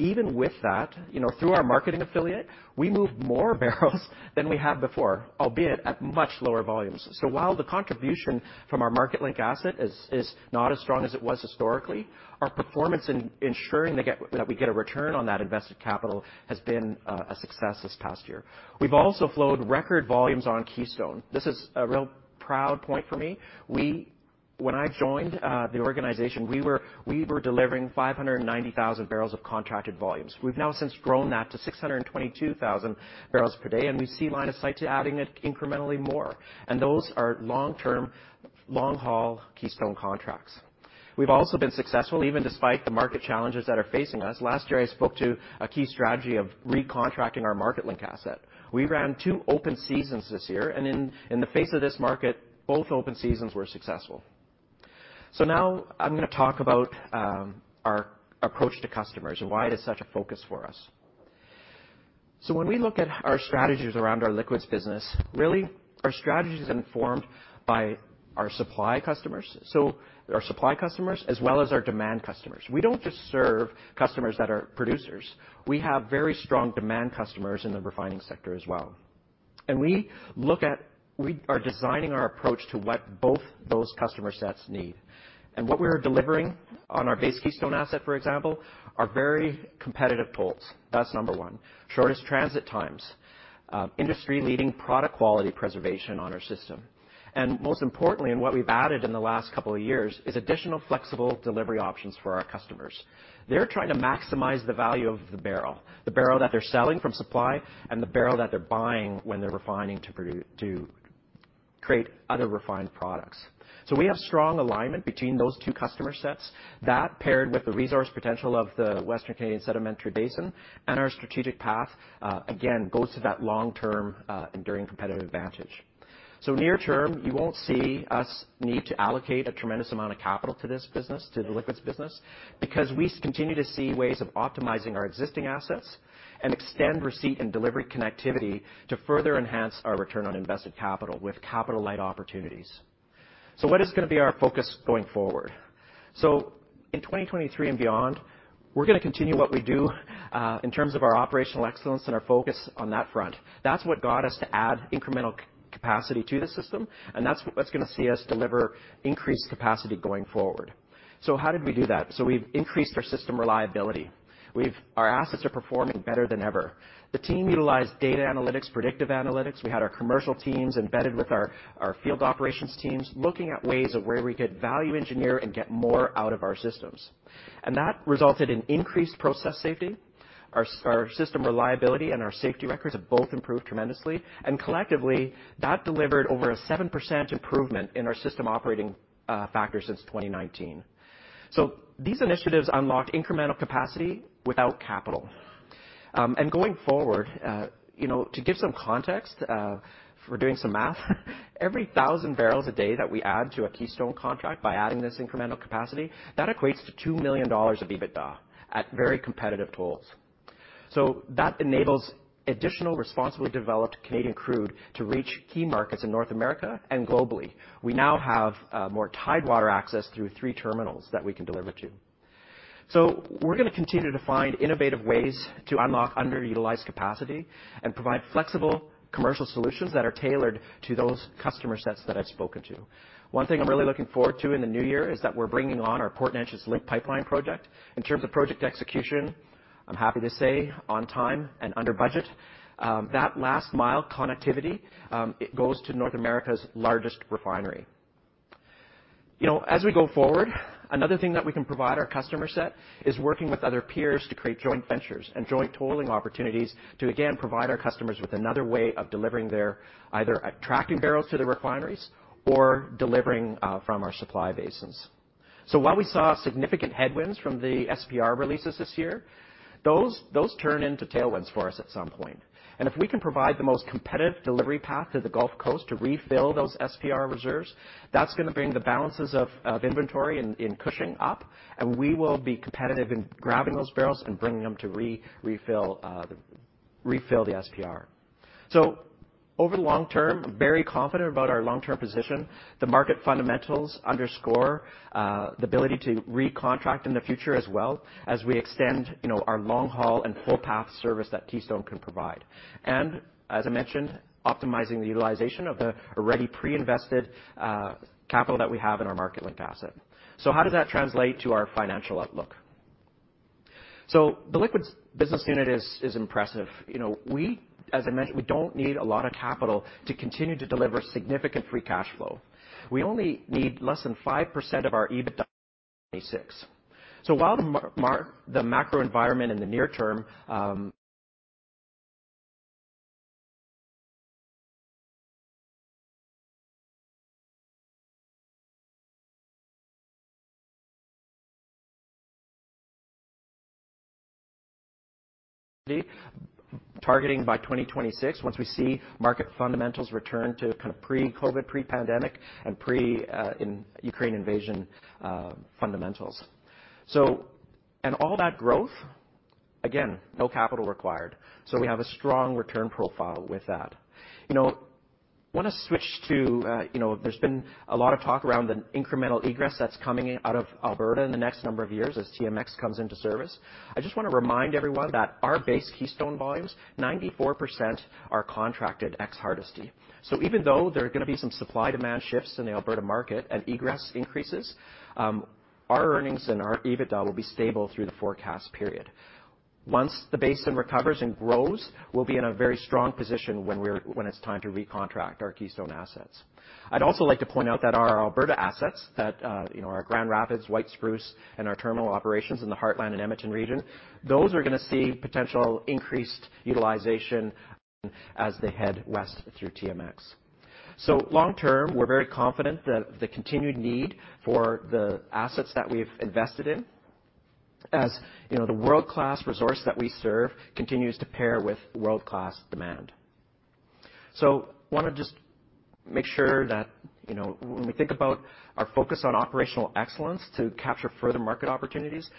Even with that, you know, through our marketing affiliate, we moved more barrels than we had before, albeit at much lower volumes. While the contribution from our Marketlink asset is not as strong as it was historically, our performance in ensuring that we get a return on that invested capital has been a success this past year. We've also flowed record volumes on Keystone. This is a real proud point for me. When I joined the organization, we were delivering 590,000 barrels of contracted volumes. We've now since grown that to 622,000 barrels per day. We see line of sight to adding it incrementally more. Those are long-term, long-haul Keystone contracts. We've also been successful, even despite the market challenges that are facing us. Last year, I spoke to a key strategy of recontracting our Marketlink asset. We ran 2 open seasons this year, in the face of this market, both open seasons were successful. Now I'm gonna talk about our approach to customers and why it is such a focus for us. When we look at our strategies around our liquids business, really, our strategy is informed by our supply customers. Our supply customers as well as our demand customers. We don't just serve customers that are producers. We have very strong demand customers in the refining sector as well. We are designing our approach to what both those customer sets need. What we're delivering on our base Keystone asset, for example, are very competitive pools. That's number 1. Shortest transit times, industry-leading product quality preservation on our system. Most importantly, and what we've added in the last couple of years, is additional flexible delivery options for our customers. They're trying to maximize the value of the barrel, the barrel that they're selling from supply and the barrel that they're buying when they're refining to create other refined products. We have strong alignment between those two customer sets. That paired with the resource potential of the Western Canadian Sedimentary Basin and our strategic path, again, goes to that long-term, enduring competitive advantage. Near term, you won't see us need to allocate a tremendous amount of capital to this business, to the liquids business, because we continue to see ways of optimizing our existing assets and extend receipt and delivery connectivity to further enhance our return on invested capital with capital-light opportunities. What is gonna be our focus going forward? In 2023 and beyond, we're gonna continue what we do in terms of our operational excellence and our focus on that front. That's what got us to add incremental capacity to the system, and that's what's gonna see us deliver increased capacity going forward. How did we do that? We've increased our system reliability. Our assets are performing better than ever. The team utilized data analytics, predictive analytics. We had our commercial teams embedded with our field operations teams, looking at ways of where we could value engineer and get more out of our systems. That resulted in increased process safety. Our system reliability and our safety records have both improved tremendously. Collectively, that delivered over a 7% improvement in our system operating factor since 2019. These initiatives unlocked incremental capacity without capital. Going forward, you know, to give some context, if we're doing some math, every 1,000 barrels a day that we add to a Keystone contract by adding this incremental capacity, that equates to $2 million of EBITDA at very competitive tolls. That enables additional responsibly developed Canadian crude to reach key markets in North America and globally. We now have more tidewater access through 3 terminals that we can deliver to. We're gonna continue to find innovative ways to unlock underutilized capacity and provide flexible commercial solutions that are tailored to those customer sets that I've spoken to you. One thing I'm really looking forward to in the new year is that we're bringing on our Port Neches Link pipeline project. In terms of project execution, I'm happy to say on time and under budget. That last mile connectivity, it goes to North America's largest refinery. You know, as we go forward, another thing that we can provide our customer set is working with other peers to create joint ventures and joint tolling opportunities to again, provide our customers with another way of delivering their either attracting barrels to the refineries or delivering from our supply basins. While we saw significant headwinds from the SPR releases this year, those turn into tailwinds for us at some point. If we can provide the most competitive delivery path to the Gulf Coast to refill those SPR reserves, that's gonna bring the balances of inventory in Cushing up, and we will be competitive in grabbing those barrels and bringing them to refill the SPR. Over the long term, very confident about our long-term position. The market fundamentals underscore the ability to recontract in the future as well as we extend, you know, our long-haul and full path service that Keystone can provide. As I mentioned, optimizing the utilization of the already pre-invested capital that we have in our Marketlink asset. How does that translate to our financial outlook? The liquids business unit is impressive. You know, as I mentioned, we don't need a lot of capital to continue to deliver significant free cash flow. We only need less than 5% of our EBITDA 26. While the macro environment in the near term, targeting by 2026 once we see market fundamentals return to kind of pre-COVID, pre-pandemic, and pre Ukraine invasion fundamentals. All that growth, again, no capital required. We have a strong return profile with that. You know, wanna switch to, you know, there's been a lot of talk around the incremental egress that's coming out of Alberta in the next number of years as TMX comes into service. I just wanna remind everyone that our base Keystone volumes, 94% are contracted ex Hardisty. Even though there are gonna be some supply-demand shifts in the Alberta market and egress increases, our earnings and our EBITDA will be stable through the forecast period. Once the basin recovers and grows, we'll be in a very strong position when it's time to recontract our Keystone assets. I'd also like to point out that our Alberta assets that, you know, our Grand Rapids, White Spruce, and our terminal operations in the Heartland and Edmonton region, those are gonna see potential increased utilization as they head west through TMX. Long term, we're very confident the continued need for the assets that we've invested in. As, you know, the world-class resource that we serve continues to pair with world-class demand. Wanna just make sure that, you know, when we think about our focus on operational excellence to capture further market opportunities,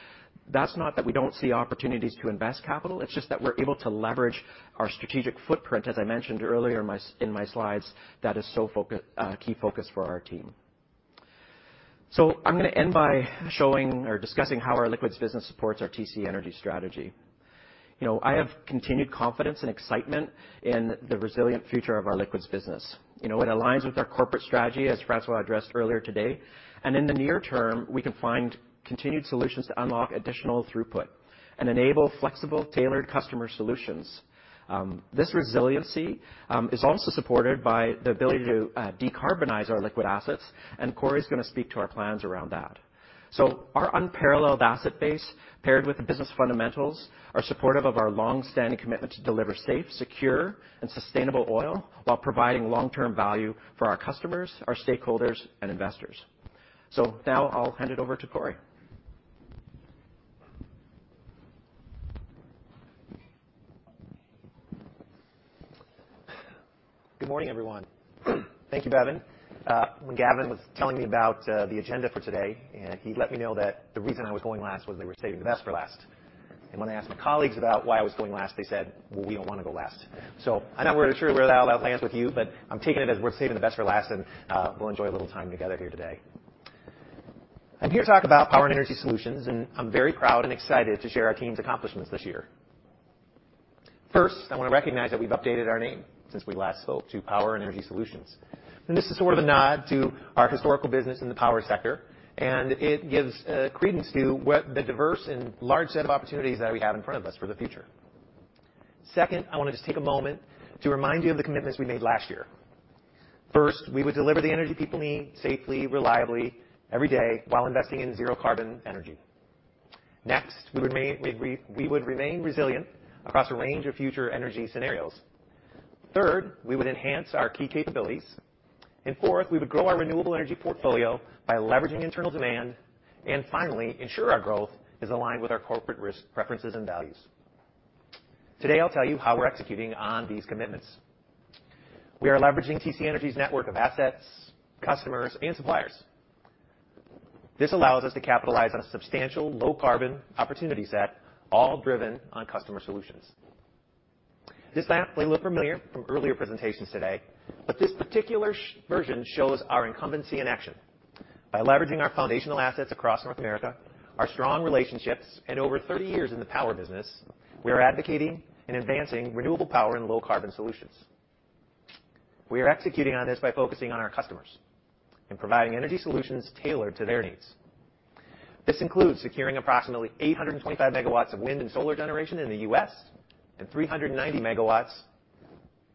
that's not that we don't see opportunities to invest capital. It's just that we're able to leverage our strategic footprint, as I mentioned earlier in my, in my slides, that is key focus for our team. I'm gonna end by showing or discussing how our liquids business supports our TC Energy strategy. You know, I have continued confidence and excitement in the resilient future of our liquids business. You know, it aligns with our corporate strategy, as Francois addressed earlier today. In the near term, we can find continued solutions to unlock additional throughput and enable flexible, tailored customer solutions. This resiliency is also supported by the ability to decarbonize our liquid assets. Corey's gonna speak to our plans around that. Our unparalleled asset base, paired with the business fundamentals, are supportive of our long-standing commitment to deliver safe, secure, and sustainable oil while providing long-term value for our customers, our stakeholders, and investors. Now I'll hand it over to Corey. Good morning, everyone. Thank you, Bevin. When Gavin was telling me about the agenda for today, and he let me know that the reason I was going last was they were saving the best for last. When I asked my colleagues about why I was going last, they said, "Well, we don't wanna go last." I'm not really sure where that lands with you, but I'm taking it as we're saving the best for last, and we'll enjoy a little time together here today. I'm here to talk about Power Energy Solutions, and I'm very proud and excited to share our team's accomplishments this year. First, I wanna recognize that we've updated our name since we last spoke to Power Energy Solutions. This is sort of a nod to our historical business in the power sector, and it gives credence to what the diverse and large set of opportunities that we have in front of us for the future. Second, I wanna just take a moment to remind you of the commitments we made last year. First, we would deliver the energy people need safely, reliably, every day while investing in zero carbon energy. Next, we would remain resilient across a range of future energy scenarios. Third, we would enhance our key capabilities. Fourth, we would grow our renewable energy portfolio by leveraging internal demand, and finally, ensure our growth is aligned with our corporate risk, preferences, and values. Today, I'll tell you how we're executing on these commitments. We are leveraging TC Energy's network of assets, customers, and suppliers. This allows us to capitalize on a substantial low carbon opportunity set, all driven on customer solutions. This map may look familiar from earlier presentations today, but this particular version shows our incumbency in action. By leveraging our foundational assets across North America, our strong relationships, and over 30 years in the power business, we are advocating and advancing renewable power and low carbon solutions. We are executing on this by focusing on our customers and providing energy solutions tailored to their needs. This includes securing approximately 825 megawatts of wind and solar generation in the U.S. and 390 megawatts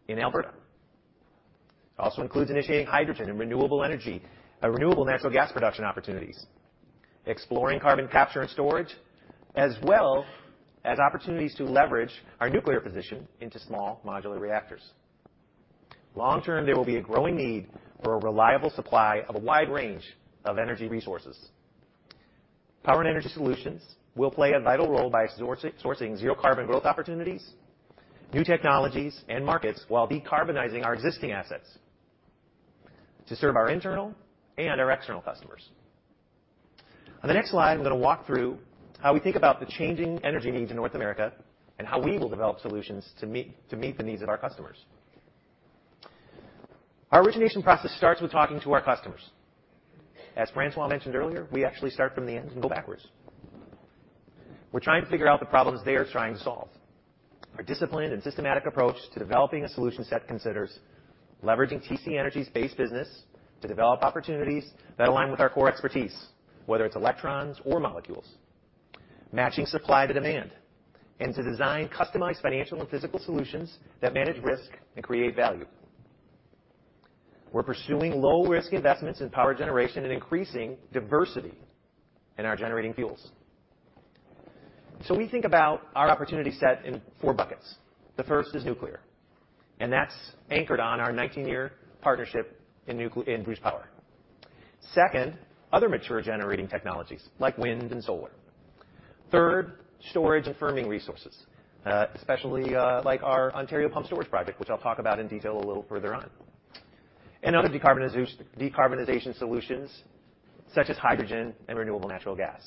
in Alberta. It also includes initiating hydrogen and renewable energy, renewable natural gas production opportunities, exploring carbon capture and storage, as well as opportunities to leverage our nuclear position into small modular reactors. Long-term, there will be a growing need for a reliable supply of a wide range of energy resources. Power and Energy Solutions will play a vital role by sourcing zero carbon growth opportunities, new technologies and markets, while decarbonizing our existing assets to serve our internal and our external customers. On the next slide, I'm gonna walk through how we think about the changing energy needs in North America and how we will develop solutions to meet the needs of our customers. Our origination process starts with talking to our customers. As Francois mentioned earlier, we actually start from the end and go backwards. We're trying to figure out the problems they are trying to solve. Our disciplined and systematic approach to developing a solution set considers leveraging TC Energy's base business to develop opportunities that align with our core expertise, whether it's electrons or molecules. Matching supply to demand and to design customized financial and physical solutions that manage risk and create value. We're pursuing low-risk investments in power generation and increasing diversity in our generating fuels. We think about our opportunity set in 4 buckets. The first is nuclear, that's anchored on our 19-year partnership in Bruce Power. Second, other mature generating technologies like wind and solar. Third, storage and firming resources, especially like our Ontario Pumped Storage Project, which I'll talk about in detail a little further on. Other decarbonization solutions such as hydrogen and renewable natural gas.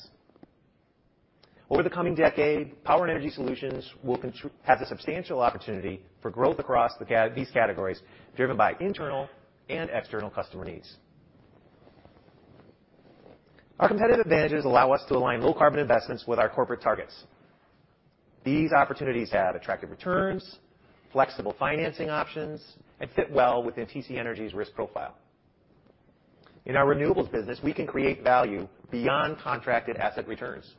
Over the coming decade, Power Energy Solutions will have the substantial opportunity for growth across these categories, driven by internal and external customer needs. Our competitive advantages allow us to align low carbon investments with our corporate targets. These opportunities have attractive returns, flexible financing options, and fit well within TC Energy's risk profile. In our renewables business, we can create value beyond contracted asset returns.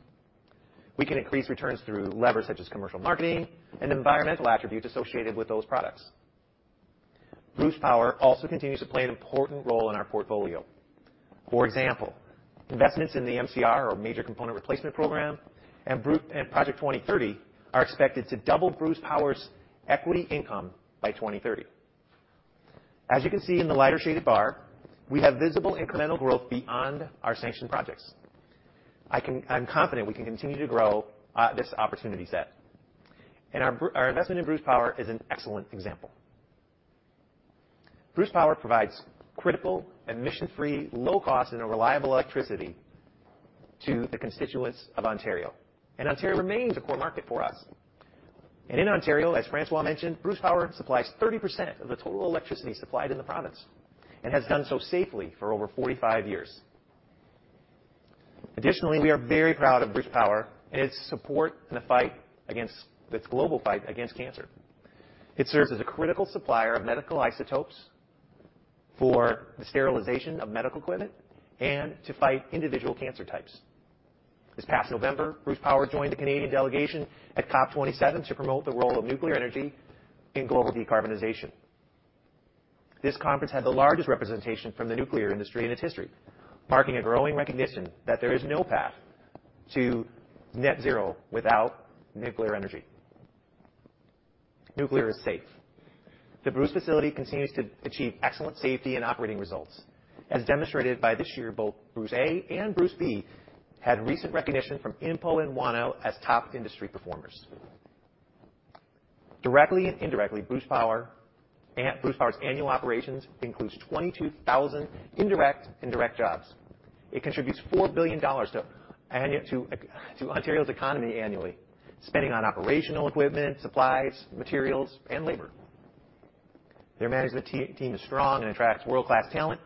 We can increase returns through levers such as commercial marketing and environmental attributes associated with those products. Bruce Power also continues to play an important role in our portfolio. For example, investments in the MCR or Major Component Replacement program and Project 2030 are expected to double Bruce Power's equity income by 2030. As you can see in the lighter shaded bar, we have visible incremental growth beyond our sanctioned projects. I'm confident we can continue to grow this opportunity set. Our investment in Bruce Power is an excellent example. Bruce Power provides critical emission-free, low cost and a reliable electricity to the constituents of Ontario. Ontario remains a core market for us. In Ontario, as Francois mentioned, Bruce Power supplies 30% of the total electricity supplied in the province and has done so safely for over 45 years. Additionally, we are very proud of Bruce Power and its support in the global fight against cancer. It serves as a critical supplier of medical isotopes for the sterilization of medical equipment and to fight individual cancer types. This past November, Bruce Power joined the Canadian delegation at COP 27 to promote the role of nuclear energy in global decarbonization. This conference had the largest representation from the nuclear industry in its history, marking a growing recognition that there is no path to net zero without nuclear energy. Nuclear is safe. The Bruce facility continues to achieve excellent safety and operating results. As demonstrated by this year, both Bruce A and Bruce B had recent recognition from INPO and WANO as top industry performers. Directly and indirectly, Bruce Power's annual operations includes 22,000 indirect and direct jobs. It contributes 4 billion dollars to Ontario's economy annually, spending on operational equipment, supplies, materials and labor. Their management team is strong and attracts world-class talent.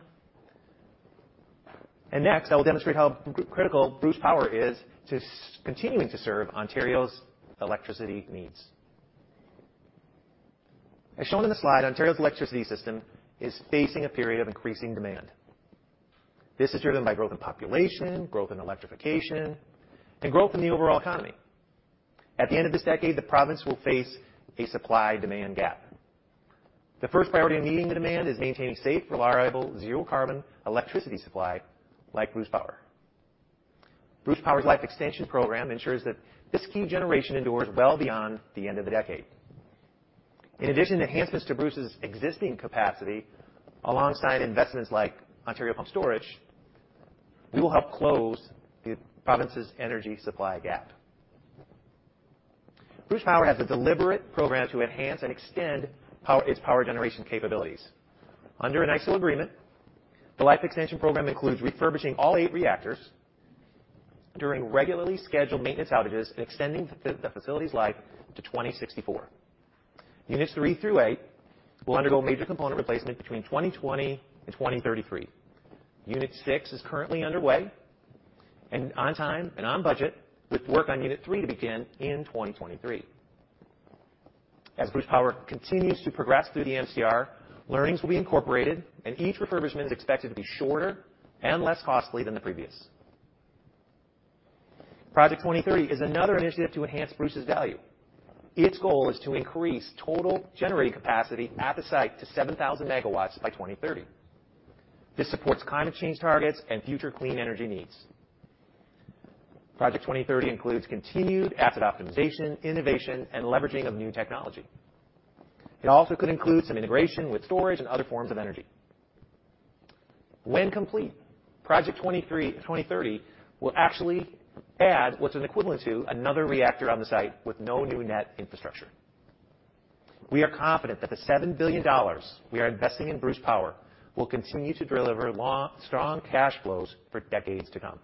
Next, I will demonstrate how critical Bruce Power is to continuing to serve Ontario's electricity needs. As shown in the slide, Ontario's electricity system is facing a period of increasing demand. This is driven by growth in population, growth in electrification, and growth in the overall economy. At the end of this decade, the province will face a supply-demand gap. The first priority in meeting the demand is maintaining safe, reliable, zero-carbon electricity supply like Bruce Power. Bruce Power's life extension program ensures that this key generation endures well beyond the end of the decade. In addition to enhancements to Bruce's existing capacity, alongside investments like Ontario Pumped Storage, we will help close the province's energy supply gap. Bruce Power has a deliberate program to enhance and extend its power generation capabilities. Under an ISL agreement, the life extension program includes refurbishing all eight reactors during regularly scheduled maintenance outages and extending the facility's life to 2064. Units 3 through 8 will undergo Major Component Replacement between 2020 and 2033. Unit 6 is currently underway and on time and on budget, with work on Unit 3 to begin in 2023. As Bruce Power continues to progress through the MCR, learnings will be incorporated, and each refurbishment is expected to be shorter and less costly than the previous. Project Twenty Thirty is another initiative to enhance Bruce's value. Its goal is to increase total generating capacity at the site to 7,000 megawatts by 2030. This supports climate change targets and future clean energy needs. Project Twenty Thirty includes continued asset optimization, innovation, and leveraging of new technology. It also could include some integration with storage and other forms of energy. When complete, Project Twenty Thirty will actually add what's an equivalent to another reactor on the site with no new net infrastructure. We are confident that the 7 billion dollars we are investing in Bruce Power will continue to deliver strong cash flows for decades to come.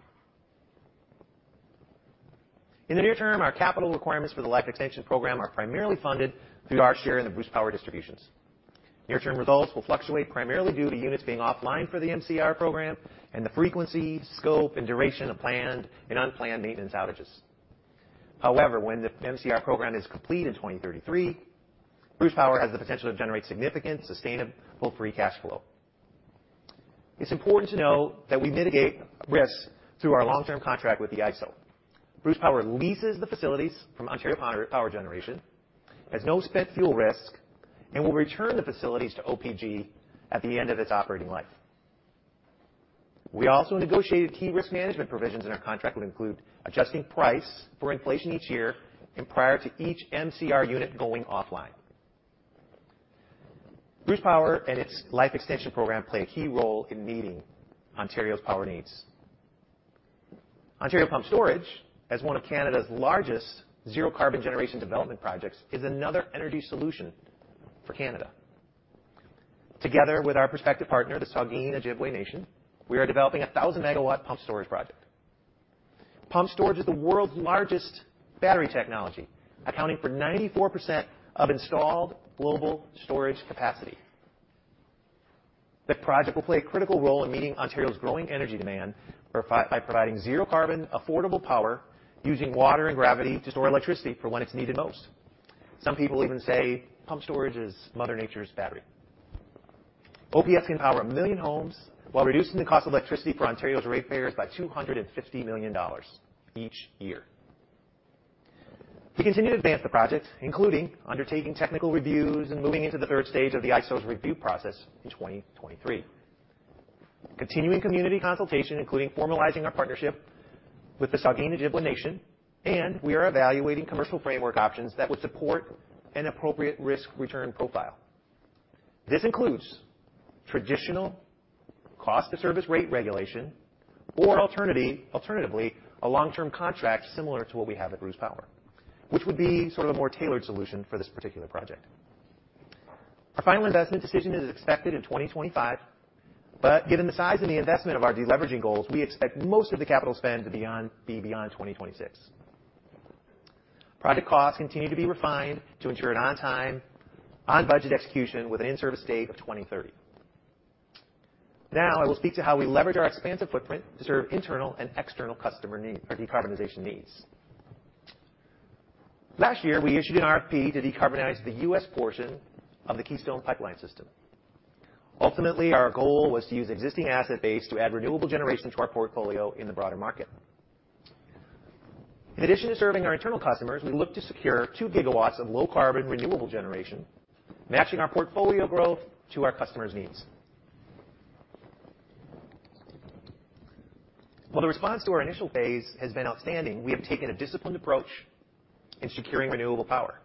In the near term, our capital requirements for the Life Extension Program are primarily funded through our share in the Bruce Power distributions. Near-term results will fluctuate primarily due to units being offline for the MCR program and the frequency, scope, and duration of planned and unplanned maintenance outages. When the MCR program is complete in 2033, Bruce Power has the potential to generate significant, sustainable free cash flow. It's important to note that we mitigate risks through our long-term contract with the IESO. Bruce Power leases the facilities from Ontario Power Generation, has no spent fuel risk, and will return the facilities to OPG at the end of its operating life. We also negotiated key risk management provisions in our contract, would include adjusting price for inflation each year and prior to each MCR unit going offline. Bruce Power and its Life Extension Program play a key role in meeting Ontario's power needs. Ontario Pumped Storage, as one of Canada's largest zero-carbon generation development projects, is another energy solution for Canada. Together with our prospective partner, the Saugeen Ojibway Nation, we are developing a 1,000-megawatt pumped storage project. Pumped storage is the world's largest battery technology, accounting for 94% of installed global storage capacity. The project will play a critical role in meeting Ontario's growing energy demand by providing zero carbon affordable power using water and gravity to store electricity for when it's needed most. Some people even say pumped storage is mother nature's battery. OPS can power 1 million homes while reducing the cost of electricity for Ontario's ratepayers by 250 million dollars each year. We continue to advance the project, including undertaking technical reviews and moving into the third stage of the IESO's review process in 2023. Continuing community consultation, including formalizing our partnership with the Saugeen Ojibway Nation. We are evaluating commercial framework options that would support an appropriate risk-return profile. This includes traditional cost-of-service rate regulation or alternatively, a long-term contract similar to what we have at Bruce Power, which would be sort of a more tailored solution for this particular project. Our final investment decision is expected in 2025. Given the size and the investment of our deleveraging goals, we expect most of the capital spend to be beyond 2026. Project costs continue to be refined to ensure an on-time, on-budget execution with an in-service date of 2030. I will speak to how we leverage our expansive footprint to serve internal and external customer or decarbonization needs. Last year, we issued an RFP to decarbonize the U.S. portion of the Keystone Pipeline system. Ultimately, our goal was to use existing asset base to add renewable generation to our portfolio in the broader market. In addition to serving our internal customers, we look to secure 2 GW of low-carbon, renewable generation, matching our portfolio growth to our customers' needs. While the response to our initial phase has been outstanding, we have taken a disciplined approach in securing renewable power.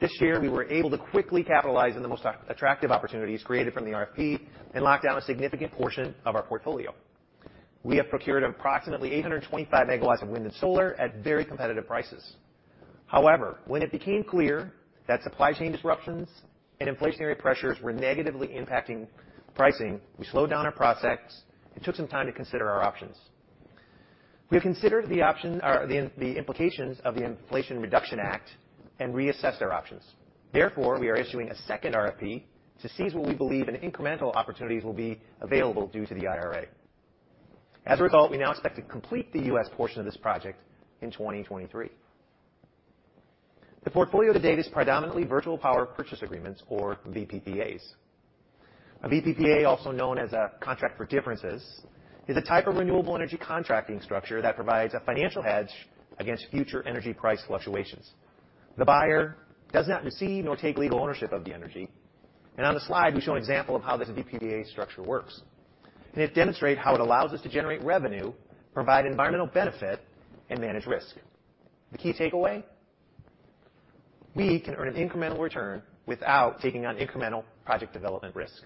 This year, we were able to quickly capitalize on the most at-attractive opportunities created from the RFP and lock down a significant portion of our portfolio. We have procured approximately 825 megawatts of wind and solar at very competitive prices. When it became clear that supply chain disruptions and inflationary pressures were negatively impacting pricing, we slowed down our process and took some time to consider our options. We have considered the option or the implications of the Inflation Reduction Act and reassessed our options. Therefore, we are issuing a second RFP to seize what we believe in incremental opportunities will be available due to the IRA. As a result, we now expect to complete the U.S. portion of this project in 2023. The portfolio to date is predominantly virtual power purchase agreements or VPPAs. A VPPAs, also known as a contract for differences, is a type of renewable energy contracting structure that provides a financial hedge against future energy price fluctuations. The buyer does not receive nor take legal ownership of the energy. On the slide, we show an example of how this VPPAs structure works. It demonstrate how it allows us to generate revenue, provide environmental benefit, and manage risk. The key takeaway, we can earn an incremental return without taking on incremental project development risk.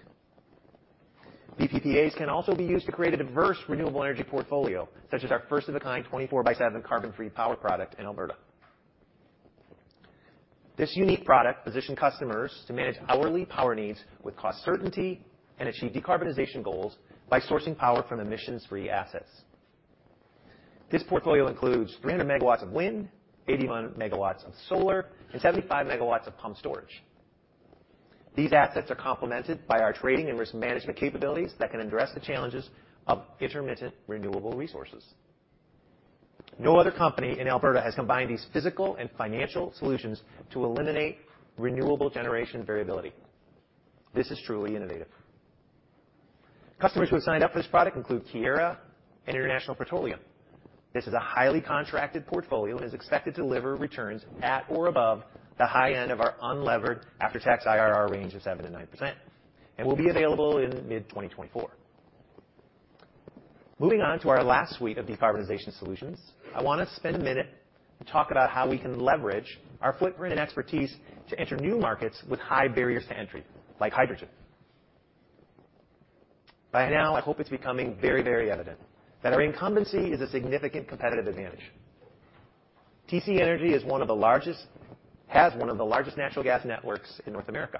VPPAs can also be used to create a diverse renewable energy portfolio, such as our first-of-a-kind 24/7 Carbon-Free Power product in Alberta. This unique product position customers to manage hourly power needs with cost certainty and achieve decarbonization goals by sourcing power from emissions-free assets. This portfolio includes 300 megawatts of wind, 81 megawatts of solar, and 75 megawatts of pumped storage. These assets are complemented by our trading and risk management capabilities that can address the challenges of intermittent renewable resources. No other company in Alberta has combined these physical and financial solutions to eliminate renewable generation variability. This is truly innovative. Customers who have signed up for this product include Keyera and International Petroleum. This is a highly contracted portfolio and is expected to deliver returns at or above the high end of our unlevered after-tax IRR range of 7%-9% and will be available in mid-2024. Moving on to our last suite of decarbonization solutions, I wanna spend a minute to talk about how we can leverage our footprint and expertise to enter new markets with high barriers to entry, like hydrogen. By now, I hope it's becoming very, very evident that our incumbency is a significant competitive advantage. TC Energy has one of the largest natural gas networks in North America,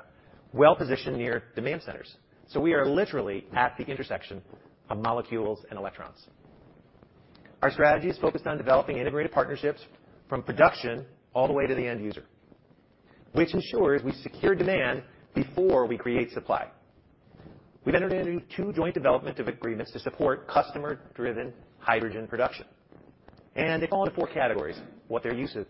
well-positioned near demand centers. We are literally at the intersection of molecules and electrons. Our strategy is focused on developing integrated partnerships from production all the way to the end user, which ensures we secure demand before we create supply. We've entered into two joint development agreements to support customer-driven hydrogen production. They fall into four categories, what their uses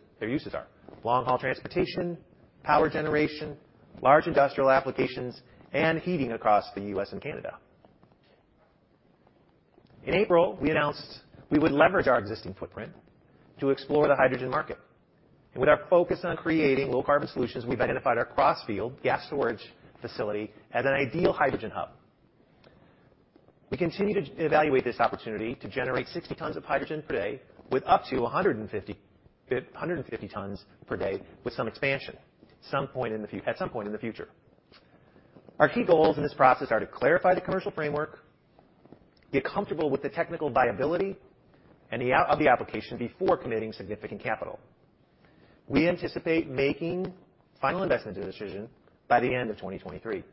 are: long-haul transportation, power generation, large industrial applications, and heating across the U.S. and Canada. In April, we announced we would leverage our existing footprint to explore the hydrogen market. With our focus on creating low-carbon solutions, we've identified our Crossfield gas storage facility as an ideal hydrogen hub. We continue to evaluate this opportunity to generate 60 tons of hydrogen per day, with up to 150 tons per day, with some expansion at some point in the future. Our key goals in this process are to clarify the commercial framework, get comfortable with the technical viability and of the application before committing significant capital. We anticipate making final investment decision by the end of 2023.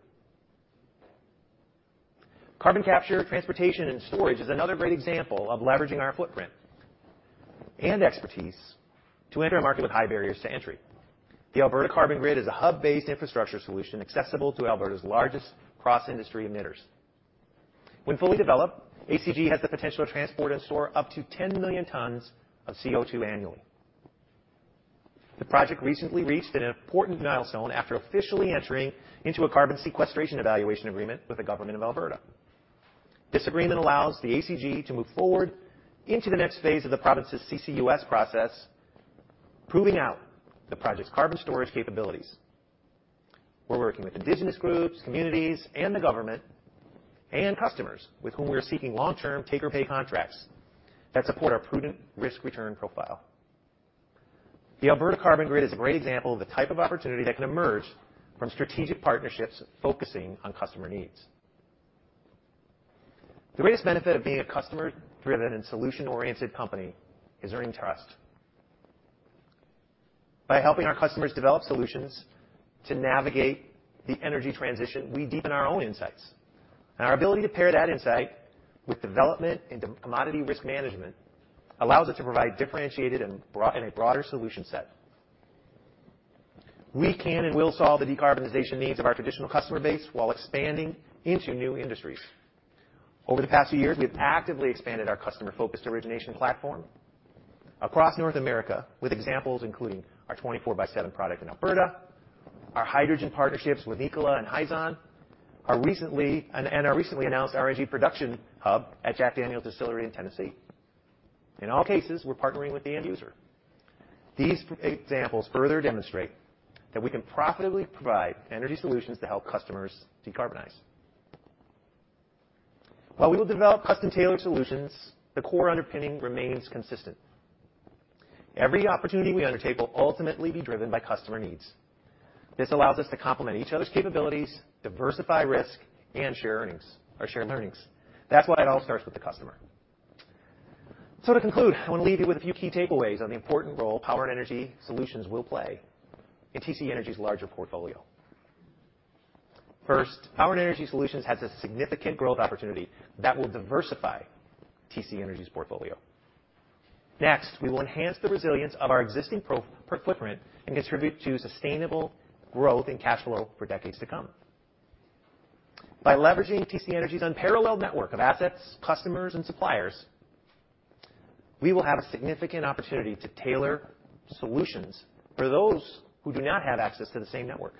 Carbon capture, transportation and storage is another great example of leveraging our footprint and expertise to enter a market with high barriers to entry. The Alberta Carbon Grid is a hub-based infrastructure solution accessible to Alberta's largest cross-industry emitters. When fully developed, ACG has the potential to transport and store up to 10 million tons of CO2 annually. The project recently reached an important milestone after officially entering into a carbon sequestration evaluation agreement with the government of Alberta. This agreement allows the ACG to move forward into the next phase of the province's CCUS process, proving out the project's carbon storage capabilities. We're working with indigenous groups, communities, and the government and customers with whom we are seeking long-term take-or-pay contracts that support our prudent risk-return profile. The Alberta Carbon Grid is a great example of the type of opportunity that can emerge from strategic partnerships focusing on customer needs. The greatest benefit of being a customer-driven and solution-oriented company is earning trust. Our ability to pair that insight with development into commodity risk management allows us to provide differentiated in a broader solution set. We can and will solve the decarbonization needs of our traditional customer base while expanding into new industries. Over the past few years, we have actively expanded our customer-focused origination platform across North America, with examples including our 24/7 product in Alberta, our hydrogen partnerships with Nikola and Hyzon, and our recently announced RIG production hub at Jack Daniel's distillery in Tennessee. In all cases, we're partnering with the end user. These examples further demonstrate that we can profitably provide energy solutions to help customers decarbonize. While we will develop custom-tailored solutions, the core underpinning remains consistent. Every opportunity we undertake will ultimately be driven by customer needs. This allows us to complement each other's capabilities, diversify risk, and share earnings or share learnings. That's why it all starts with the customer. To conclude, I want to leave you with a few key takeaways on the important role Power and Energy Solutions will play in TC Energy's larger portfolio. First, Power and Energy Solutions has a significant growth opportunity that will diversify TC Energy's portfolio. Next, we will enhance the resilience of our existing pro- footprint and contribute to sustainable growth and cash flow for decades to come. By leveraging TC Energy's unparalleled network of assets, customers, and suppliers, we will have a significant opportunity to tailor solutions for those who do not have access to the same network.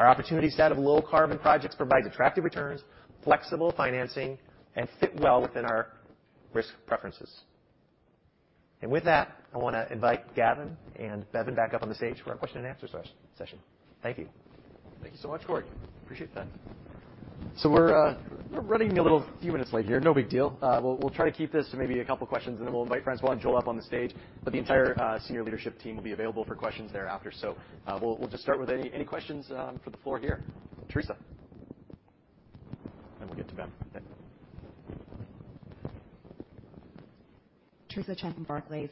Our opportunity set of low-carbon projects provides attractive returns, flexible financing, and fit well within our risk preferences. With that, I wanna invite Gavin and Bevin back up on the stage for our question and answer session. Thank you. Thank you so much, Corey. Appreciate that. We're running a little few minutes late here. No big deal. We'll try to keep this to maybe a couple questions, and then we'll invite Francois and Joel up on the stage. The entire senior leadership team will be available for questions thereafter. We'll just start with any questions for the floor here. Teresa. Then we'll get to Bevin. Yeah. Theresa Chen from Barclays.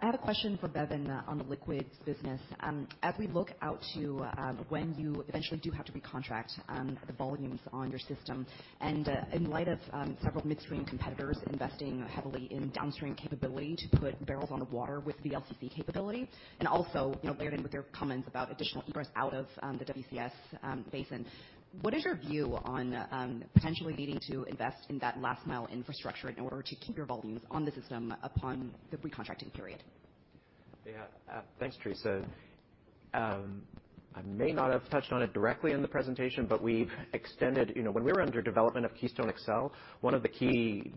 I have a question for Bevin on the liquids business. As we look out to when you eventually do have to recontract the volumes on your system, in light of several midstream competitors investing heavily in downstream capability to put barrels on the water with VLCC capability, and also, you know, layering with your comments about additional egress out of the WCS basin, what is your view on potentially needing to invest in that last mile infrastructure in order to keep your volumes on the system upon the recontracting period? Yeah. Thanks, Theresa. I may not have touched on it directly in the presentation, but we extended... You know, when we were under development of Keystone XL, one of the key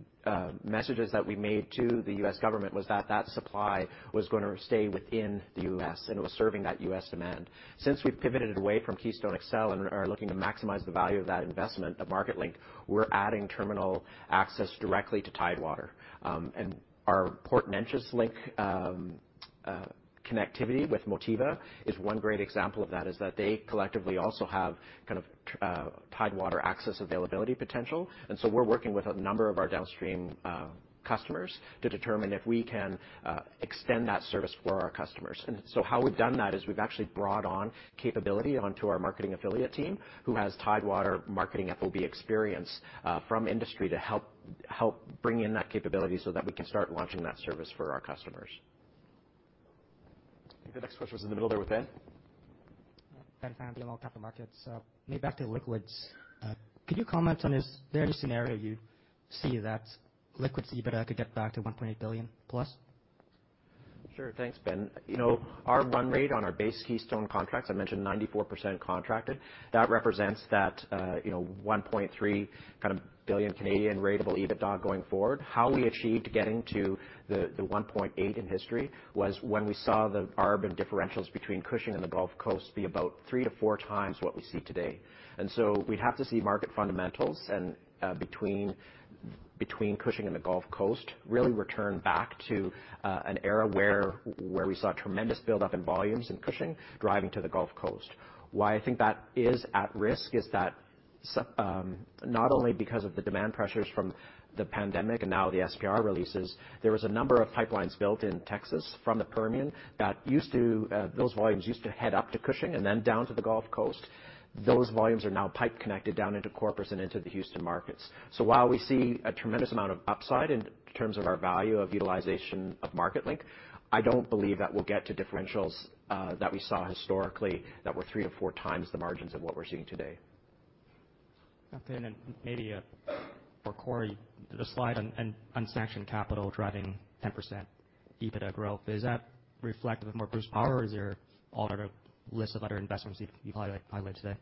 messages that we made to the U.S. government was that that supply was gonna stay within the U.S., and it was serving that U.S. demand. Since we've pivoted away from Keystone XL and are looking to maximize the value of that investment at Marketlink, we're adding terminal access directly to Tidewater. Our Port Neches Link connectivity with Motiva is one great example of that, is that they collectively also have kind of Tidewater access availability potential. We're working with a number of our downstream customers to determine if we can extend that service for our customers. How we've done that is we've actually brought on capability onto our marketing affiliate team, who has Tidewater marketing FOB experience from industry to help bring in that capability so that we can start launching that service for our customers. I think the next question was in the middle there with Ben. maybe back to liquids. could you comment on is there a scenario you see that liquids EBITDA could get back to $1.8 billion plus? Sure. Thanks, Ben. You know, our run rate on our base Keystone contracts, I mentioned 94% contracted. That represents that, you know, 1.3 billion kind of rate of EBITDA going forward. How we achieved getting to the 1.8 billion in history was when we saw the ARB and differentials between Cushing and the Gulf Coast be about 3 to 4 times what we see today. We'd have to see market fundamentals and between Cushing and the Gulf Coast really return back to an era where we saw tremendous buildup in volumes in Cushing driving to the Gulf Coast. Why I think that is at risk is that not only because of the demand pressures from the pandemic and now the SPR releases, there was a number of pipelines built in Texas from the Permian that used to, those volumes used to head up to Cushing and then down to the Gulf Coast. Those volumes are now pipe connected down into Corpus and into the Houston markets. While we see a tremendous amount of upside in terms of our value of utilization of MarketLink, I don't believe that we'll get to differentials that we saw historically that were three to four times the margins of what we're seeing today. Okay. Then maybe for Corey, the slide on unsanctioned capital driving 10% EBITDA growth, does that reflect more Bruce Power or is there all other list of other investments you highlighted today?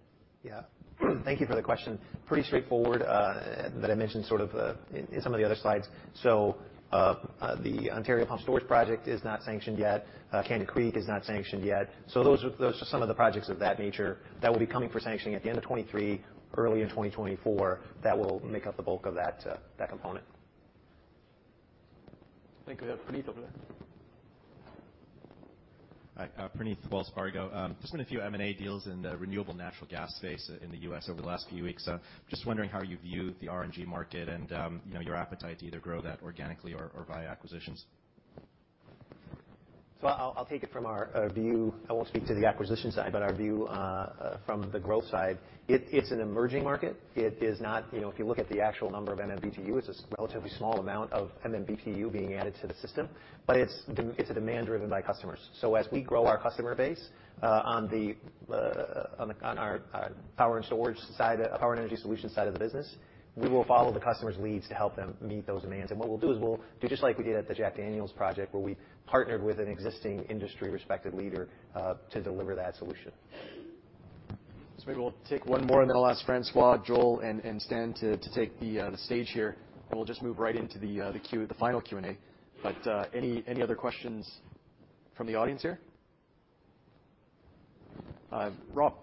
Thank you for the question. Pretty straightforward, that I mentioned sort of, in some of the other slides. The Ontario Pumped Storage Project is not sanctioned yet. Candy Creek is not sanctioned yet. Those are some of the projects of that nature that will be coming for sanctioning at the end of 23, early in 2024, that will make up the bulk of that component. I think we have Praneeth over there. Hi. Praneeth, Wells Fargo. There's been a few M&A deals in the renewable natural gas space in the U.S. over the last few weeks. Just wondering how you view the RNG market and, you know, your appetite to either grow that organically or via acquisitions. I'll take it from our view. I won't speak to the acquisition side, but our view, from the growth side, it's an emerging market. It is not. You know, if you look at the actual number of MMBtu, it's a relatively small amount of MMBtu being added to the system, but it's a demand driven by customers. As we grow our customer base, on our power and storage side, Power and Energy Solutions side of the business, we will follow the customer's leads to help them meet those demands. What we'll do is we'll do just like we did at the Jack Daniels project, where we partnered with an existing industry-respected leader, to deliver that solution. Maybe we'll take one more, and then I'll ask Francois, Joel and Stan to take the stage here, and we'll just move right into the final Q&A. Any other questions from the audience here? Rob. Rob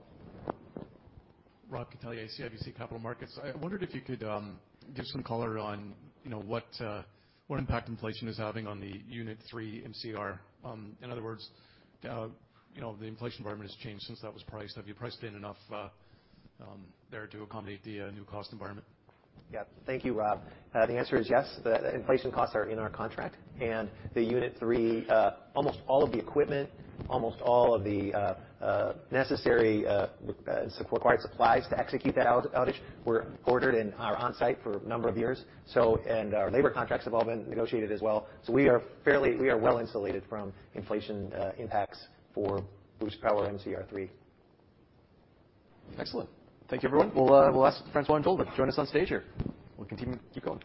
Catellier, CIBC Capital Markets. I wondered if you could give some color on, you know, what impact inflation is having on the unit 3 MCR. In other words, you know, the inflation environment has changed since that was priced. Have you priced in enough there to accommodate the new cost environment? Yeah. Thank you, Rob. The answer is yes. The inflation costs are in our contract. The unit three, almost all of the equipment, almost all of the necessary required supplies to execute that outage were ordered and are on site for a number of years. Our labor contracts have all been negotiated as well. We are well-insulated from inflation impacts for Bruce Power MCR 3. Excellent. Thank you, everyone. We'll ask Francois and Joel to join us on stage here. We'll continue to keep going.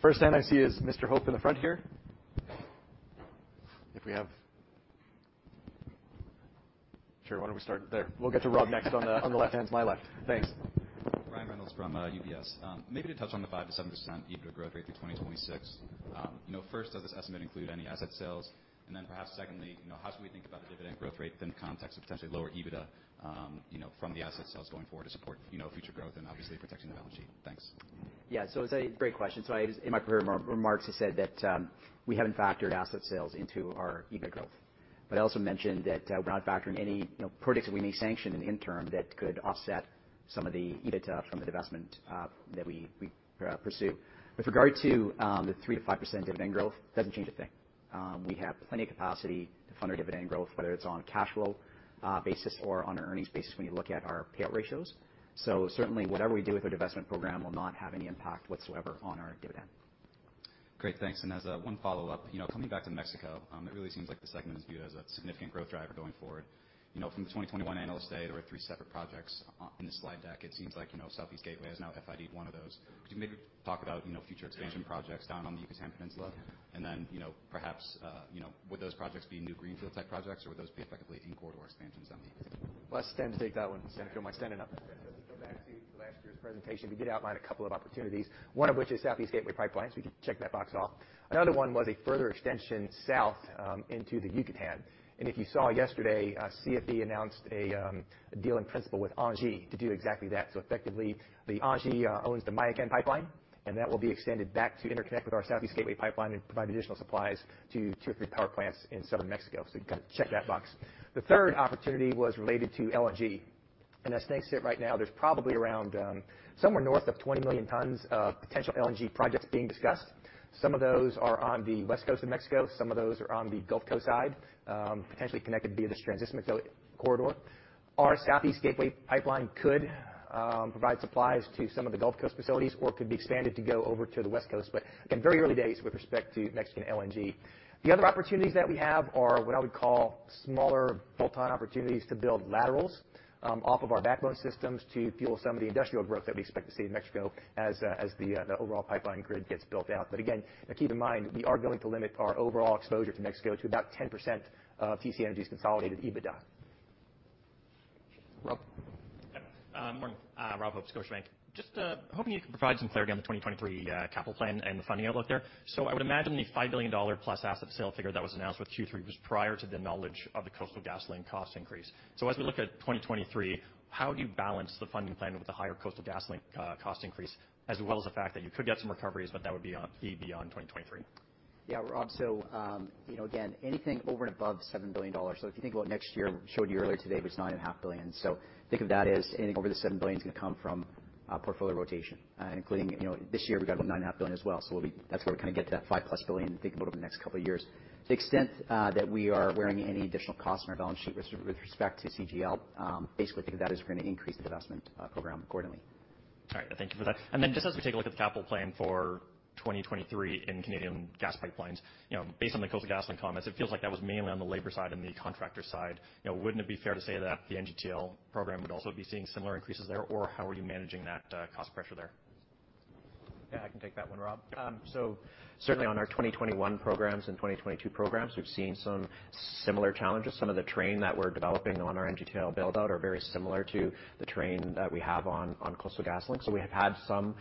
The first hand I see is Mr. Hope in the front here. Sure. Why don't we start there? We'll get to Rob next on the, on the left-hand, my left. Thanks. Brian Reynolds from UBS. Maybe to touch on the 5% to 7% EBITDA growth rate through 2026. You know, first, does this estimate include any asset sales? Perhaps secondly, you know, how should we think about the dividend growth rate within the context of potentially lower EBITDA, you know, from the asset sales going forward to support, you know, future growth and obviously protecting the balance sheet? Thanks. Yeah. It's a great question. I just in my pre- remarks, I said that we haven't factored asset sales into our EBITDA growth. I also mentioned that we're not factoring any, you know, projects that we may sanction in the interim that could offset some of the EBITDA from the divestment that we pursue. With regard to the 3%-5% dividend growth, doesn't change a thing. We have plenty of capacity to fund our dividend growth, whether it's on a cash flow basis or on an earnings basis when you look at our payout ratios. Certainly, whatever we do with our divestment program will not have any impact whatsoever on our dividend. Great. Thanks. As, you know, 1 follow-up, coming back to Mexico, it really seems like the segment is viewed as a significant growth driver going forward. You know, from the 2021 Analyst Day, there were 3 separate projects on the slide deck. It seems like, you know, Southeast Gateway has now FID 1 of those. Could you maybe talk about, you know, future expansion projects down on the Yucatan Peninsula? Then, you know, perhaps, you know, would those projects be new greenfield type projects, or would those be effectively in corridor expansions on the- Well, I'll stand to take that one since I don't mind standing up. If you go back to last year's presentation, we did outline a couple of opportunities, one of which is Southeast Gateway Pipeline. We can check that box off. Another one was a further extension south into the Yucatan. CFE announced a deal in principle with ENGIE to do exactly that. Effectively, the ENGIE owns the Mayakan Pipeline, and that will be extended back to interconnect with our Southeast Gateway Pipeline and provide additional supplies to two or three power plants in southern Mexico. You can check that box. The third opportunity was related to LNG. As things sit right now, there's probably around somewhere north of 20 million tons of potential LNG projects being discussed. Some of those are on the west coast of Mexico, some of those are on the Gulf Coast side, potentially connected via this transmission corridor. Our Southeast Gateway Pipeline could provide supplies to some of the Gulf Coast facilities or could be expanded to go over to the West Coast. Again, very early days with respect to Mexican LNG. The other opportunities that we have are what I would call smaller bolt-on opportunities to build laterals off of our backbone systems to fuel some of the industrial growth that we expect to see in Mexico as the overall pipeline grid gets built out. Again, keep in mind, we are going to limit our overall exposure to Mexico to about 10% of TC Energy's consolidated EBITDA. Rob. Yep. Morning. Robert Hope, Scotiabank. Just hoping you could provide some clarity on the 2023 capital plan and the funding outlook there. I would imagine the $5 billion-plus asset sale figure that was announced with Q3 was prior to the knowledge of the Coastal GasLink cost increase. As we look at 2023, how do you balance the funding plan with the higher Coastal GasLink cost increase, as well as the fact that you could get some recoveries, but that would be beyond 2023? Rob, you know, again, anything over and above $7 billion. If you think about next year, showed you earlier today was $9.5 billion. Think of that as anything over the $7 billion is gonna come from portfolio rotation, including, you know, this year we got about $9.5 billion as well. That's where we kinda get to that $5+ billion, think about over the next couple of years. The extent that we are wearing any additional cost on our balance sheet with respect to CGL, basically think of that is we're gonna increase the divestment program accordingly. All right. Thank you for that. Just as we take a look at the capital plan for 2023 in Canadian gas pipelines, you know, based on the Coastal GasLink comments, it feels like that was mainly on the labor side and the contractor side. You know, wouldn't it be fair to say that the NGTL program would also be seeing similar increases there? Or how are you managing that cost pressure there? I can take that one, Rob. Certainly on our 2021 programs and 2022 programs, we've seen some similar challenges. Some of the terrain that we're developing on our NGTL build-out are very similar to the terrain that we have on Coastal GasLink. We have had some,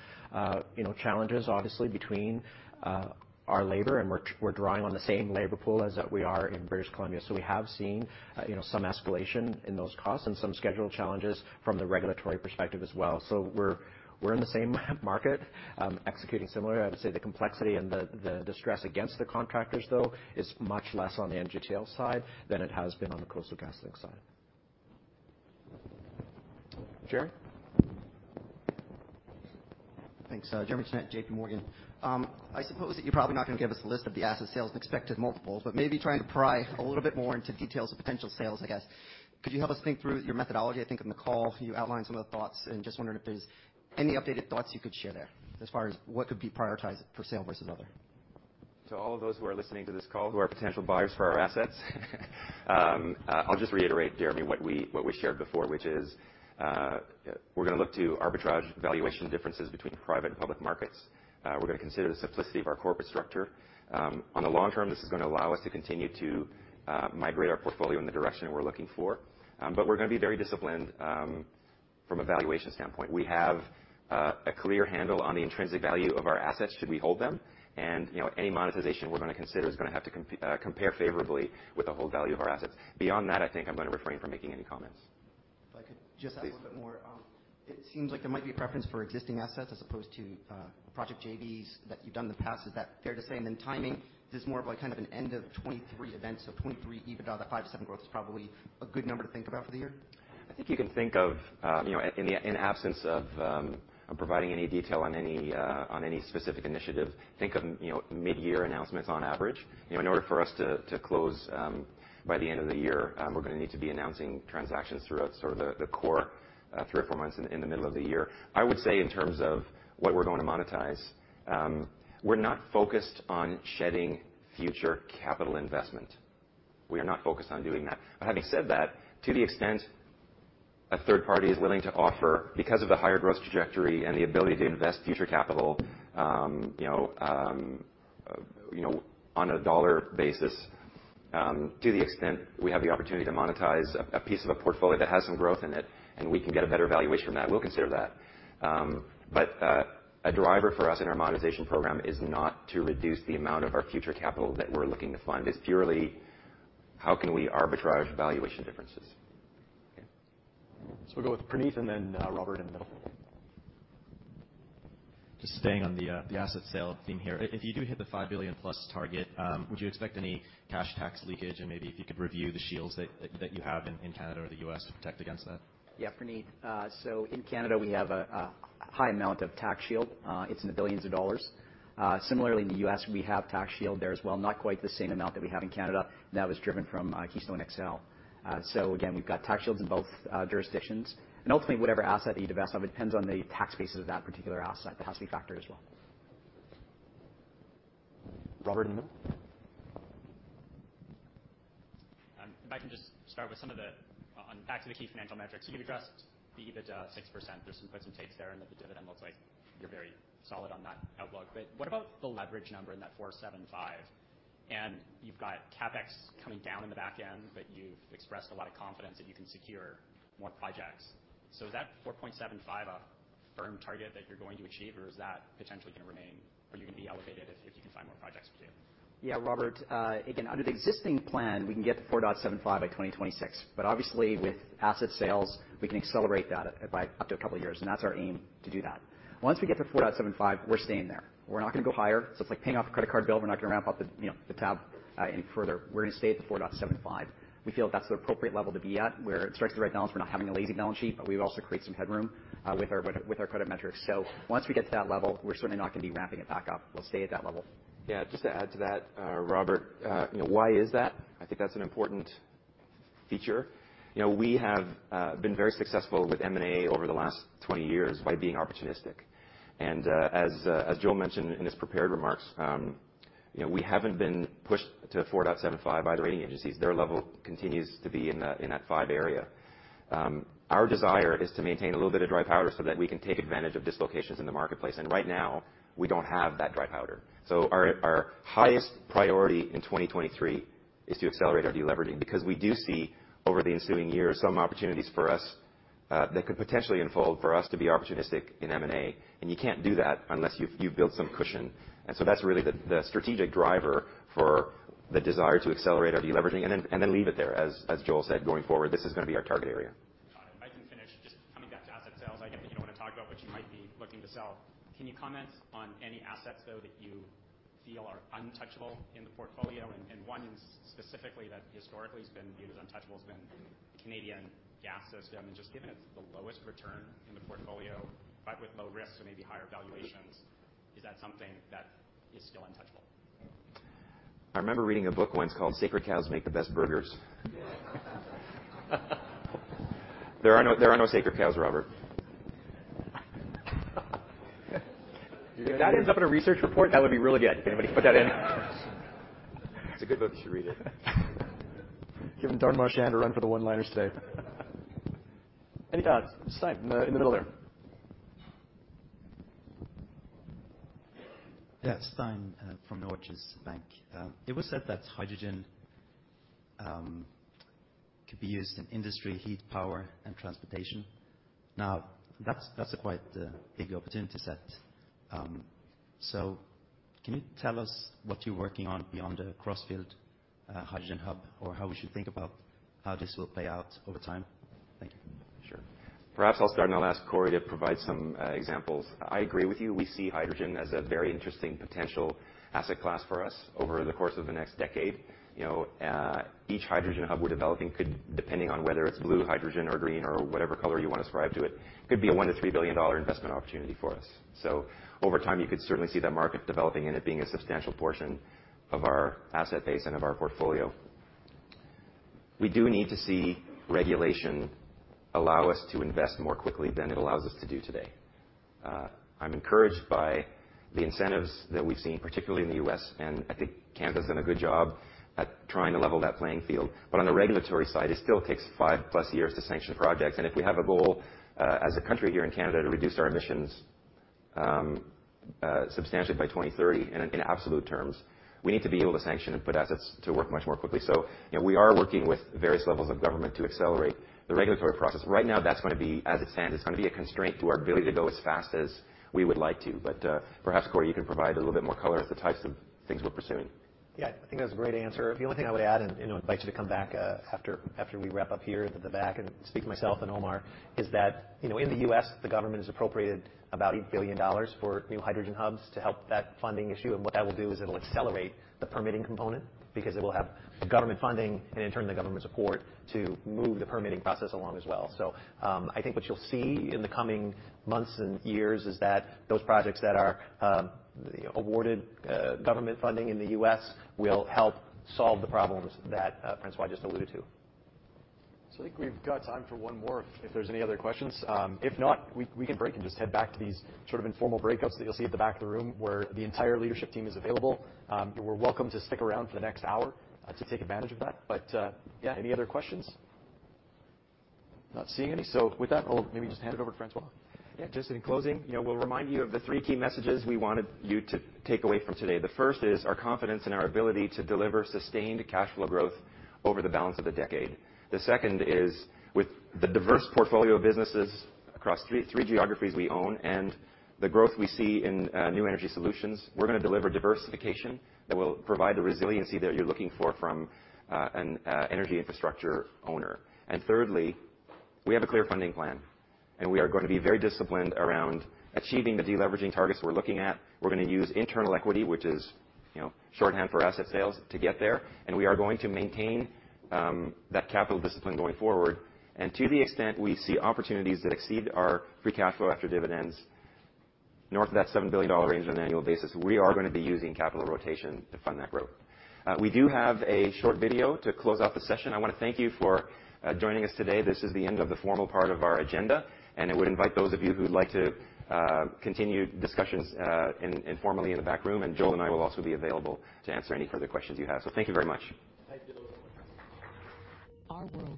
you know, challenges, obviously, between our labor, and we're drawing on the same labor pool as we are in British Columbia. We have seen, you know, some escalation in those costs and some schedule challenges from the regulatory perspective as well. We're in the same market, executing similar. I would say the complexity and the distress against the contractors, though, is much less on the NGTL side than it has been on the Coastal GasLink side. Jeremy. Thanks. Jeremy Tonet, J.P. Morgan. I suppose that you're probably not gonna give us a list of the asset sales and expected multiples, but maybe trying to pry a little bit more into details of potential sales, I guess. Could you help us think through your methodology? I think on the call you outlined some of the thoughts and just wondering if there's any updated thoughts you could share there as far as what could be prioritized for sale versus other. To all of those who are listening to this call, who are potential buyers for our assets, I'll just reiterate, Jeremy, what we shared before, which is, we're gonna look to arbitrage valuation differences between private and public markets. We're gonna consider the simplicity of our corporate structure. On the long term, this is gonna allow us to continue to migrate our portfolio in the direction we're looking for. We're gonna be very disciplined from a valuation standpoint. We have a clear handle on the intrinsic value of our assets should we hold them. You know, any monetization we're gonna consider is gonna have to compare favorably with the whole value of our assets. Beyond that, I think I'm gonna refrain from making any comments. If I could just add a little bit more. Please. It seems like there might be a preference for existing assets as opposed to project JVs that you've done in the past. Is that fair to say? Timing, is this more of a, kind of an end of 23 event? 23 EBITDA, that 5-7% growth is probably a good number to think about for the year? I think you can think of, you know, in absence of providing any detail on any specific initiative, think of, you know, mid-year announcements on average. You know, in order for us to close by the end of the year, we're gonna need to be announcing transactions throughout sort of the core three or four months in the middle of the year. I would say in terms of what we're going to monetize, we're not focused on shedding future capital investment. We are not focused on doing that. Having said that, to the extent a third party is willing to offer because of the higher growth trajectory and the ability to invest future capital, you know, you know, on a dollar basis, to the extent we have the opportunity to monetize a piece of a portfolio that has some growth in it and we can get a better valuation from that, we'll consider that. A driver for us in our monetization program is not to reduce the amount of our future capital that we're looking to fund. It's purely how can we arbitrage valuation differences. We'll go with Praneeth and then Robert in the middle. Just staying on the asset sale theme here. If you do hit the 5 billion-plus target, would you expect any cash tax leakage? Maybe if you could review the shields that you have in Canada or the U.S. to protect against that. Yeah, Praneeth. In Canada we have a high amount of tax shield. It's in the billions of dollars. Similarly in the U.S., we have tax shield there as well, not quite the same amount that we have in Canada. That was driven from Keystone XL. Again, we've got tax shields in both jurisdictions. Ultimately, whatever asset that you divest of, it depends on the tax basis of that particular asset. That has to be factored as well. Robert in the middle. If I can just start on back to the key financial metrics. You addressed the EBITDA 6%. There's some puts and takes there and that the dividend looks like you're very solid on that outlook. What about the leverage number in that 4.75? You've got CapEx coming down in the back end, but you've expressed a lot of confidence that you can secure more projects. Is that 4.75 a firm target that you're going to achieve, or is that potentially gonna remain or are you gonna be elevated if you can find more projects to do? Robert, again, under the existing plan, we can get to 4.75 by 2026. Obviously, with asset sales we can accelerate that by up to a couple of years, and that's our aim to do that. Once we get to 4.75, we're staying there. We're not gonna go higher. It's like paying off a credit card bill, we're not gonna ramp up the, you know, the tab any further. We're gonna stay at the 4.75. We feel that's the appropriate level to be at where it strikes the right balance. We're not having a lazy balance sheet, but we also create some headroom with our credit metrics. Once we get to that level, we're certainly not gonna be ramping it back up. We'll stay at that level. Yeah, just to add to that, Robert, you know, why is that? I think that's an important feature. You know, we have been very successful with M&A over the last 20 years by being opportunistic. As Joel mentioned in his prepared remarks, you know, we haven't been pushed to 4.75 by the rating agencies. Their level continues to be in the, in that 5 area. Our desire is to maintain a little bit of dry powder so that we can take advantage of dislocations in the marketplace. Right now, we don't have that dry powder. Our highest priority in 2023 is to accelerate our deleveraging, because we do see over the ensuing years some opportunities for us that could potentially unfold for us to be opportunistic in M&A, and you can't do that unless you've built some cushion. That's really the strategic driver for the desire to accelerate our deleveraging and then leave it there. As Joel said, going forward, this is gonna be our target area. Got it. If I can finish just coming back to asset sales. I get that you don't wanna talk about what you might be looking to sell. Can you comment on any assets though that you feel are untouchable in the portfolio? One specifically that historically has been viewed as untouchable has been Canadian Gas System. Just given it's the lowest return in the portfolio, but with low risk so maybe higher valuations, is that something that is still untouchable? I remember reading a book once called Sacred Cows Make the Best Burgers. There are no sacred cows, Robert. If that ends up in a research report, that would be really good. If anybody put that in. It's a good book. You should read it. Giving Darnesh a run for the one-liners today. Any thoughts? Stein, in the middle there. Yeah, Stein, from Norges Bank. It was said that hydrogen could be used in industry, heat, power and transportation. That's a quite big opportunity set. Can you tell us what you're working on beyond the Crossfield Hydrogen Hub? How we should think about how this will play out over time? Thank you. Sure. Perhaps I'll start and I'll ask Corey to provide some examples. I agree with you. We see hydrogen as a very interesting potential asset class for us over the course of the next decade. You know, each hydrogen hub we're developing could, depending on whether it's blue hydrogen or green or whatever color you wanna ascribe to it, could be a $1 billion-$3 billion investment opportunity for us. Over time, you could certainly see that market developing and it being a substantial portion of our asset base and of our portfolio. We do need to see regulation allow us to invest more quickly than it allows us to do today. I'm encouraged by the incentives that we've seen, particularly in the U.S., and I think Canada's done a good job at trying to level that playing field. On the regulatory side, it still takes 5+ years to sanction projects. If we have a goal, as a country here in Canada to reduce our emissions, substantially by 2030 in absolute terms, we need to be able to sanction and put assets to work much more quickly. You know, we are working with various levels of government to accelerate the regulatory process. Right now that's gonna be, as it stands, it's gonna be a constraint to our ability to go as fast as we would like to. Perhaps, Corey, you can provide a little bit more color of the types of things we're pursuing. Yeah. I think that was a great answer. The only thing I would add, and, you know, I'd like to come back after we wrap up here at the back and speak for myself and Omar, is that, you know, in the U.S., the government has appropriated about $8 billion for new hydrogen hubs to help that funding issue. What that will do is it'll accelerate the permitting component, because it will have government funding and in turn the government support to move the permitting process along as well. I think what you'll see in the coming months and years is that those projects that are awarded government funding in the U.S. will help solve the problems that Francois just alluded to. I think we've got time for 1 more, if there's any other questions. If not, we can break and just head back to these sort of informal breakups that you'll see at the back of the room where the entire leadership team is available. You're welcome to stick around for the next hour to take advantage of that. Yeah, any other questions? Not seeing any. With that, I'll maybe just hand it over to Francois. Just in closing, you know, we'll remind you of the three key messages we wanted you to take away from today. The first is our confidence in our ability to deliver sustained cash flow growth over the balance of the decade. The second is with the diverse portfolio of businesses across three geographies we own and the growth we see in new energy solutions, we're gonna deliver diversification that will provide the resiliency that you're looking for from an energy infrastructure owner. Thirdly, we have a clear funding plan, and we are gonna be very disciplined around achieving the deleveraging targets we're looking at. We're gonna use internal equity, which is, you know, shorthand for asset sales to get there, and we are going to maintain that capital discipline going forward. To the extent we see opportunities that exceed our free cash flow after dividends, north of that $7 billion range on an annual basis, we are gonna be using capital rotation to fund that growth. We do have a short video to close out the session. I wanna thank you for joining us today. This is the end of the formal part of our agenda, and I would invite those of you who'd like to continue discussions informally in the back room. Joel and I will also be available to answer any further questions you have. Thank you very much. Thank you..Our world-